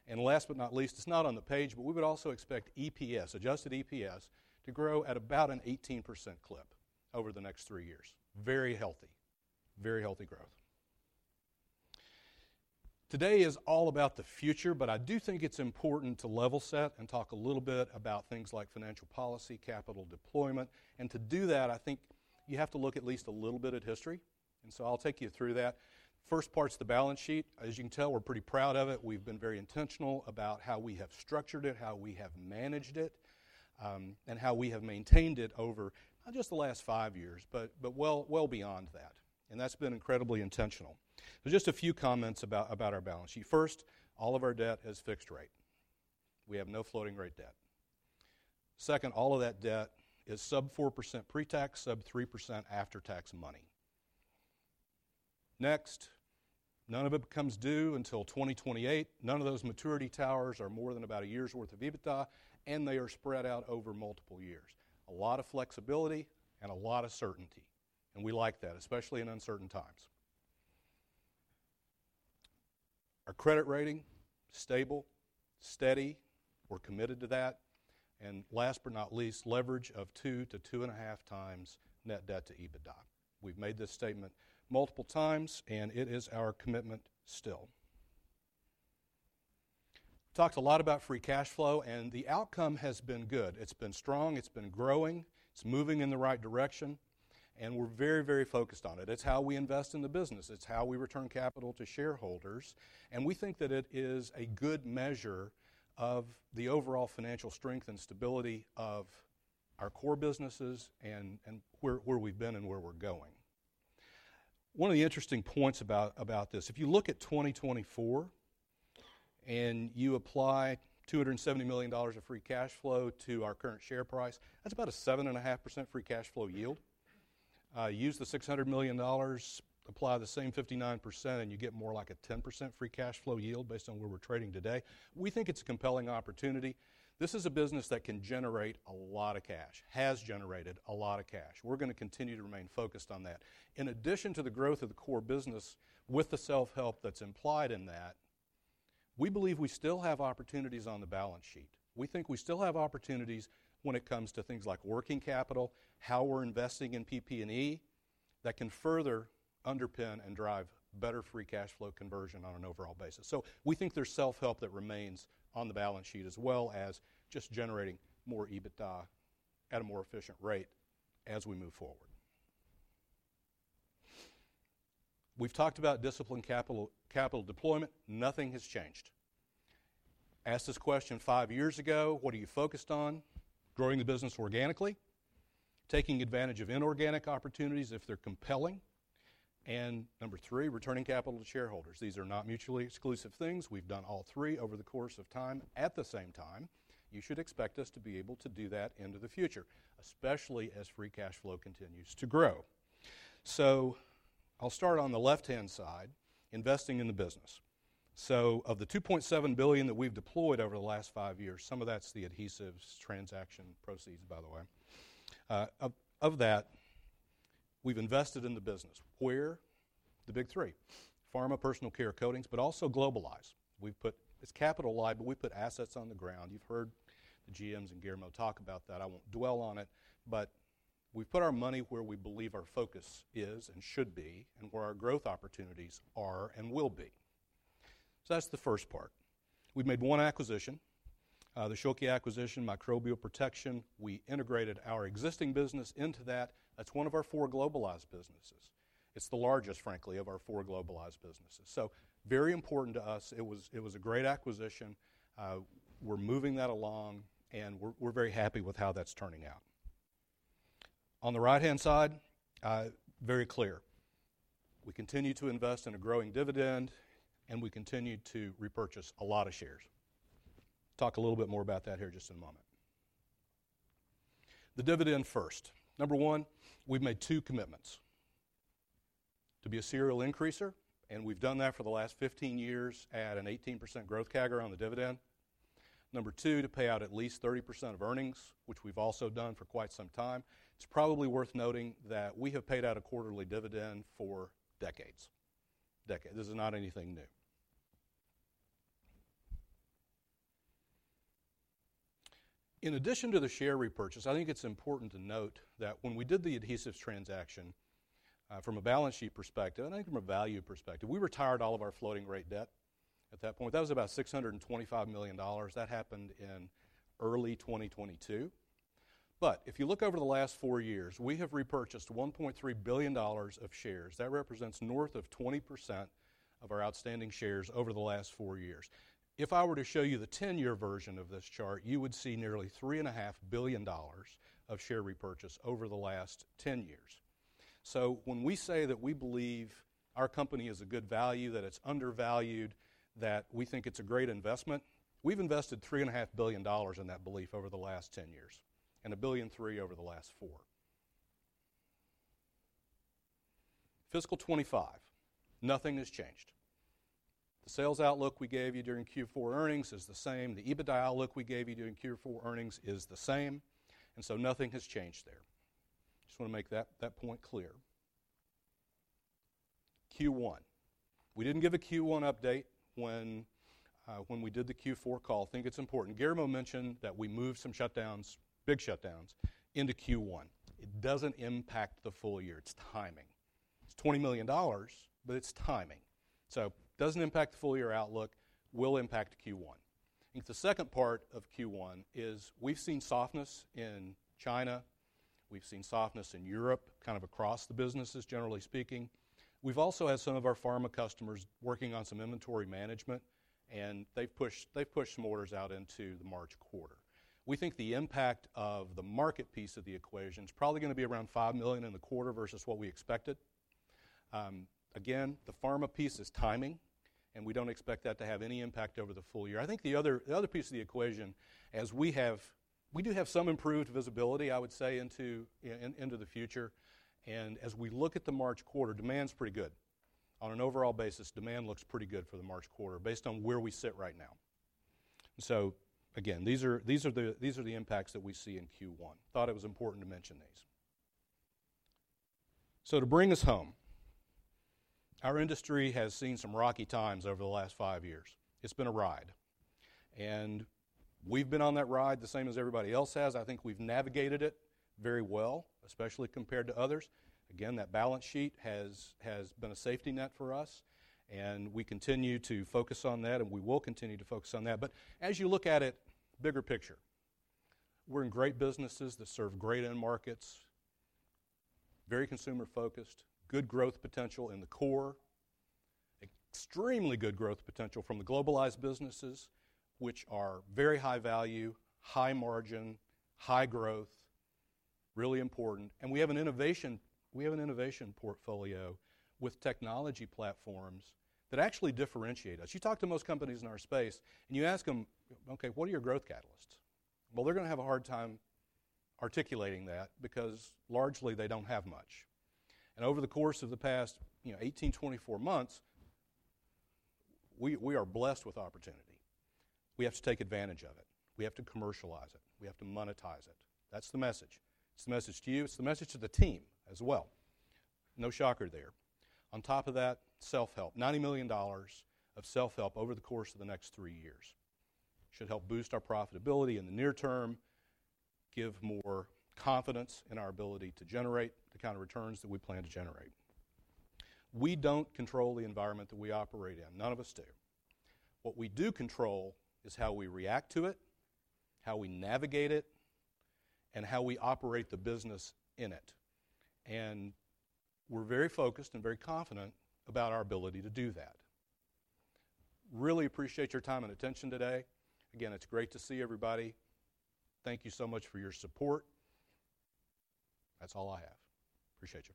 and last but not least, it's not on the page, but we would also expect EPS, adjusted EPS, to grow at about an 18% clip over the next three years. Very healthy, very healthy growth. Today is all about the future, but I do think it's important to level set and talk a little bit about things like financial policy, capital deployment, and to do that, I think you have to look at least a little bit at history. I'll take you through that. First part's the balance sheet. As you can tell, we're pretty proud of it. We've been very intentional about how we have structured it, how we have managed it, and how we have maintained it over not just the last five years, but well beyond that. That's been incredibly intentional. There's just a few comments about our balance sheet. First, all of our debt is fixed rate. We have no floating rate debt. Second, all of that debt is sub 4% pre-tax, sub 3% after-tax money. Next, none of it becomes due until 2028. None of those maturity towers are more than about a year's worth of EBITDA, and they are spread out over multiple years. A lot of flexibility and a lot of certainty. We like that, especially in uncertain times. Our credit rating is stable, steady. We're committed to that. And last but not least, leverage of two to 2.5 times net debt to EBITDA. We've made this statement multiple times, and it is our commitment still. We talked a lot about free cash flow, and the outcome has been good. It's been strong. It's been growing. It's moving in the right direction. And we're very, very focused on it. It's how we invest in the business. It's how we return capital to shareholders. And we think that it is a good measure of the overall financial strength and stability of our core businesses and where we've been and where we're going. One of the interesting points about this, if you look at 2024 and you apply $270 million of free cash flow to our current share price, that's about a 7.5% free cash flow yield. Use the $600 million, apply the same 59%, and you get more like a 10% free cash flow yield based on where we're trading today. We think it's a compelling opportunity. This is a business that can generate a lot of cash, has generated a lot of cash. We're going to continue to remain focused on that. In addition to the growth of the core business with the self-help that's implied in that, we believe we still have opportunities on the balance sheet. We think we still have opportunities when it comes to things like working capital, how we're investing in PP&E that can further underpin and drive better free cash flow conversion on an overall basis. So we think there's self-help that remains on the balance sheet as well as just generating more EBITDA at a more efficient rate as we move forward. We've talked about disciplined capital deployment. Nothing has changed. Asked this question five years ago, what are you focused on? Growing the business organically, taking advantage of inorganic opportunities if they're compelling. And number three, returning capital to shareholders. These are not mutually exclusive things. We've done all three over the course of time. At the same time, you should expect us to be able to do that into the future, especially as free cash flow continues to grow. So I'll start on the left-hand side, investing in the business. So of the $2.7 billion that we've deployed over the last five years, some of that's the adhesives transaction proceeds, by the way. Of that, we've invested in the business. Where? The big three. Pharma, Personal Care, Coatings, but also globalize. It's capitalized, but we put assets on the ground. You've heard the GMs and Guillermo talk about that. I won't dwell on it, but we've put our money where we believe our focus is and should be and where our growth opportunities are and will be. So that's the first part. We've made one acquisition, the Schülke acquisition, Microbial Protection. We integrated our existing business into that. That's one of our four globalized businesses. It's the largest, frankly, of our four globalized businesses. So very important to us. It was a great acquisition. We're moving that along, and we're very happy with how that's turning out. On the right-hand side, very clear. We continue to invest in a growing dividend, and we continue to repurchase a lot of shares. Talk a little bit more about that here just in a moment. The dividend first. Number one, we've made two commitments: to be a serial increaser, and we've done that for the last 15 years at an 18% growth CAGR on the dividend. Number two, to pay out at least 30% of earnings, which we've also done for quite some time. It's probably worth noting that we have paid out a quarterly dividend for decades. This is not anything new. In addition to the share repurchase, I think it's important to note that when we did the adhesives transaction from a balance sheet perspective, and I think from a value perspective, we retired all of our floating rate debt at that point. That was about $625 million. That happened in early 2022. But if you look over the last four years, we have repurchased $1.3 billion of shares. That represents north of 20% of our outstanding shares over the last four years. If I were to show you the 10-year version of this chart, you would see nearly $3.5 billion of share repurchase over the last 10 years. So when we say that we believe our company is a good value, that it's undervalued, that we think it's a great investment, we've invested $3.5 billion in that belief over the last 10 years and $1.3 billion over the last four. Fiscal 2025, nothing has changed. The sales outlook we gave you during Q4 earnings is the same. The EBITDA outlook we gave you during Q4 earnings is the same, and so nothing has changed there. Just want to make that point clear. Q1, we didn't give a Q1 update when we did the Q4 call. I think it's important. Guillermo mentioned that we moved some shutdowns, big shutdowns, into Q1. It doesn't impact the full year. It's timing. It's $20 million, but it's timing. So it doesn't impact the full year outlook. It will impact Q1. I think the second part of Q1 is we've seen softness in China. We've seen softness in Europe, kind of across the businesses, generally speaking. We've also had some of our pharma customers working on some inventory management, and they've pushed some orders out into the March quarter. We think the impact of the market piece of the equation is probably going to be around $5 million in the quarter versus what we expected. Again, the pharma piece is timing, and we don't expect that to have any impact over the full year. I think the other piece of the equation, as we do have some improved visibility, I would say, into the future. And as we look at the March quarter, demand's pretty good. On an overall basis, demand looks pretty good for the March quarter based on where we sit right now, and so, again, these are the impacts that we see in Q1. Thought it was important to mention these, so to bring us home, our industry has seen some rocky times over the last five years. It's been a ride, and we've been on that ride the same as everybody else has. I think we've navigated it very well, especially compared to others. Again, that balance sheet has been a safety net for us, and we continue to focus on that, and we will continue to focus on that. But as you look at it, bigger picture, we're in great businesses that serve great end markets, very consumer-focused, good growth potential in the core, extremely good growth potential from the globalized businesses, which are very high value, high margin, high growth, really important. And we have an innovation portfolio with technology platforms that actually differentiate us. You talk to most companies in our space, and you ask them, "Okay, what are your growth catalysts?" Well, they're going to have a hard time articulating that because largely they don't have much. And over the course of the past 18-24 months, we are blessed with opportunity. We have to take advantage of it. We have to commercialize it. We have to monetize it. That's the message. It's the message to you. It's the message to the team as well. No shocker there. On top of that, self-help, $90 million of self-help over the course of the next three years should help boost our profitability in the near term, give more confidence in our ability to generate the kind of returns that we plan to generate. We don't control the environment that we operate in. None of us do. What we do control is how we react to it, how we navigate it, and how we operate the business in it. And we're very focused and very confident about our ability to do that. Really appreciate your time and attention today. Again, it's great to see everybody. Thank you so much for your support. That's all I have. Appreciate you.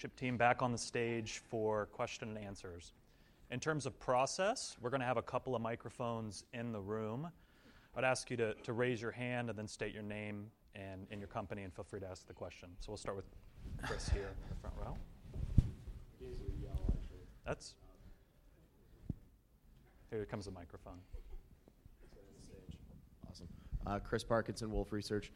I'm inviting the leadership team back on the stage for question and answers. In terms of process, we're going to have a couple of microphones in the room. I'd ask you to raise your hand and then state your name and your company, and feel free to ask the question. So we'll start with Chris here in the front row. Here comes a microphone. Awesome. Chris Parkinson, Wolfe Research.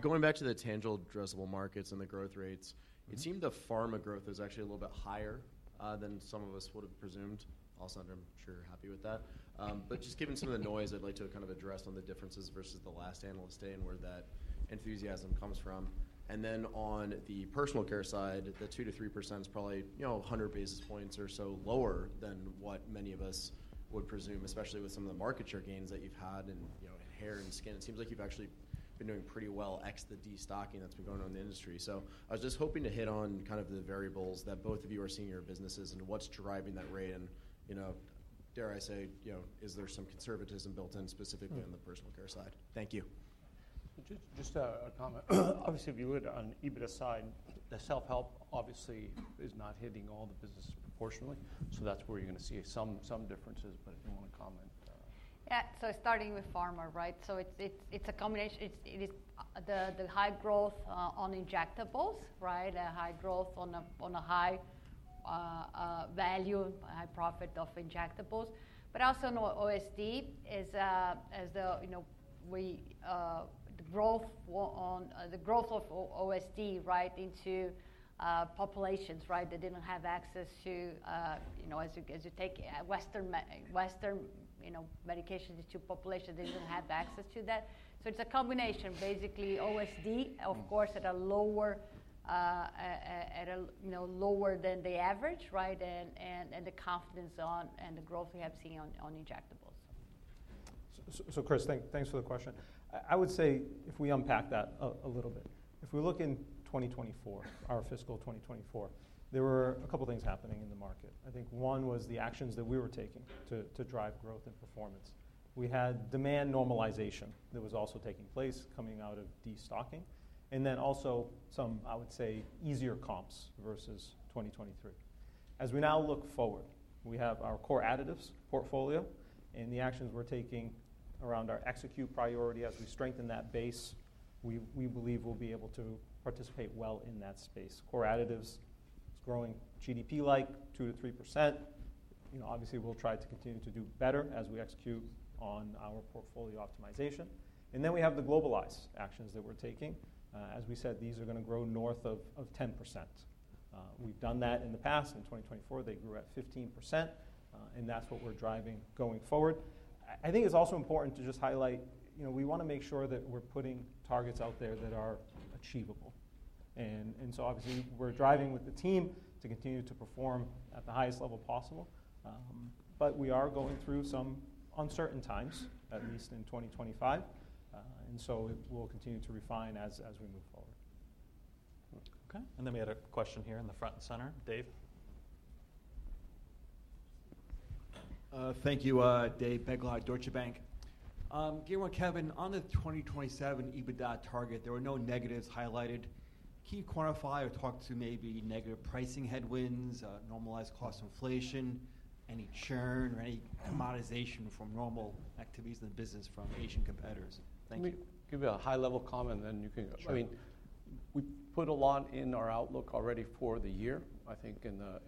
Going back to the tangible addressable markets and the growth rates, it seemed the pharma growth was actually a little bit higher than some of us would have presumed. Also, I'm sure you're happy with that. But just given some of the noise, I'd like to kind of address on the differences versus the last analyst day and where that enthusiasm comes from. And then on the personal care side, the 2%-3% is probably 100 basis points or so lower than what many of us would presume, especially with some of the market share gains that you've had in hair and skin. It seems like you've actually been doing pretty well ex the destocking that's been going on in the industry, so I was just hoping to hit on kind of the variables that both of you are seeing in your businesses and what's driving that rate, and dare I say, is there some conservatism built in specifically on the personal care side? Thank you. Just a comment. Obviously, if you look at it on EBITDA side, the self-help obviously is not hitting all the businesses proportionally, so that's where you're going to see some differences, but if you want to comment. Yeah, so starting with pharma, right, so it's a combination. It is the high growth on injectables, right? High growth on a high value, high profit of injectables. But also OSD is the growth of OSD, right, into populations, right, that didn't have access to, as you take Western medications into populations that didn't have access to that. So it's a combination, basically, OSD, of course, at a lower than the average, right, and the confidence and the growth we have seen on injectables. So, Chris, thanks for the question. I would say, if we unpack that a little bit, if we look in 2024, our fiscal 2024, there were a couple of things happening in the market. I think one was the actions that we were taking to drive growth and performance. We had demand normalization that was also taking place coming out of destocking, and then also some, I would say, easier comps versus 2023. As we now look forward, we have our core additives portfolio, and the actions we're taking around our execute priority as we strengthen that base, we believe we'll be able to participate well in that space. Core additives, it's growing GDP-like 2-3%. Obviously, we'll try to continue to do better as we execute on our portfolio optimization. And then we have the globalized actions that we're taking. As we said, these are going to grow north of 10%. We've done that in the past. In 2024, they grew at 15%, and that's what we're driving going forward. I think it's also important to just highlight we want to make sure that we're putting targets out there that are achievable. And so, obviously, we're driving with the team to continue to perform at the highest level possible. But we are going through some uncertain times, at least in 2025. And so we'll continue to refine as we move forward. Okay. And then we had a question here in the front and center. Dave. Thank you, Dave Begleiter, Deutsche Bank. Guillermo, Kevin, on the 2027 EBITDA target, there were no negatives highlighted. Can you quantify or talk to maybe negative pricing headwinds, normalized cost inflation, any churn or any commoditization from normal activities in the business from Asian competitors? Thank you. Can we give you a high-level comment, and then you can go? Sure. I mean, we put a lot in our outlook already for the year, I think, in the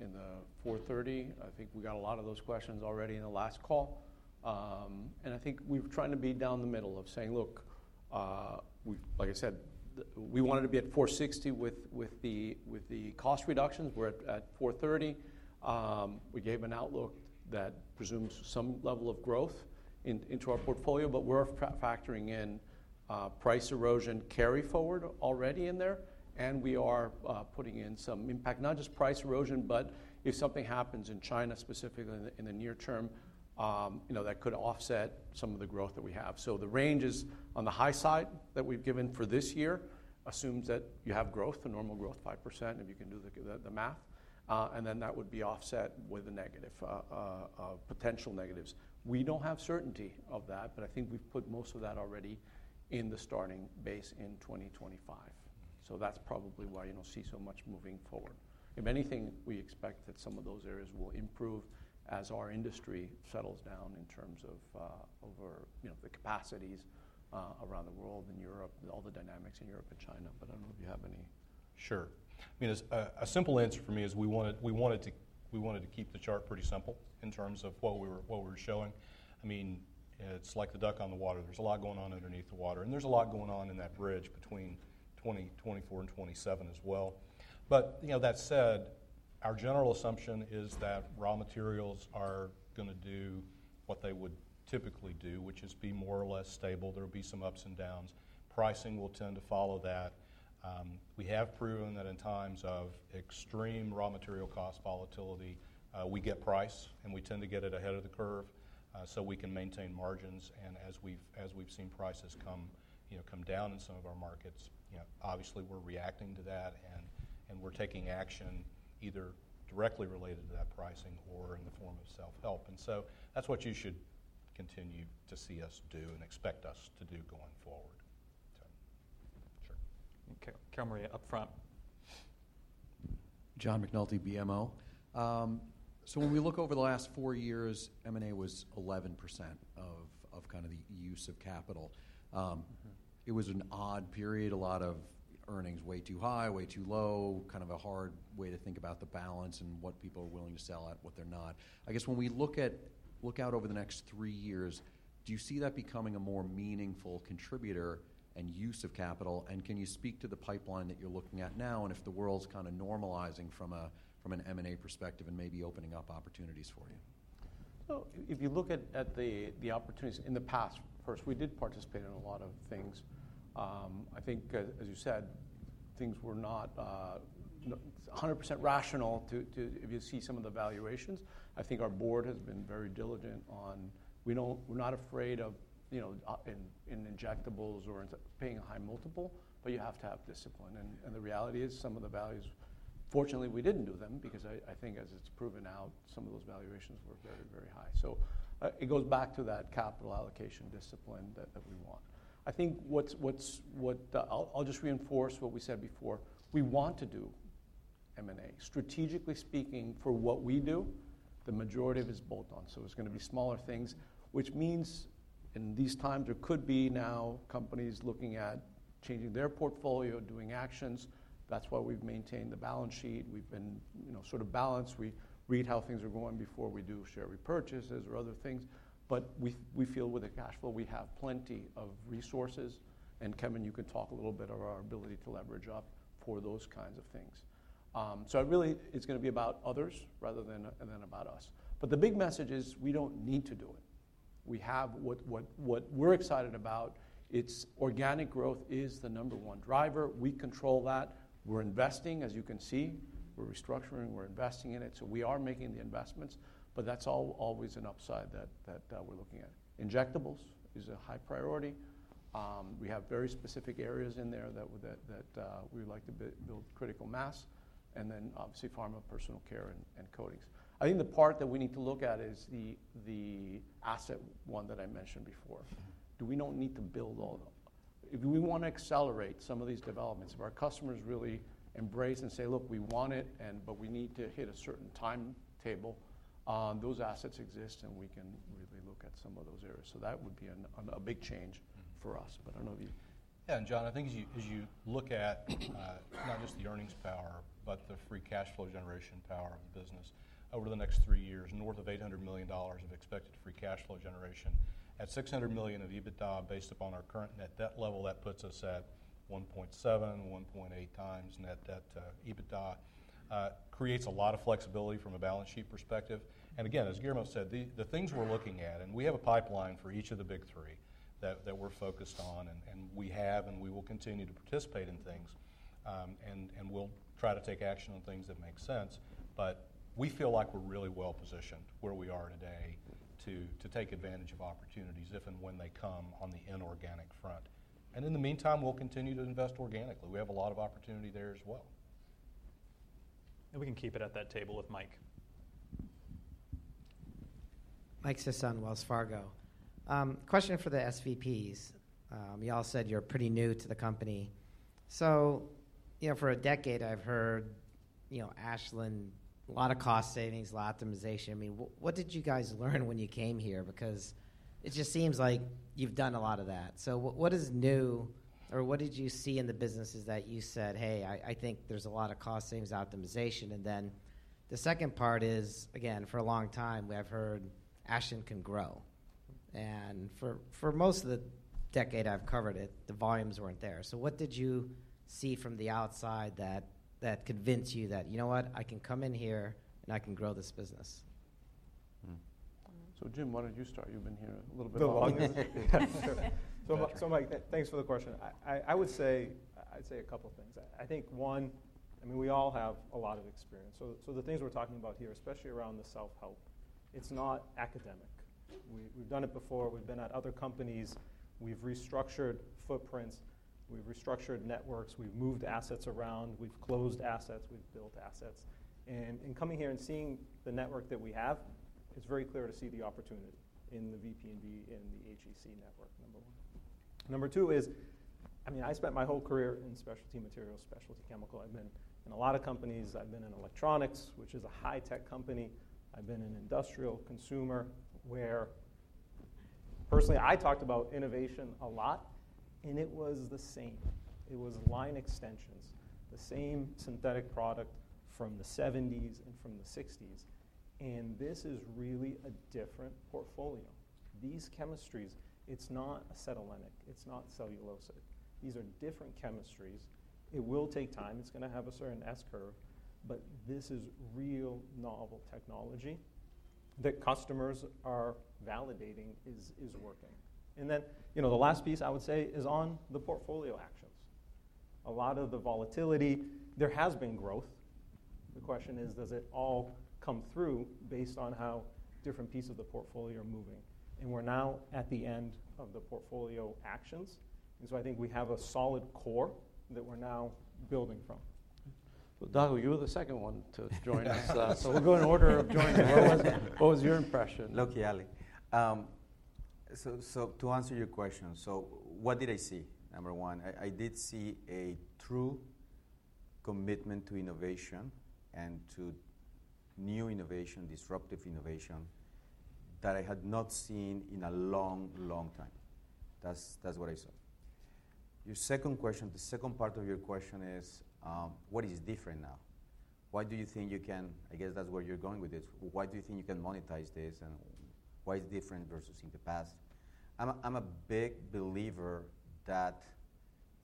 $430. I think we got a lot of those questions already in the last call. And I think we were trying to be down the middle of saying, "Look, like I said, we wanted to be at $460 with the cost reductions. We're at $430. We gave an outlook that presumes some level of growth into our portfolio, but we're factoring in price erosion carry forward already in there. We are putting in some impact, not just price erosion, but if something happens in China specifically in the near term, that could offset some of the growth that we have. The range is on the high side that we've given for this year assumes that you have growth, a normal growth, 5%, if you can do the math. That would be offset with a negative, potential negatives. We don't have certainty of that, but I think we've put most of that already in the starting base in 2025. That's probably why you don't see so much moving forward. If anything, we expect that some of those areas will improve as our industry settles down in terms of the capacities around the world and Europe, all the dynamics in Europe and China. But I don't know if you have any. Sure. I mean, a simple answer for me is we wanted to keep the chart pretty simple in terms of what we were showing. I mean, it's like the duck on the water. There's a lot going on underneath the water. And there's a lot going on in that bridge between 2024 and 2027 as well. But that said, our general assumption is that raw materials are going to do what they would typically do, which is be more or less stable. There will be some ups and downs. Pricing will tend to follow that. We have proven that in times of extreme raw material cost volatility, we get price, and we tend to get it ahead of the curve so we can maintain margins. And as we've seen prices come down in some of our markets, obviously, we're reacting to that, and we're taking action either directly related to that pricing or in the form of self-help. And so that's what you should continue to see us do and expect us to do going forward. Sure. Okay. Kilmery, upfront. John McNulty, BMO. So when we look over the last four years, M&A was 11% of kind of the use of capital. It was an odd period. A lot of earnings way too high, way too low, kind of a hard way to think about the balance and what people are willing to sell at, what they're not. I guess when we look out over the next three years, do you see that becoming a more meaningful contributor and use of capital? And can you speak to the pipeline that you're looking at now and if the world's kind of normalizing from an M&A perspective and maybe opening up opportunities for you? Well, if you look at the opportunities in the past, first, we did participate in a lot of things. I think, as you said, things were not 100% rational if you see some of the valuations. I think our board has been very diligent. We're not afraid of injectables or paying a high multiple, but you have to have discipline. And the reality is some of the values, fortunately, we didn't do them because I think, as it's proven out, some of those valuations were very, very high. So it goes back to that capital allocation discipline that we want. I think what I'll just reinforce what we said before. We want to do M&A. Strategically speaking, for what we do, the majority of it is bolt-on, so it's going to be smaller things, which means in these times, there could be now companies looking at changing their portfolio, doing actions. That's why we've maintained the balance sheet. We've been sort of balanced. We read how things are going before we do share repurchases or other things, but we feel with the cash flow, we have plenty of resources, and Kevin, you can talk a little bit of our ability to leverage up for those kinds of things, so really, it's going to be about others rather than about us, but the big message is we don't need to do it. We have what we're excited about. Organic growth is the number one driver. We control that. We're investing. As you can see, we're restructuring. We're investing in it. So we are making the investments. But that's always an upside that we're looking at. Injectables is a high priority. We have very specific areas in there that we would like to build critical mass. And then, obviously, pharma, personal care, and coatings. I think the part that we need to look at is the asset one that I mentioned before. Do we not need to build all the if we want to accelerate some of these developments, if our customers really embrace and say, "Look, we want it, but we need to hit a certain timetable," those assets exist, and we can really look at some of those areas. So that would be a big change for us. But I don't know if you. Yeah. John, I think as you look at not just the earnings power, but the free cash flow generation power of the business, over the next three years, north of $800 million of expected free cash flow generation at $600 million of EBITDA based upon our current net debt level, that puts us at 1.7-1.8 times net debt to EBITDA. Creates a lot of flexibility from a balance sheet perspective. And again, as Guillermo said, the things we're looking at, and we have a pipeline for each of the big three that we're focused on, and we have, and we will continue to participate in things. And we'll try to take action on things that make sense. But we feel like we're really well positioned where we are today to take advantage of opportunities if and when they come on the inorganic front. And in the meantime, we'll continue to invest organically. We have a lot of opportunity there as well. And we can keep it at that table with Mike. Mike Sisson, Wells Fargo. Question for the SVPs. You all said you're pretty new to the company. So for a decade, I've heard Ashland, a lot of cost savings, a lot of optimization. I mean, what did you guys learn when you came here? Because it just seems like you've done a lot of that. So what is new, or what did you see in the businesses that you said, "Hey, I think there's a lot of cost savings, optimization"? And then the second part is, again, for a long time, we have heard Ashland can grow. And for most of the decade I've covered it, the volumes weren't there. So what did you see from the outside that convinced you that, "You know what? I can come in here and I can grow this business"? So, Jim, why don't you start? You've been here a little bit longer. So Mike, thanks for the question. I would say a couple of things. I think, one, I mean, we all have a lot of experience. So the things we're talking about here, especially around the self-help, it's not academic. We've done it before. We've been at other companies. We've restructured footprints. We've restructured networks. We've moved assets around. We've closed assets. We've built assets. And in coming here and seeing the network that we have, it's very clear to see the opportunity in the VP&D and the HEC network, number one. Number two is, I mean, I spent my whole career in specialty materials, specialty chemical. I've been in a lot of companies. I've been in electronics, which is a high-tech company. I've been in industrial, consumer, where, personally, I talked about innovation a lot, and it was the same. It was line extensions, the same synthetic product from the '70s and from the '60s. And this is really a different portfolio. These chemistries, it's not acetylenic. It's not cellulosic. These are different chemistries. It will take time. It's going to have a certain S-curve. But this is real novel technology that customers are validating is working. And then the last piece I would say is on the portfolio actions. A lot of the volatility, there has been growth. The question is, does it all come through based on how different pieces of the portfolio are moving? And we're now at the end of the portfolio actions. And so I think we have a solid core that we're now building from. Well, Dago, you were the second one to join us. So we'll go in order of joining. What was your impression? Look i really. So to answer your question, so what did I see, number one? I did see a true commitment to innovation and to new innovation, disruptive innovation that I had not seen in a long, long time. That's what I saw. Your second question, the second part of your question is, what is different now? Why do you think you can, I guess that's where you're going with this, why do you think you can monetize this and why it's different versus in the past? I'm a big believer that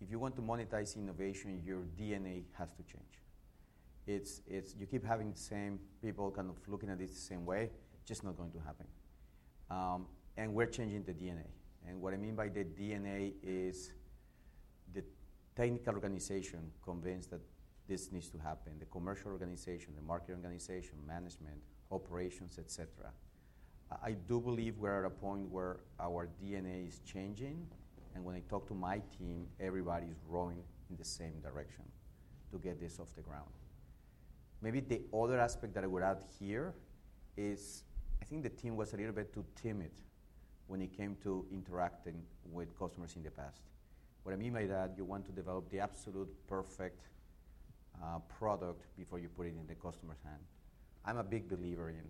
if you want to monetize innovation, your DNA has to change. You keep having the same people kind of looking at it the same way. It's just not going to happen, and we're changing the DNA, and what I mean by the DNA is the technical organization convinced that this needs to happen, the commercial organization, the market organization, management, operations, etc. I do believe we're at a point where our DNA is changing, and when I talk to my team, everybody's rowing in the same direction to get this off the ground. Maybe the other aspect that I would add here is I think the team was a little bit too timid when it came to interacting with customers in the past. What I mean by that, you want to develop the absolute perfect product before you put it in the customer's hand. I'm a big believer in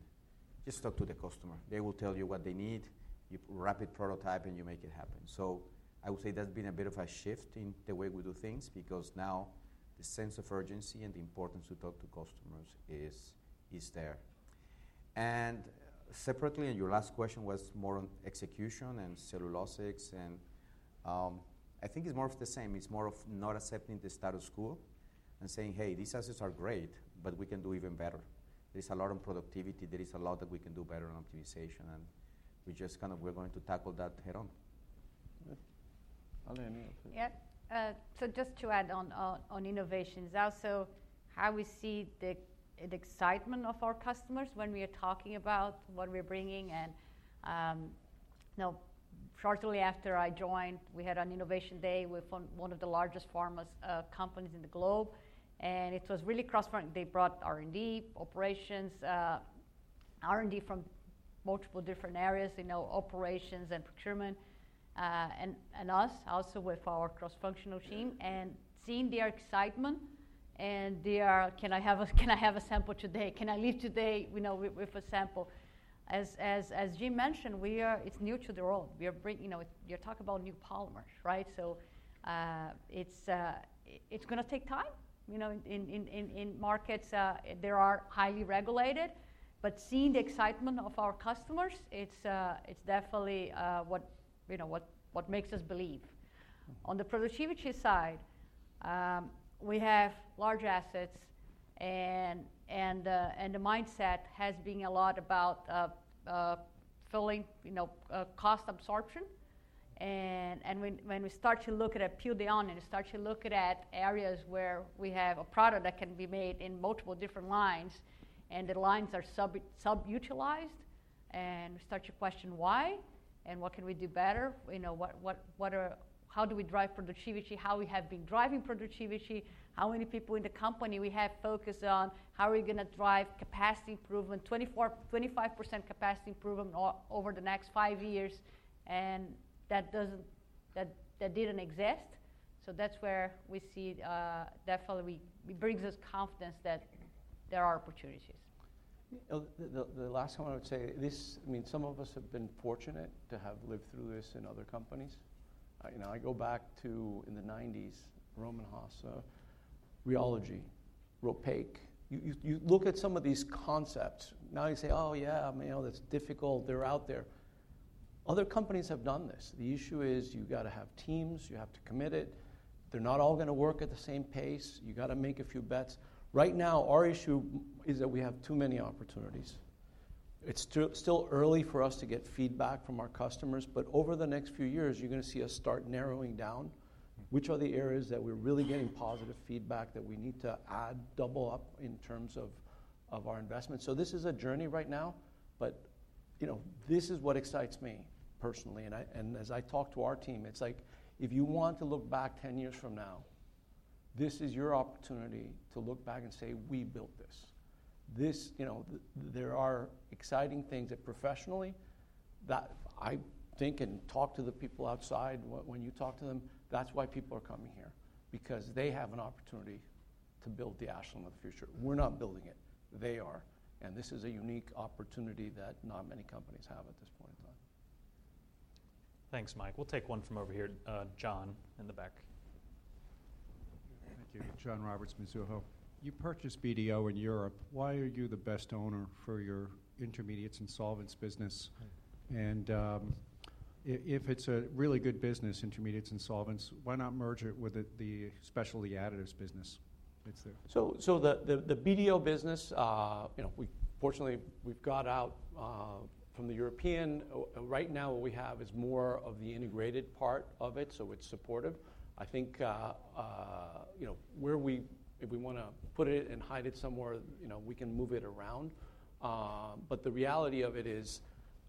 just talk to the customer. They will tell you what they need. You rapid prototype, and you make it happen. So I would say that's been a bit of a shift in the way we do things because now the sense of urgency and the importance to talk to customers is there. And separately, and your last question was more on execution and cellulosics, and I think it's more of the same. It's more of not accepting the status quo and saying, "Hey, these assets are great, but we can do even better." There's a lot of productivity. There is a lot that we can do better on optimization. And we just kind of, we're going to tackle that head-on. Okay. Ali, any other thing? Yeah. So just to add on innovations, also how we see the excitement of our customers when we are talking about what we're bringing. And shortly after I joined, we had an innovation day with one of the largest pharma companies in the globe. And it was really cross-functional. They brought R&D, operations, R&D from multiple different areas, operations and procurement, and us also with our cross-functional team. And seeing their excitement and their, "Can I have a sample today? Can I leave today with a sample?" As Jim mentioned, it's new to the world. You're talking about new polymers, right? So it's going to take time. In markets, they are highly regulated. But seeing the excitement of our customers, it's definitely what makes us believe. On the productivity side, we have large assets, and the mindset has been a lot about filling cost absorption. When we start to look at a P&L and start to look at areas where we have a product that can be made in multiple different lines and the lines are underutilized, and we start to question why and what can we do better, how do we drive productivity, how we have been driving productivity, how many people in the company we have focused on, how are we going to drive capacity improvement, 25% capacity improvement over the next five years, and that didn't exist. So that's where we see definitely it brings us confidence that there are opportunities. The last one I would say, I mean, some of us have been fortunate to have lived through this in other companies. I go back to, in the 1990s, Rohm and Haas, rheology, Ropaque. You look at some of these concepts. Now you say, "Oh yeah, that's difficult. They're out there." Other companies have done this. The issue is you've got to have teams. You have to commit it. They're not all going to work at the same pace. You've got to make a few bets. Right now, our issue is that we have too many opportunities. It's still early for us to get feedback from our customers, but over the next few years, you're going to see us start narrowing down which are the areas that we're really getting positive feedback that we need to add, double up in terms of our investment, so this is a journey right now, but this is what excites me personally. And as I talk to our team, it's like, "If you want to look back 10 years from now, this is your opportunity to look back and say, 'We built this.'" There are exciting things that professionally that I think and talk to the people outside when you talk to them, that's why people are coming here because they have an opportunity to build the Ashland of the future. We're not building it. They are. And this is a unique opportunity that not many companies have at this point in time. Thanks, Mike. We'll take one from over here, John, in the back. Thank you. John Roberts, Mizuho. You purchased BDO in Europe. Why are you the best owner for your Intermediates and Solvents business? And if it's a really good business, Intermediates and Solvents, why not merge it Specialty Additives business that's there? The BDO business, fortunately, we've got out from the European. Right now, what we have is more of the integrated part of it. So it's supportive. I think where we if we want to put it and hide it somewhere, we can move it around. But the reality of it is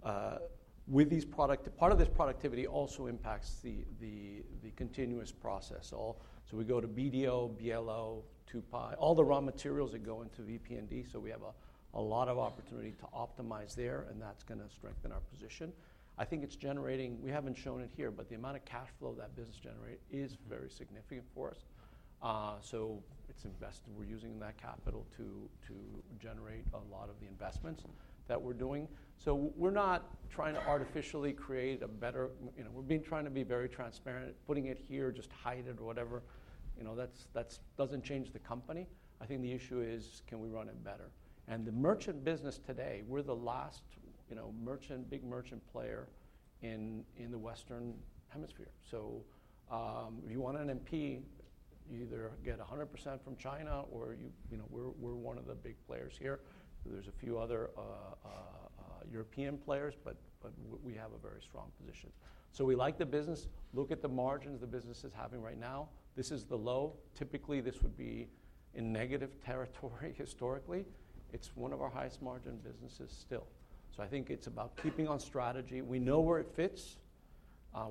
part of this productivity also impacts the continuous process. So we go to BDO, BLO, 2-Py, all the raw materials that go into VP&D. So we have a lot of opportunity to optimize there, and that's going to strengthen our position. I think it's generating, we haven't shown it here, but the amount of cash flow that business generates is very significant for us. So we're using that capital to generate a lot of the investments that we're doing. So we're not trying to artificially create a better—we've been trying to be very transparent, putting it here, just hide it or whatever. That doesn't change the company. I think the issue is, can we run it better? And the merchant business today, we're the last big merchant player in the Western Hemisphere. So if you want an MP, you either get 100% from China or we're one of the big players here. There's a few other European players, but we have a very strong position. So we like the business. Look at the margins the business is having right now. This is the low. Typically, this would be in negative territory historically. It's one of our highest margin businesses still. So I think it's about keeping on strategy. We know where it fits.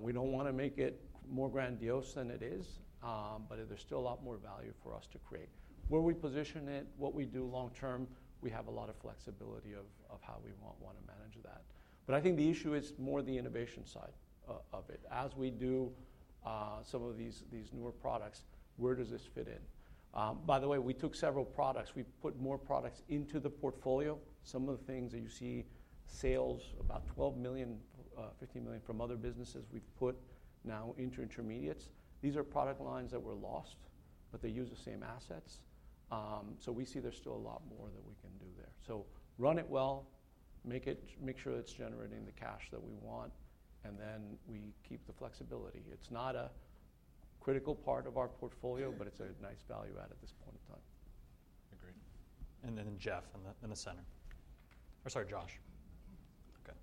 We don't want to make it more grandiose than it is, but there's still a lot more value for us to create. Where we position it, what we do long-term, we have a lot of flexibility of how we want to manage that. But I think the issue is more the innovation side of it. As we do some of these newer products, where does this fit in? By the way, we took several products. We put more products into the portfolio. Some of the things that you see, sales, about $12 million, $15 million from other businesses, we've put now into intermediates. These are product lines that were lost, but they use the same assets. So we see there's still a lot more that we can do there. So run it well, make sure it's generating the cash that we want, and then we keep the flexibility. It's not a critical part of our portfolio, but it's a nice value add at this point in time. Agreed. And then Jeff in the center. Or sorry, Josh. Okay.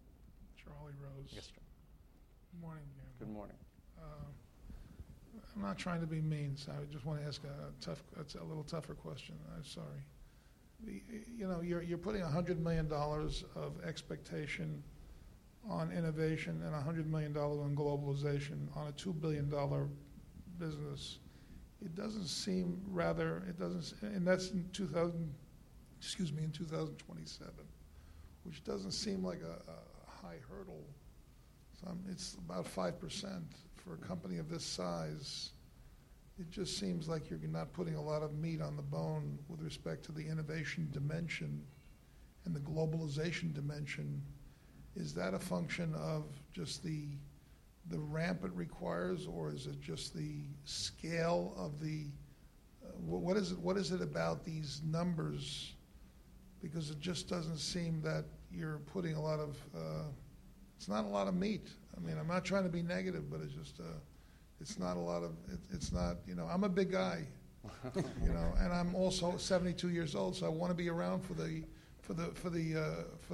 Charlie Rose. Yes, sir. Good morning. Good morning. I'm not trying to be mean, so I just want to ask a little tougher question. I'm sorry. You're putting $100 million of expectation on innovation and $100 million on globalization on a $2 billion business. It doesn't seem rather - and that's in 2000, excuse me, in 2027, which doesn't seem like a high hurdle. It's about 5% for a company of this size. It just seems like you're not putting a lot of meat on the bone with respect to the innovation dimension and the globalization dimension. Is that a function of just the ramp it requires, or is it just the scale of the - what is it about these numbers? Because it just doesn't seem that you're putting a lot of meat. I mean, I'm not trying to be negative, but it's just not a lot of meat. I'm a big guy. And I'm also 72 years old, so I want to be around for the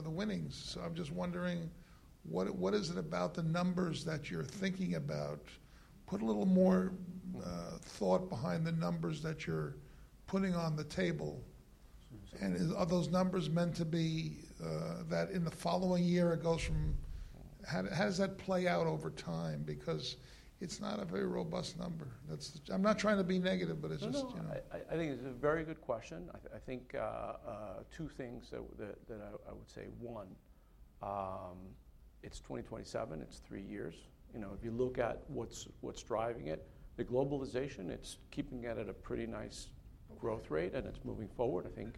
winnings. So I'm just wondering, what is it about the numbers that you're thinking about? Put a little more thought behind the numbers that you're putting on the table. And are those numbers meant to be that in the following year it goes from, how does that play out over time? Because it's not a very robust number. I'm not trying to be negative, but it's just. No, no. I think it's a very good question. I think two things that I would say. One, it's 2027. It's three years. If you look at what's driving it, the globalization, it's keeping at a pretty nice growth rate, and it's moving forward. I think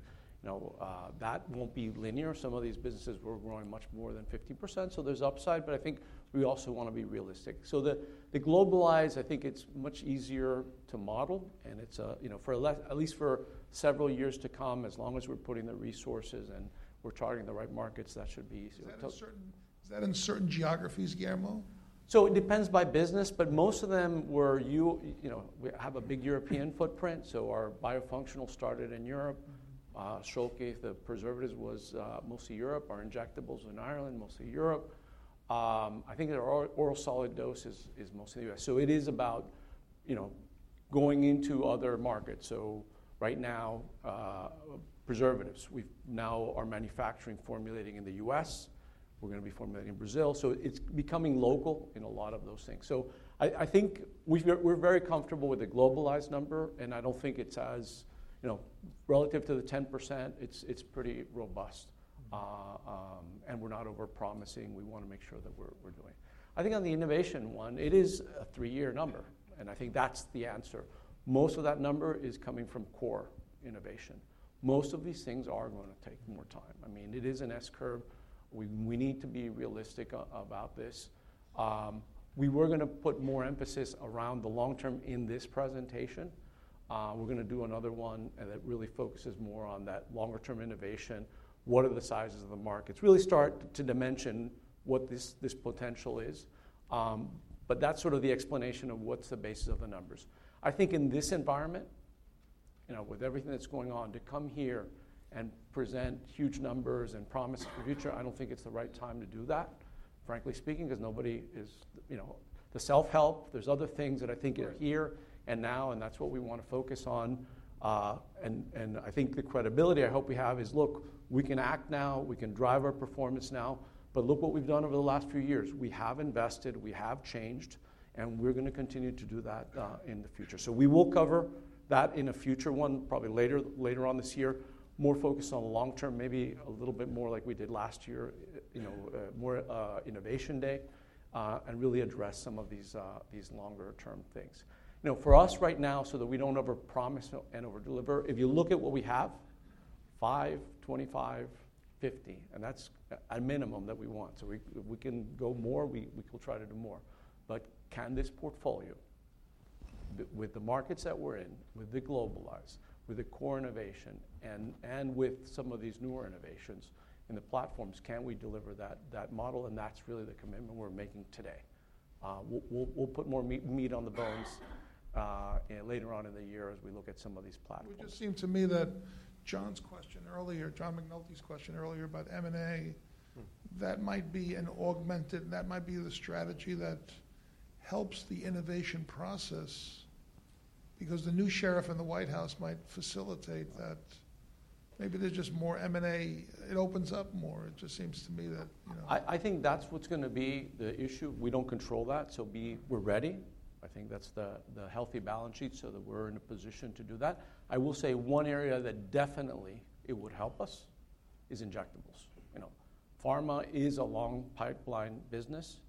that won't be linear. Some of these businesses were growing much more than 50%, so there's upside. But I think we also want to be realistic. So the globalized, I think it's much easier to model, and it's for at least for several years to come, as long as we're putting the resources and we're targeting the right markets, that should be easier. Is that in certain geographies, Guillermo? So it depends by business, but most of them were, we have a big European footprint. So our Biofunctionals started in Europe. Schülke, the preservatives, was mostly Europe. Our injectables in Ireland, mostly Europe. I think our oral solid dose is mostly the U.S. So it is about going into other markets. So right now, preservatives, we now are manufacturing formulating in the U.S. We're going to be formulating in Brazil. So it's becoming local in a lot of those things. So I think we're very comfortable with the globalized number, and I don't think it's as relative to the 10%. It's pretty robust, and we're not overpromising. We want to make sure that we're doing it. I think on the innovation one, it is a three-year number, and I think that's the answer. Most of that number is coming from core innovation. Most of these things are going to take more time. I mean, it is an S-curve. We need to be realistic about this. We were going to put more emphasis around the long-term in this presentation. We're going to do another one that really focuses more on that longer-term innovation. What are the sizes of the markets? Really start to dimension what this potential is. But that's sort of the explanation of what's the basis of the numbers. I think in this environment, with everything that's going on, to come here and present huge numbers and promises for the future, I don't think it's the right time to do that, frankly speaking, because nobody is the self-help. There's other things that I think are here and now, and that's what we want to focus on. And I think the credibility I hope we have is, "Look, we can act now. We can drive our performance now." But look what we've done over the last few years. We have invested. We have changed. And we're going to continue to do that in the future. So we will cover that in a future one, probably later on this year, more focused on long-term, maybe a little bit more like we did last year, more innovation day, and really address some of these longer-term things. For us right now, so that we don't overpromise and overdeliver, if you look at what we have, five, 25, 50, and that's a minimum that we want. So if we can go more, we will try to do more. But can this portfolio, with the markets that we're in, with the globalized, with the core innovation, and with some of these newer innovations in the platforms, can we deliver that model? And that's really the commitment we're making today. We'll put more meat on the bones later on in the year as we look at some of these platforms. It just seemed to me that John's question earlier, John McNulty's question earlier about M&A, that might be an augmented, that might be the strategy that helps the innovation process because the new sheriff in the White House might facilitate that. Maybe there's just more M&A. It opens up more. It just seems to me that I think that's what's going to be the issue. We don't control that. So we're ready. I think that's the healthy balance sheet so that we're in a position to do that. I will say one area that definitely it would help us is injectables. Pharma is a long pipeline business.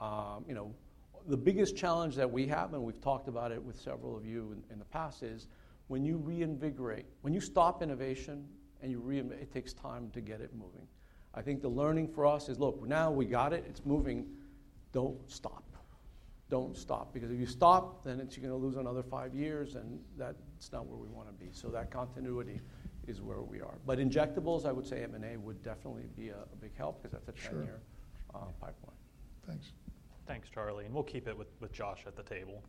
The biggest challenge that we have, and we've talked about it with several of you in the past, is when you reinvigorate, when you stop innovation and you reinvigorate, it takes time to get it moving. I think the learning for us is, "Look, now we got it. It's moving. Don't stop. Don't stop." Because if you stop, then you're going to lose another five years, and that's not where we want to be. So that continuity is where we are. But injectables, I would say M&A would definitely be a big help because that's a 10-year pipeline. Thanks. Thanks, Charlie. And we'll keep it with Josh at the table.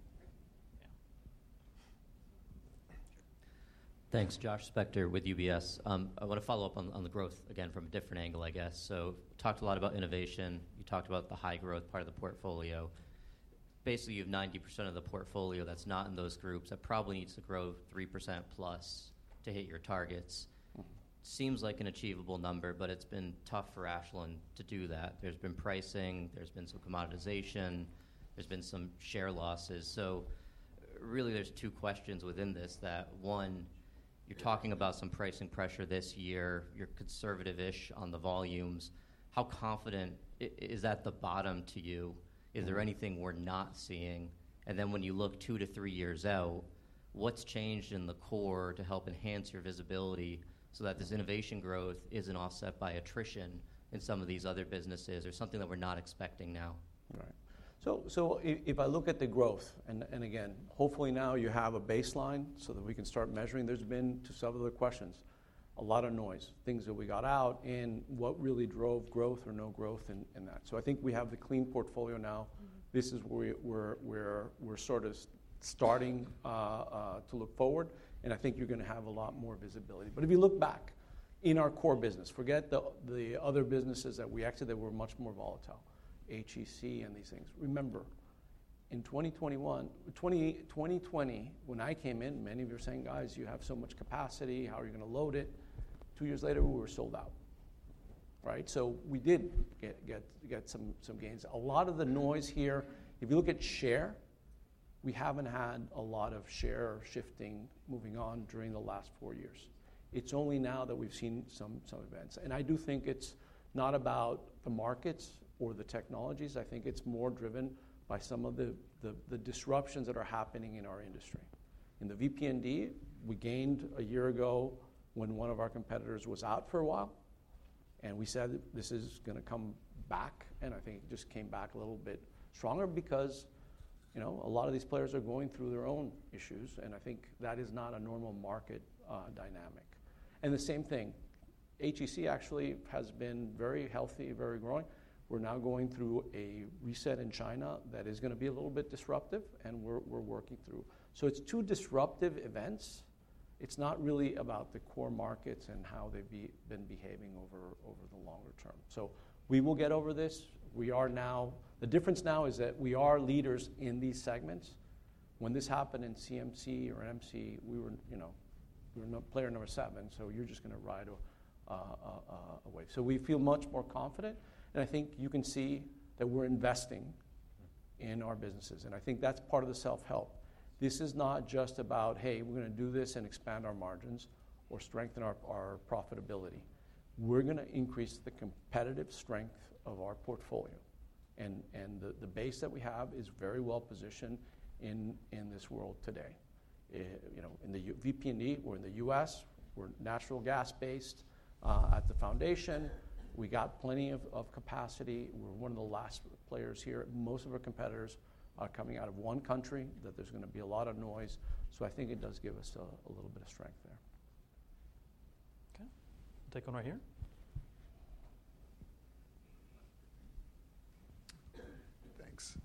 Thanks. Josh Spector with UBS. I want to follow up on the growth again from a different angle, I guess. So talked a lot about innovation. You talked about the high growth part of the portfolio. Basically, you have 90% of the portfolio that's not in those groups that probably needs to grow 3% plus to hit your targets. Seems like an achievable number, but it's been tough for Ashland to do that. There's been pricing. There's been some commoditization. There's been some share losses. So really, there's two questions within this. One, you're talking about some pricing pressure this year. You're conservative-ish on the volumes. How confident is that the bottom to you? Is there anything we're not seeing? And then when you look two to three years out, what's changed in the core to help enhance your visibility so that this innovation growth isn't offset by attrition in some of these other businesses or something that we're not expecting now? Right. So if I look at the growth, and again, hopefully now you have a baseline so that we can start measuring. There's been, to some of the questions, a lot of noise, things that we got out and what really drove growth or no growth in that. So I think we have the clean portfolio now. This is where we're sort of starting to look forward. And I think you're going to have a lot more visibility. But if you look back in our core business, forget the other businesses that we exited that were much more volatile, HEC and these things. Remember, in 2021, 2020, when I came in, many of you were saying, "Guys, you have so much capacity. How are you going to load it?" Two years later, we were sold out. Right? So we did get some gains. A lot of the noise here, if you look at share, we haven't had a lot of share shifting moving on during the last four years. It's only now that we've seen some events. And I do think it's not about the markets or the technologies. I think it's more driven by some of the disruptions that are happening in our industry. In the VP&D, we gained a year ago when one of our competitors was out for a while. And we said, "This is going to come back." And I think it just came back a little bit stronger because a lot of these players are going through their own issues. And I think that is not a normal market dynamic. And the same thing, HEC actually has been very healthy, very growing. We're now going through a reset in China that is going to be a little bit disruptive, and we're working through. So it's two disruptive events. It's not really about the core markets and how they've been behaving over the longer term. So we will get over this. The difference now is that we are leaders in these segments. When this happened in CMC or MC, we were player number seven. So you're just going to ride away. So we feel much more confident. And I think you can see that we're investing in our businesses. And I think that's part of the self-help. This is not just about, "Hey, we're going to do this and expand our margins or strengthen our profitability." We're going to increase the competitive strength of our portfolio. And the base that we have is very well positioned in this world today. In the VP&D, we're in the U.S. We're natural gas-based at the foundation. We got plenty of capacity. We're one of the last players here. Most of our competitors are coming out of one country, that there's going to be a lot of noise. So I think it does give us a little bit of strength there. Okay. Take one right here. Thanks.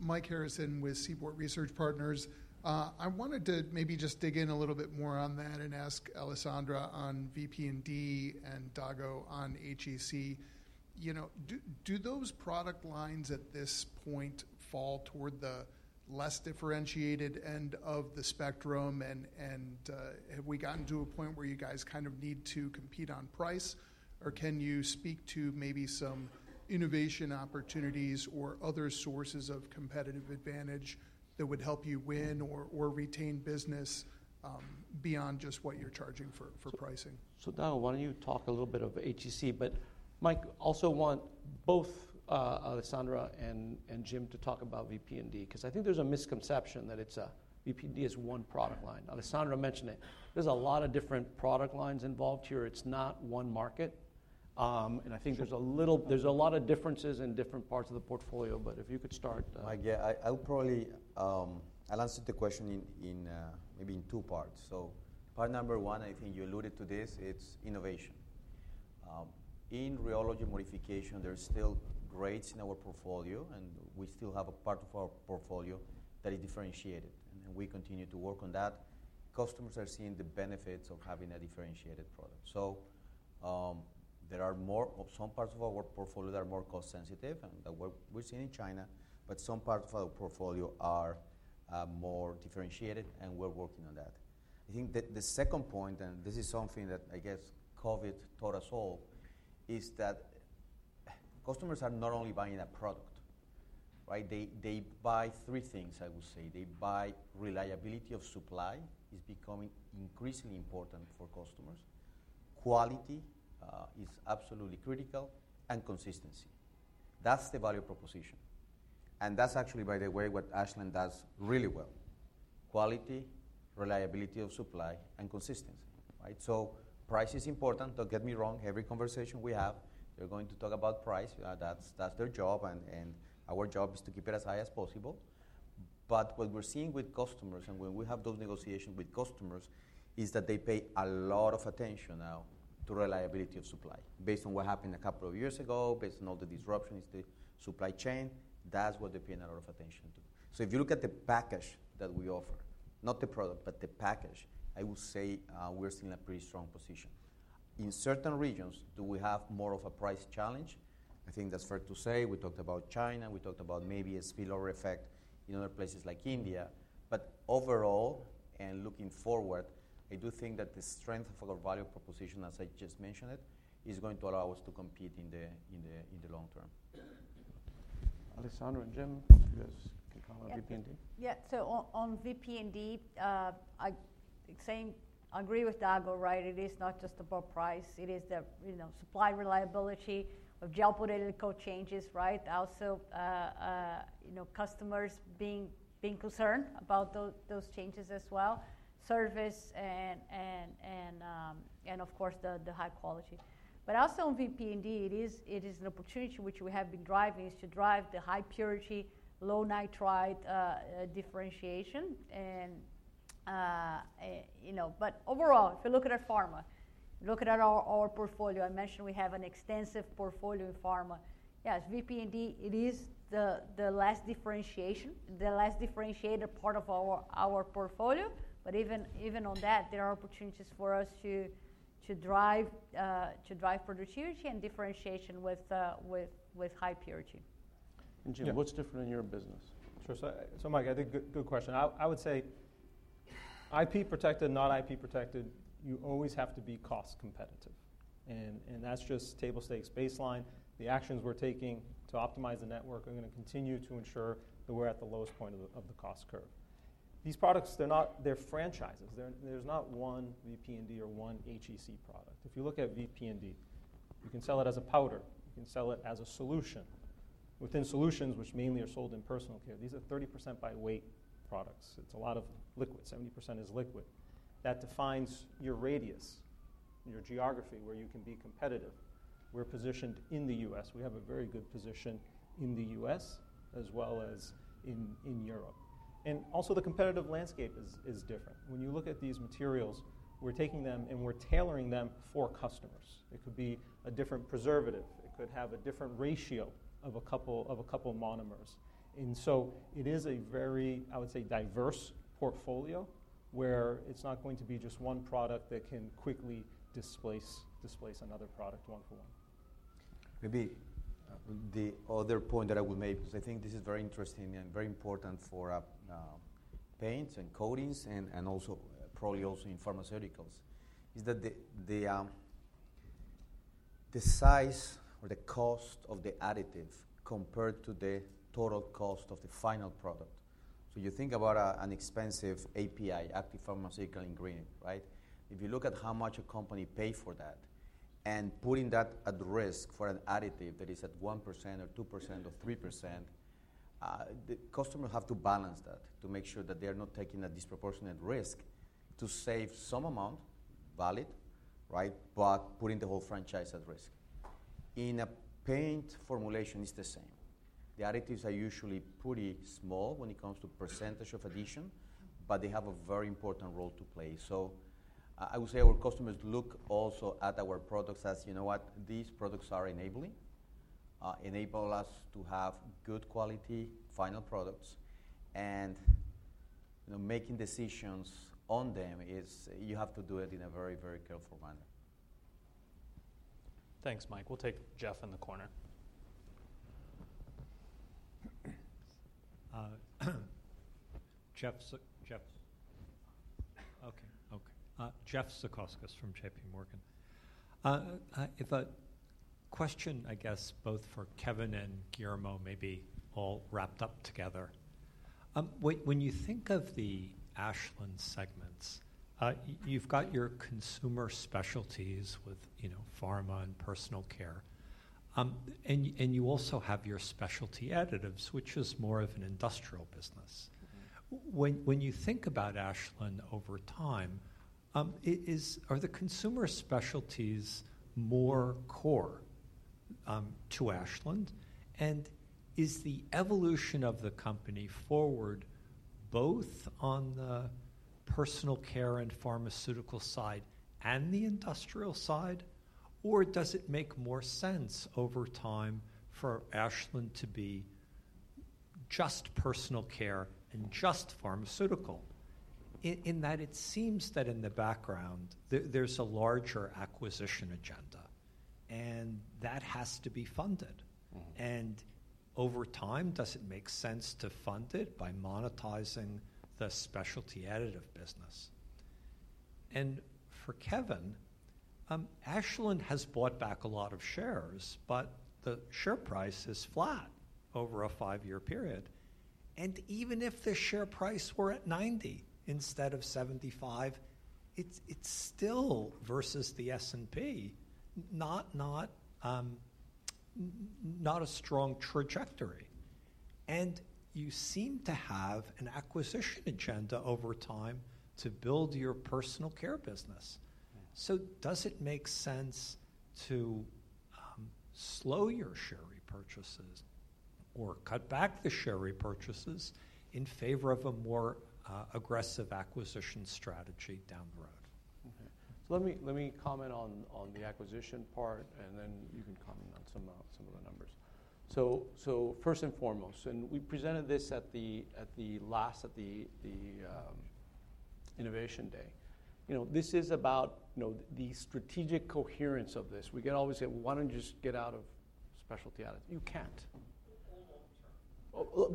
Mike Harrison with Seaport Research Partners. I wanted to maybe just dig in a little bit more on that and ask Alessandra on VP&D and Dago on HEC. Do those product lines at this point fall toward the less differentiated end of the spectrum, and have we gotten to a point where you guys kind of need to compete on price, or can you speak to maybe some innovation opportunities or other sources of competitive advantage that would help you win or retain business beyond just what you're charging for pricing? So Dago, why don't you talk a little bit of HEC, but Mike, I also want both Alessandra and Jim to talk about VP&D because I think there's a misconception that VP&D is one product line. Alessandra mentioned it. There's a lot of different product lines involved here. It's not one market. I think there's a lot of differences in different parts of the portfolio. But if you could start. I'll probably answer the question maybe in two parts. So part number one, I think you alluded to this. It's innovation. In rheology modification, there are still grades in our portfolio, and we still have a part of our portfolio that is differentiated. And we continue to work on that. Customers are seeing the benefits of having a differentiated product. So there are some parts of our portfolio that are more cost-sensitive, and we're seeing in China. But some parts of our portfolio are more differentiated, and we're working on that. I think the second point, and this is something that I guess COVID taught us all, is that customers are not only buying a product. Right? They buy three things, I would say. They buy reliability of supply. It is becoming increasingly important for customers. Quality is absolutely critical, and consistency. That's the value proposition. And that's actually, by the way, what Ashland does really well: quality, reliability of supply, and consistency. Right? So price is important. Don't get me wrong. Every conversation we have, they're going to talk about price. That's their job. And our job is to keep it as high as possible. But what we're seeing with customers, and when we have those negotiations with customers, is that they pay a lot of attention now to reliability of supply based on what happened a couple of years ago, based on all the disruptions to supply chain. That's what they're paying a lot of attention to. So if you look at the package that we offer, not the product, but the package, I would say we're still in a pretty strong position. In certain regions, do we have more of a price challenge? I think that's fair to say. We talked about China. We talked about maybe a spillover effect in other places like India. But overall, and looking forward, I do think that the strength of our value proposition, as I just mentioned, is going to allow us to compete in the long term. Alessandra and Jim, you guys can come on VP&D. Yeah. So on VP&D, I agree with Dago. Right? It is not just about price. It is the supply reliability of geopolitical changes. Right? Also, customers being concerned about those changes as well. Service and, of course, the high quality. But also on VP&D, it is an opportunity which we have been driving to drive the high purity, low nitrite differentiation. But overall, if you look at our pharma, look at our portfolio, I mentioned we have an extensive portfolio in pharma. Yes, VP&D, it is the less differentiated part of our portfolio. But even on that, there are opportunities for us to drive productivity and differentiation with high purity. And Jim, what's different in your business? Sure. So Mike, I think good question. I would say IP protected, not IP protected, you always have to be cost competitive. And that's just table stakes, baseline. The actions we're taking to optimize the network are going to continue to ensure that we're at the lowest point of the cost curve. These products, they're franchises. There's not one VP&D or one HEC product. If you look at VP&D, you can sell it as a powder. You can sell it as a solution. Within solutions, which mainly are sold in Personal Care, these are 30% by weight products. It's a lot of liquid. 70% is liquid. That defines your radius, your geography where you can be competitive. We're positioned in the U.S. We have a very good position in the U.S. as well as in Europe. And also, the competitive landscape is different. When you look at these materials, we're taking them and we're tailoring them for customers. It could be a different preservative. It could have a different ratio of a couple monomers. And so it is a very, I would say, diverse portfolio where it's not going to be just one product that can quickly displace another product one for one. Maybe the other point that I will make because I think this is very interesting and very important for paints and coatings and probably also in pharmaceuticals is that the size or the cost of the additive compared to the total cost of the final product. So you think about an expensive API, active pharmaceutical ingredient. Right? If you look at how much a company pays for that and putting that at risk for an additive that is at 1% or 2% or 3%, the customers have to balance that to make sure that they are not taking a disproportionate risk to save some amount, valid, right, but putting the whole franchise at risk. In a paint formulation, it's the same. The additives are usually pretty small when it comes to percentage of addition, but they have a very important role to play. So I would say our customers look also at our products as, "You know what? These products are enabling, enable us to have good quality final products." And making decisions on them is you have to do it in a very, very careful manner. Thanks, Mike. We'll take Jeff in the corner. Jeff Zekauskas from JPMorgan. If a question, I guess, both for Kevin and Guillermo may be all wrapped up together. When you think of the Ashland segments, you've got your Consumer Specialties with Pharma and Personal Care. And you also Specialty Additives, which is more of an industrial business. When you think about Ashland over time, are the Consumer Specialties more core to Ashland? And is the evolution of the company forward both on the Personal Care and Pharmaceutical side and the industrial side, or does it make more sense over time for Ashland to be just Personal Care and just pharmaceutical in that it seems that in the background, there's a larger acquisition agenda, and that has to be funded. And over time, does it make sense to fund it by monetizing the Specialty Additives business? And for Kevin, Ashland has bought back a lot of shares, but the share price is flat over a five-year period. And even if the share price were at 90 instead of 75, it's still, versus the S&P, not a strong trajectory. And you seem to have an acquisition agenda over time to build your Personal Care business. So does it make sense to slow your share repurchases or cut back the share repurchases in favor of a more aggressive acquisition strategy down the road? Okay. So let me comment on the acquisition part, and then you can comment on some of the numbers. So first and foremost, and we presented this at the last, at the Innovation Day, this is about the strategic coherence of this. We can always say, "We want to just get Specialty Additives." you can't.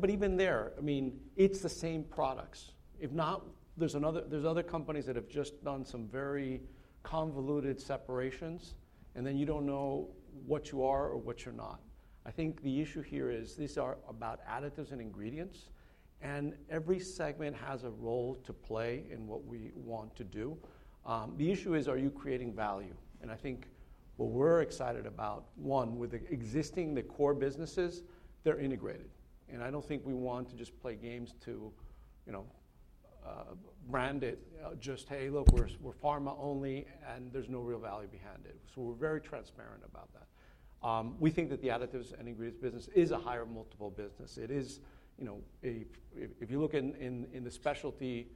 But even there, I mean, it's the same products. If not, there's other companies that have just done some very convoluted separations, and then you don't know what you are or what you're not. I think the issue here is these are about additives and ingredients. And every segment has a role to play in what we want to do. The issue is, are you creating value? And I think what we're excited about, one, with the existing core businesses, they're integrated. And I don't think we want to just play games to brand it just, "Hey, look, we're pharma only, and there's no real value behind it." So we're very transparent about that. We think that the additives and ingredients business is a higher multiple business. It is, if you look in the specialty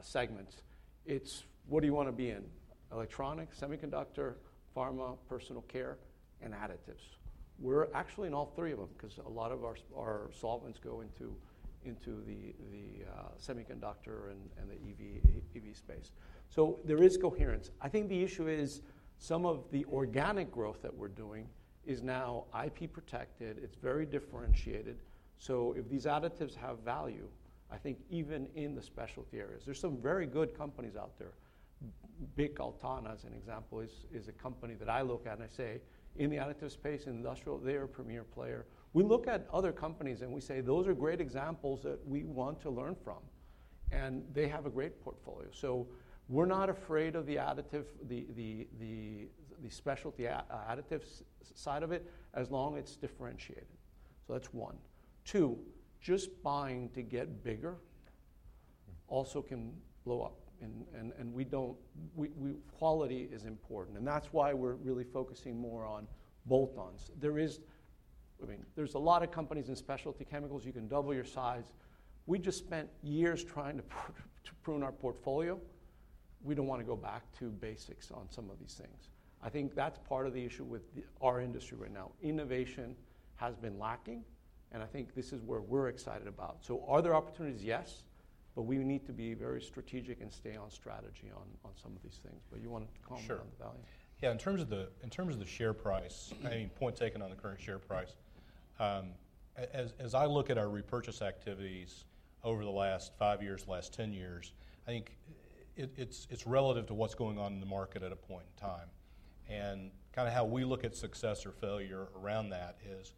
segments, it's, "What do you want to be in? Electronics, Semiconductor, Pharma, Personal Care, and Additives." We're actually in all three of them because a lot of our solvents go into the semiconductor and the EV space. So there is coherence. I think the issue is some of the organic growth that we're doing is now IP protected. It's very differentiated. So if these additives have value, I think even in the specialty areas, there's some very good companies out there. BYK-Chemie, as an example, is a company that I look at and I say, "In the additive space, industrial, they are a premier player." We look at other companies and we say, "Those are great examples that we want to learn from." And they have a great portfolio. So we're not afraid Specialty Additives side of it as long as it's differentiated. So that's one. Two, just buying to get bigger also can blow up. And quality is important. And that's why we're really focusing more on bolt-ons. I mean, there's a lot of companies in specialty chemicals. You can double your size. We just spent years trying to prune our portfolio. We don't want to go back to basics on some of these things. I think that's part of the issue with our industry right now. Innovation has been lacking, and I think this is where we're excited about. So are there opportunities? Yes. But we need to be very strategic and stay on strategy on some of these things. But you want to comment on the value? Sure. Yeah. In terms of the share price, I mean, point taken on the current share price, as I look at our repurchase activities over the last five years, last 10 years, I think it's relative to what's going on in the market at a point in time. And kind of how we look at success or failure around that is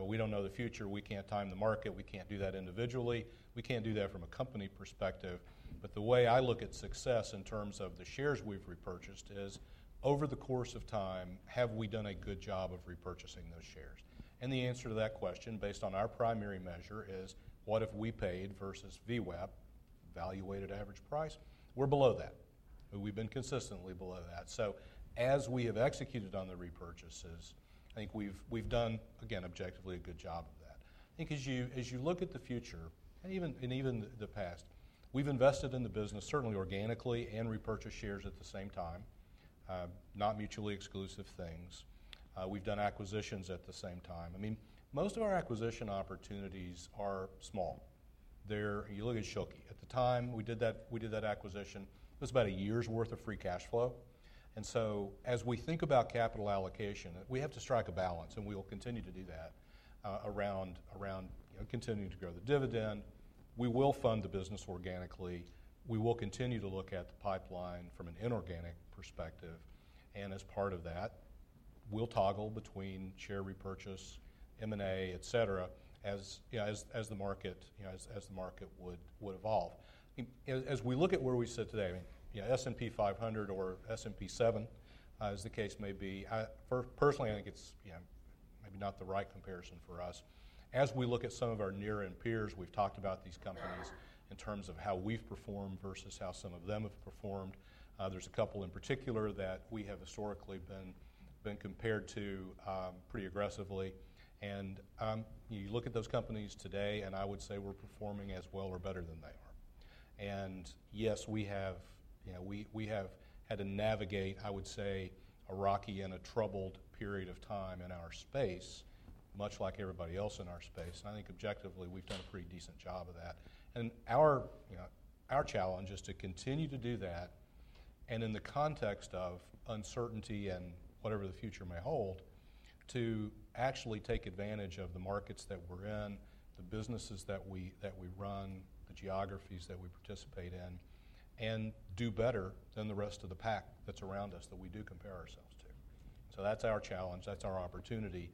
we don't know the future. We can't time the market. We can't do that individually. We can't do that from a company perspective. But the way I look at success in terms of the shares we've repurchased is, over the course of time, have we done a good job of repurchasing those shares? And the answer to that question, based on our primary measure, is what we paid versus VWAP, volume-weighted average price? We're below that. We've been consistently below that. So as we have executed on the repurchases, I think we've done, again, objectively a good job of that. I think as you look at the future and even the past, we've invested in the business, certainly organically and repurchase shares at the same time, not mutually exclusive things. We've done acquisitions at the same time. I mean, most of our acquisition opportunities are small. You look at Schülke. At the time we did that acquisition, it was about a year's worth of free cash flow. And so as we think about capital allocation, we have to strike a balance, and we will continue to do that around continuing to grow the dividend. We will fund the business organically. We will continue to look at the pipeline from an inorganic perspective. And as part of that, we'll toggle between share repurchase, M&A, etc., as the market would evolve. As we look at where we sit today, I mean, S&P 500 or S&P 7, as the case may be, personally, I think it's maybe not the right comparison for us. As we look at some of our near and peers, we've talked about these companies in terms of how we've performed versus how some of them have performed. There's a couple in particular that we have historically been compared to pretty aggressively. And you look at those companies today, and I would say we're performing as well or better than they are. And yes, we have had to navigate, I would say, a rocky and a troubled period of time in our space, much like everybody else in our space. And I think objectively, we've done a pretty decent job of that. And our challenge is to continue to do that. And in the context of uncertainty and whatever the future may hold, to actually take advantage of the markets that we're in, the businesses that we run, the geographies that we participate in, and do better than the rest of the pack that's around us that we do compare ourselves to. So that's our challenge. That's our opportunity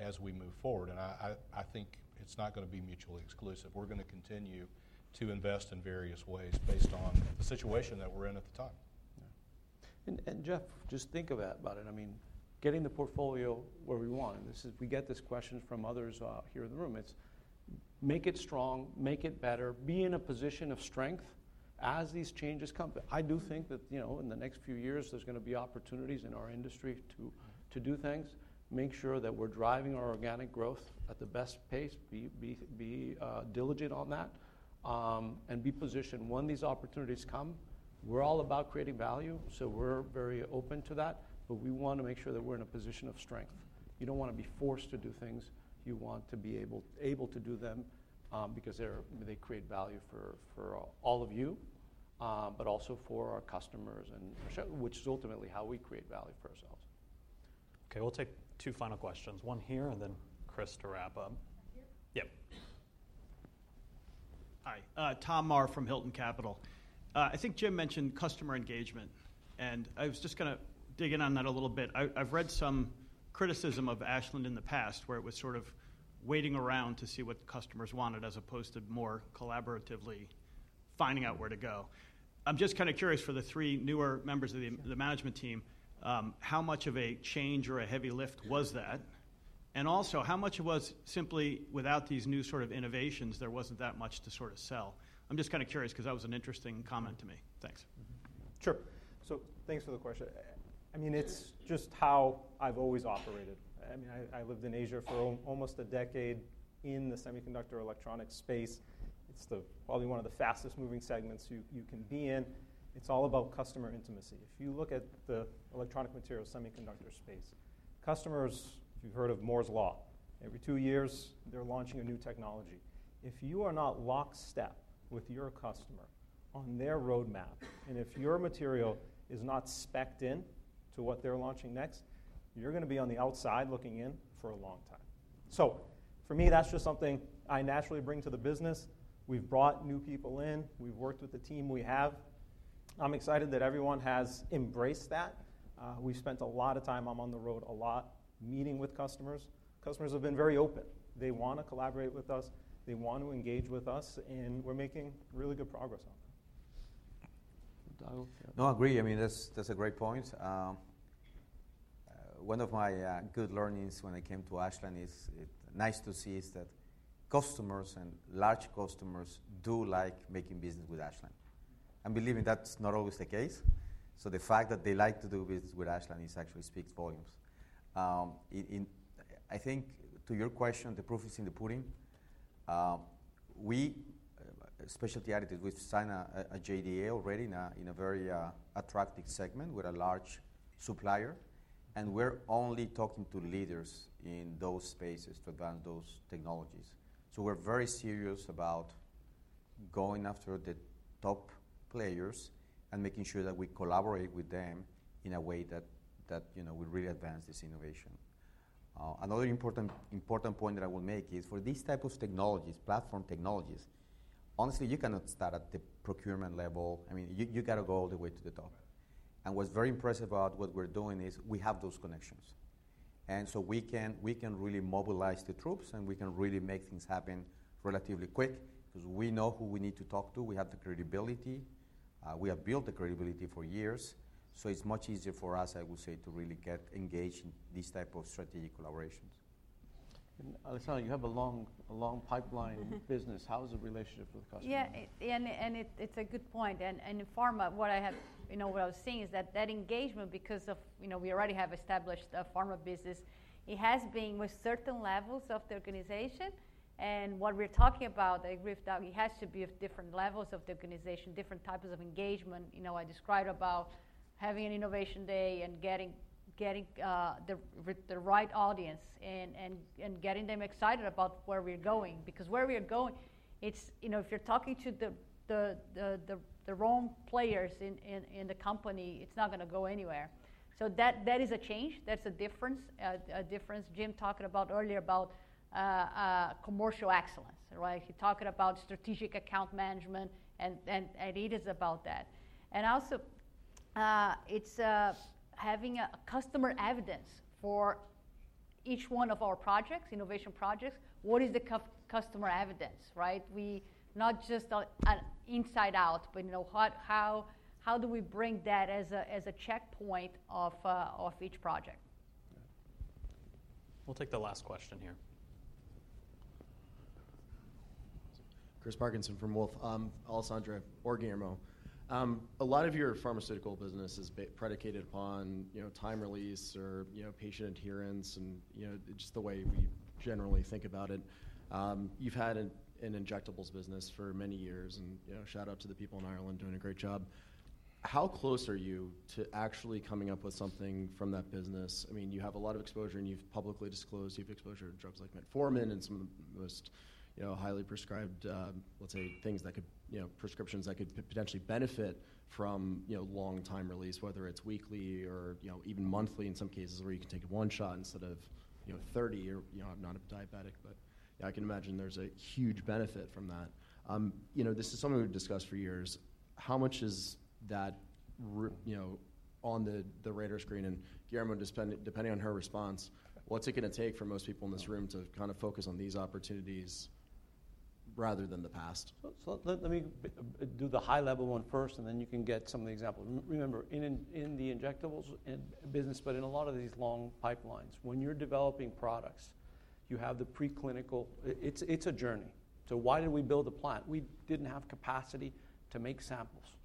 as we move forward. And I think it's not going to be mutually exclusive. We're going to continue to invest in various ways based on the situation that we're in at the time. And Jeff, just think about it. I mean, getting the portfolio where we want. We get this question from others here in the room. It's, "Make it strong. Make it better. Be in a position of strength as these changes come." I do think that in the next few years, there's going to be opportunities in our industry to do things. Make sure that we're driving our organic growth at the best pace. Be diligent on that and be positioned. When these opportunities come, we're all about creating value. So we're very open to that. But we want to make sure that we're in a position of strength. You don't want to be forced to do things. You want to be able to do them because they create value for all of you, but also for our customers, which is ultimately how we create value for ourselves. Okay. We'll take two final questions. One here and then Chris to wrap up. Yep. Hi. Tom Maher from Hilton Capital. I think Jim mentioned customer engagement. And I was just going to dig in on that a little bit. I've read some criticism of Ashland in the past where it was sort of waiting around to see what customers wanted as opposed to more collaboratively finding out where to go. I'm just kind of curious for the three newer members of the management team, how much of a change or a heavy lift was that? And also, how much was simply without these new sort of innovations, there wasn't that much to sort of sell? I'm just kind of curious because that was an interesting comment to me. Thanks. Sure. So thanks for the question. I mean, it's just how I've always operated. I mean, I lived in Asia for almost a decade in the semiconductor electronics space. It's probably one of the fastest moving segments you can be in. It's all about customer intimacy. If you look at the electronic materials semiconductor space, customers, you've heard of Moore's Law. Every two years, they're launching a new technology. If you are not lockstep with your customer on their roadmap, and if your material is not spec'd in to what they're launching next, you're going to be on the outside looking in for a long time. So for me, that's just something I naturally bring to the business. We've brought new people in. We've worked with the team we have. I'm excited that everyone has embraced that. We've spent a lot of time on the road, a lot meeting with customers. Customers have been very open. They want to collaborate with us. They want to engage with us. And we're making really good progress on that. No, I agree. I mean, that's a great point. One of my good learnings when I came to Ashland is nice to see is that customers and large customers do like making business with Ashland. I believe that's not always the case. So the fact that they like to do business with Ashland actually speaks volumes. I think to your question, the proof is in the Specialty Additives, we've signed a JDA already in a very attractive segment with a large supplier. And we're only talking to leaders in those spaces to advance those technologies. We're very serious about going after the top players and making sure that we collaborate with them in a way that we really advance this innovation. Another important point that I will make is for these types of technologies, platform technologies, honestly, you cannot start at the procurement level. I mean, you got to go all the way to the top. And what's very impressive about what we're doing is we have those connections. And so we can really mobilize the troops, and we can really make things happen relatively quick because we know who we need to talk to. We have the credibility. We have built the credibility for years. So it's much easier for us, I would say, to really get engaged in these types of strategic collaborations. And Alessandra, you have a long pipeline business. How is the relationship with the customer? Yeah. And it's a good point. And pharma, what I have seen is that that engagement, because we already have established a pharma business, it has been with certain levels of the organization. And what we're talking about, the greater depth, it has to be of different levels of the organization, different types of engagement. I described about having an Innovation Day and getting the right audience and getting them excited about where we're going. Because where we're going, if you're talking to the wrong players in the company, it's not going to go anywhere. So that is a change. That's a difference. Jim talked about earlier about commercial excellence, right? He talked about strategic account management, and it is about that. And also, it's having customer evidence for each one of our projects, innovation projects. What is the customer evidence, right? Not just inside out, but how do we bring that as a checkpoint of each project. We'll take the last question here. Chris Parkinson from Wolfe. Alessandra, Jim, or Guillermo. A lot of your pharmaceutical business is predicated upon time release or patient adherence and just the way we generally think about it. You've had an injectables business for many years. And shout out to the people in Ireland doing a great job. How close are you to actually coming up with something from that business? I mean, you have a lot of exposure, and you've publicly disclosed you have exposure to drugs like metformin and some of the most highly prescribed, let's say, things that could prescriptions that could potentially benefit from long-time release, whether it's weekly or even monthly in some cases where you can take one shot instead of 30. I'm not a diabetic, but I can imagine there's a huge benefit from that. This is something we've discussed for years. How much is that on the radar screen? And Guillermo, depending on her response, what's it going to take for most people in this room to kind of focus on these opportunities rather than the past? So let me do the high-level one first, and then you can get some of the examples. Remember, in the injectables business, but in a lot of these long pipelines, when you're developing products, you have the preclinical. It's a journey. So why did we build the plant? We didn't have capacity to make samples.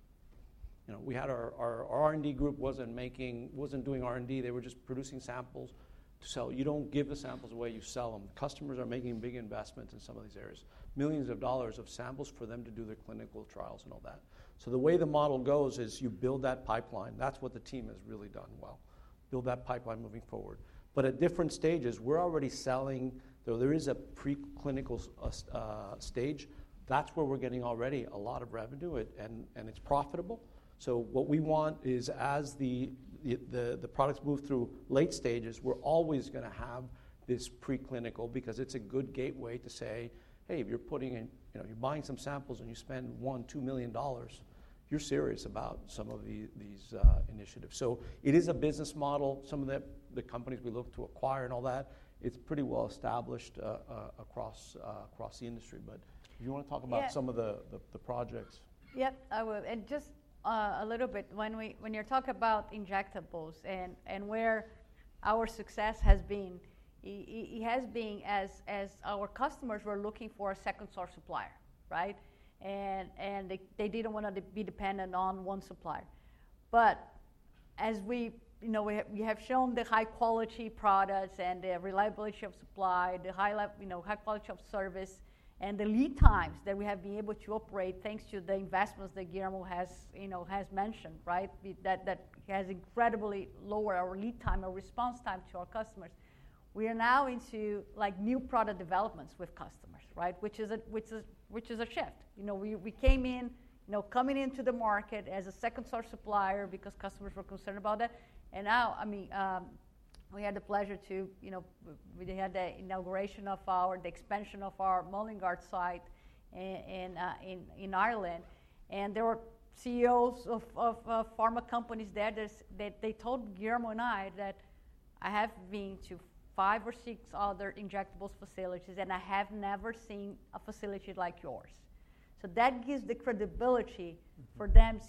We had our R&D group wasn't doing R&D. They were just producing samples to sell. You don't give the samples away. You sell them. Customers are making big investments in some of these areas, millions of dollars of samples for them to do their clinical trials and all that. So the way the model goes is you build that pipeline. That's what the team has really done well. Build that pipeline moving forward. But at different stages, we're already selling. There is a preclinical stage. That's where we're getting already a lot of revenue, and it's profitable. So what we want is as the products move through late stages, we're always going to have this preclinical because it's a good gateway to say, "Hey, if you're buying some samples and you spend $1 million-$2 million, you're serious about some of these initiatives." So it is a business model. Some of the companies we look to acquire and all that, it's pretty well established across the industry. But do you want to talk about some of the projects? Yep. And just a little bit, when you're talking about injectables and where our success has been, it has been as our customers were looking for a second source supplier, right? And they didn't want to be dependent on one supplier. But as we have shown the high-quality products and the reliability of supply, the high-quality of service, and the lead times that we have been able to operate thanks to the investments that Guillermo has mentioned, right? That has incredibly lowered our lead time and response time to our customers. We are now into new product developments with customers, right? Which is a shift. We came in coming into the market as a second source supplier because customers were concerned about that. Now, I mean, we had the pleasure to have the inauguration of the expansion of our Mullingar site in Ireland. There were CEOs of pharma companies there that they told Guillermo and I that, "I have been to five or six other injectables facilities, and I have never seen a facility like yours." That gives the credibility for them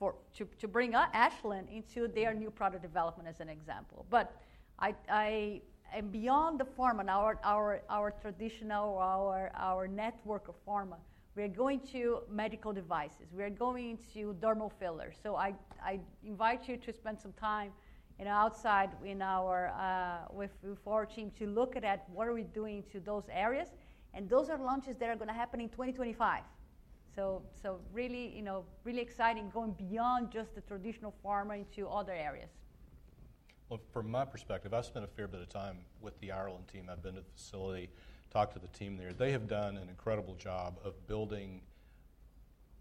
to bring Ashland into their new product development as an example. Beyond the pharma, our traditional network of pharma, we are going to medical devices. We are going to dermal fillers. I invite you to spend some time outside with our team to look at what are we doing to those areas. Those are launches that are going to happen in 2025. Really exciting going beyond just the traditional pharma into other areas. From my perspective, I've spent a fair bit of time with the Ireland team. I've been to the facility, talked to the team there. They have done an incredible job of building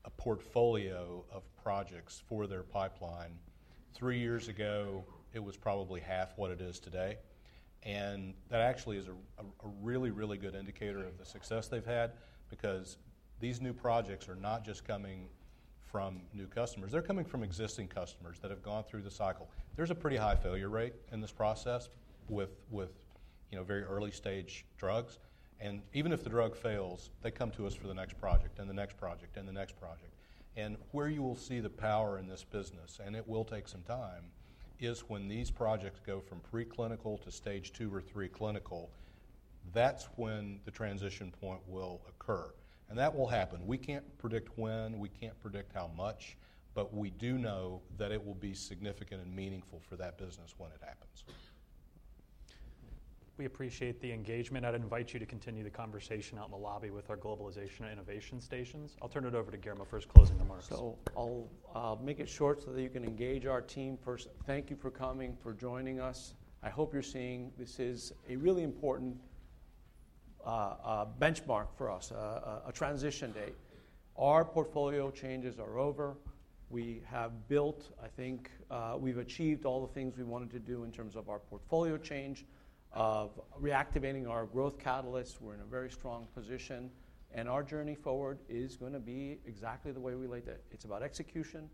a portfolio of projects for their pipeline. Three years ago, it was probably half what it is today. And that actually is a really, really good indicator of the success they've had because these new projects are not just coming from new customers. They're coming from existing customers that have gone through the cycle. There's a pretty high failure rate in this process with very early-stage drugs. And even if the drug fails, they come to us for the next project and the next project and the next project. And where you will see the power in this business, and it will take some time, is when these projects go from preclinical to stage two or three clinical. That's when the transition point will occur. And that will happen. We can't predict when. We can't predict how much. But we do know that it will be significant and meaningful for that business when it happens. We appreciate the engagement. I'd invite you to continue the conversation out in the lobby with our globalization and innovation stations. I'll turn it over to Guillermo first, closing remarks. So I'll make it short so that you can engage our team. First, thank you for coming, for joining us. I hope you're seeing this is a really important benchmark for us, a transition date. Our portfolio changes are over. We have built. I think we've achieved all the things we wanted to do in terms of our portfolio change of reactivating our growth catalysts. We're in a very strong position. And our journey forward is going to be exactly the way we laid it. It's about execution.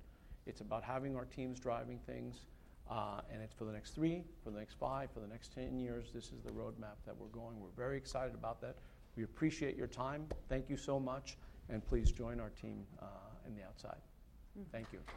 It's about having our teams driving things. And it's for the next three, for the next five, for the next 10 years. This is the roadmap that we're going. We're very excited about that. We appreciate your time. Thank you so much. And please join our team in the outside. Thank you.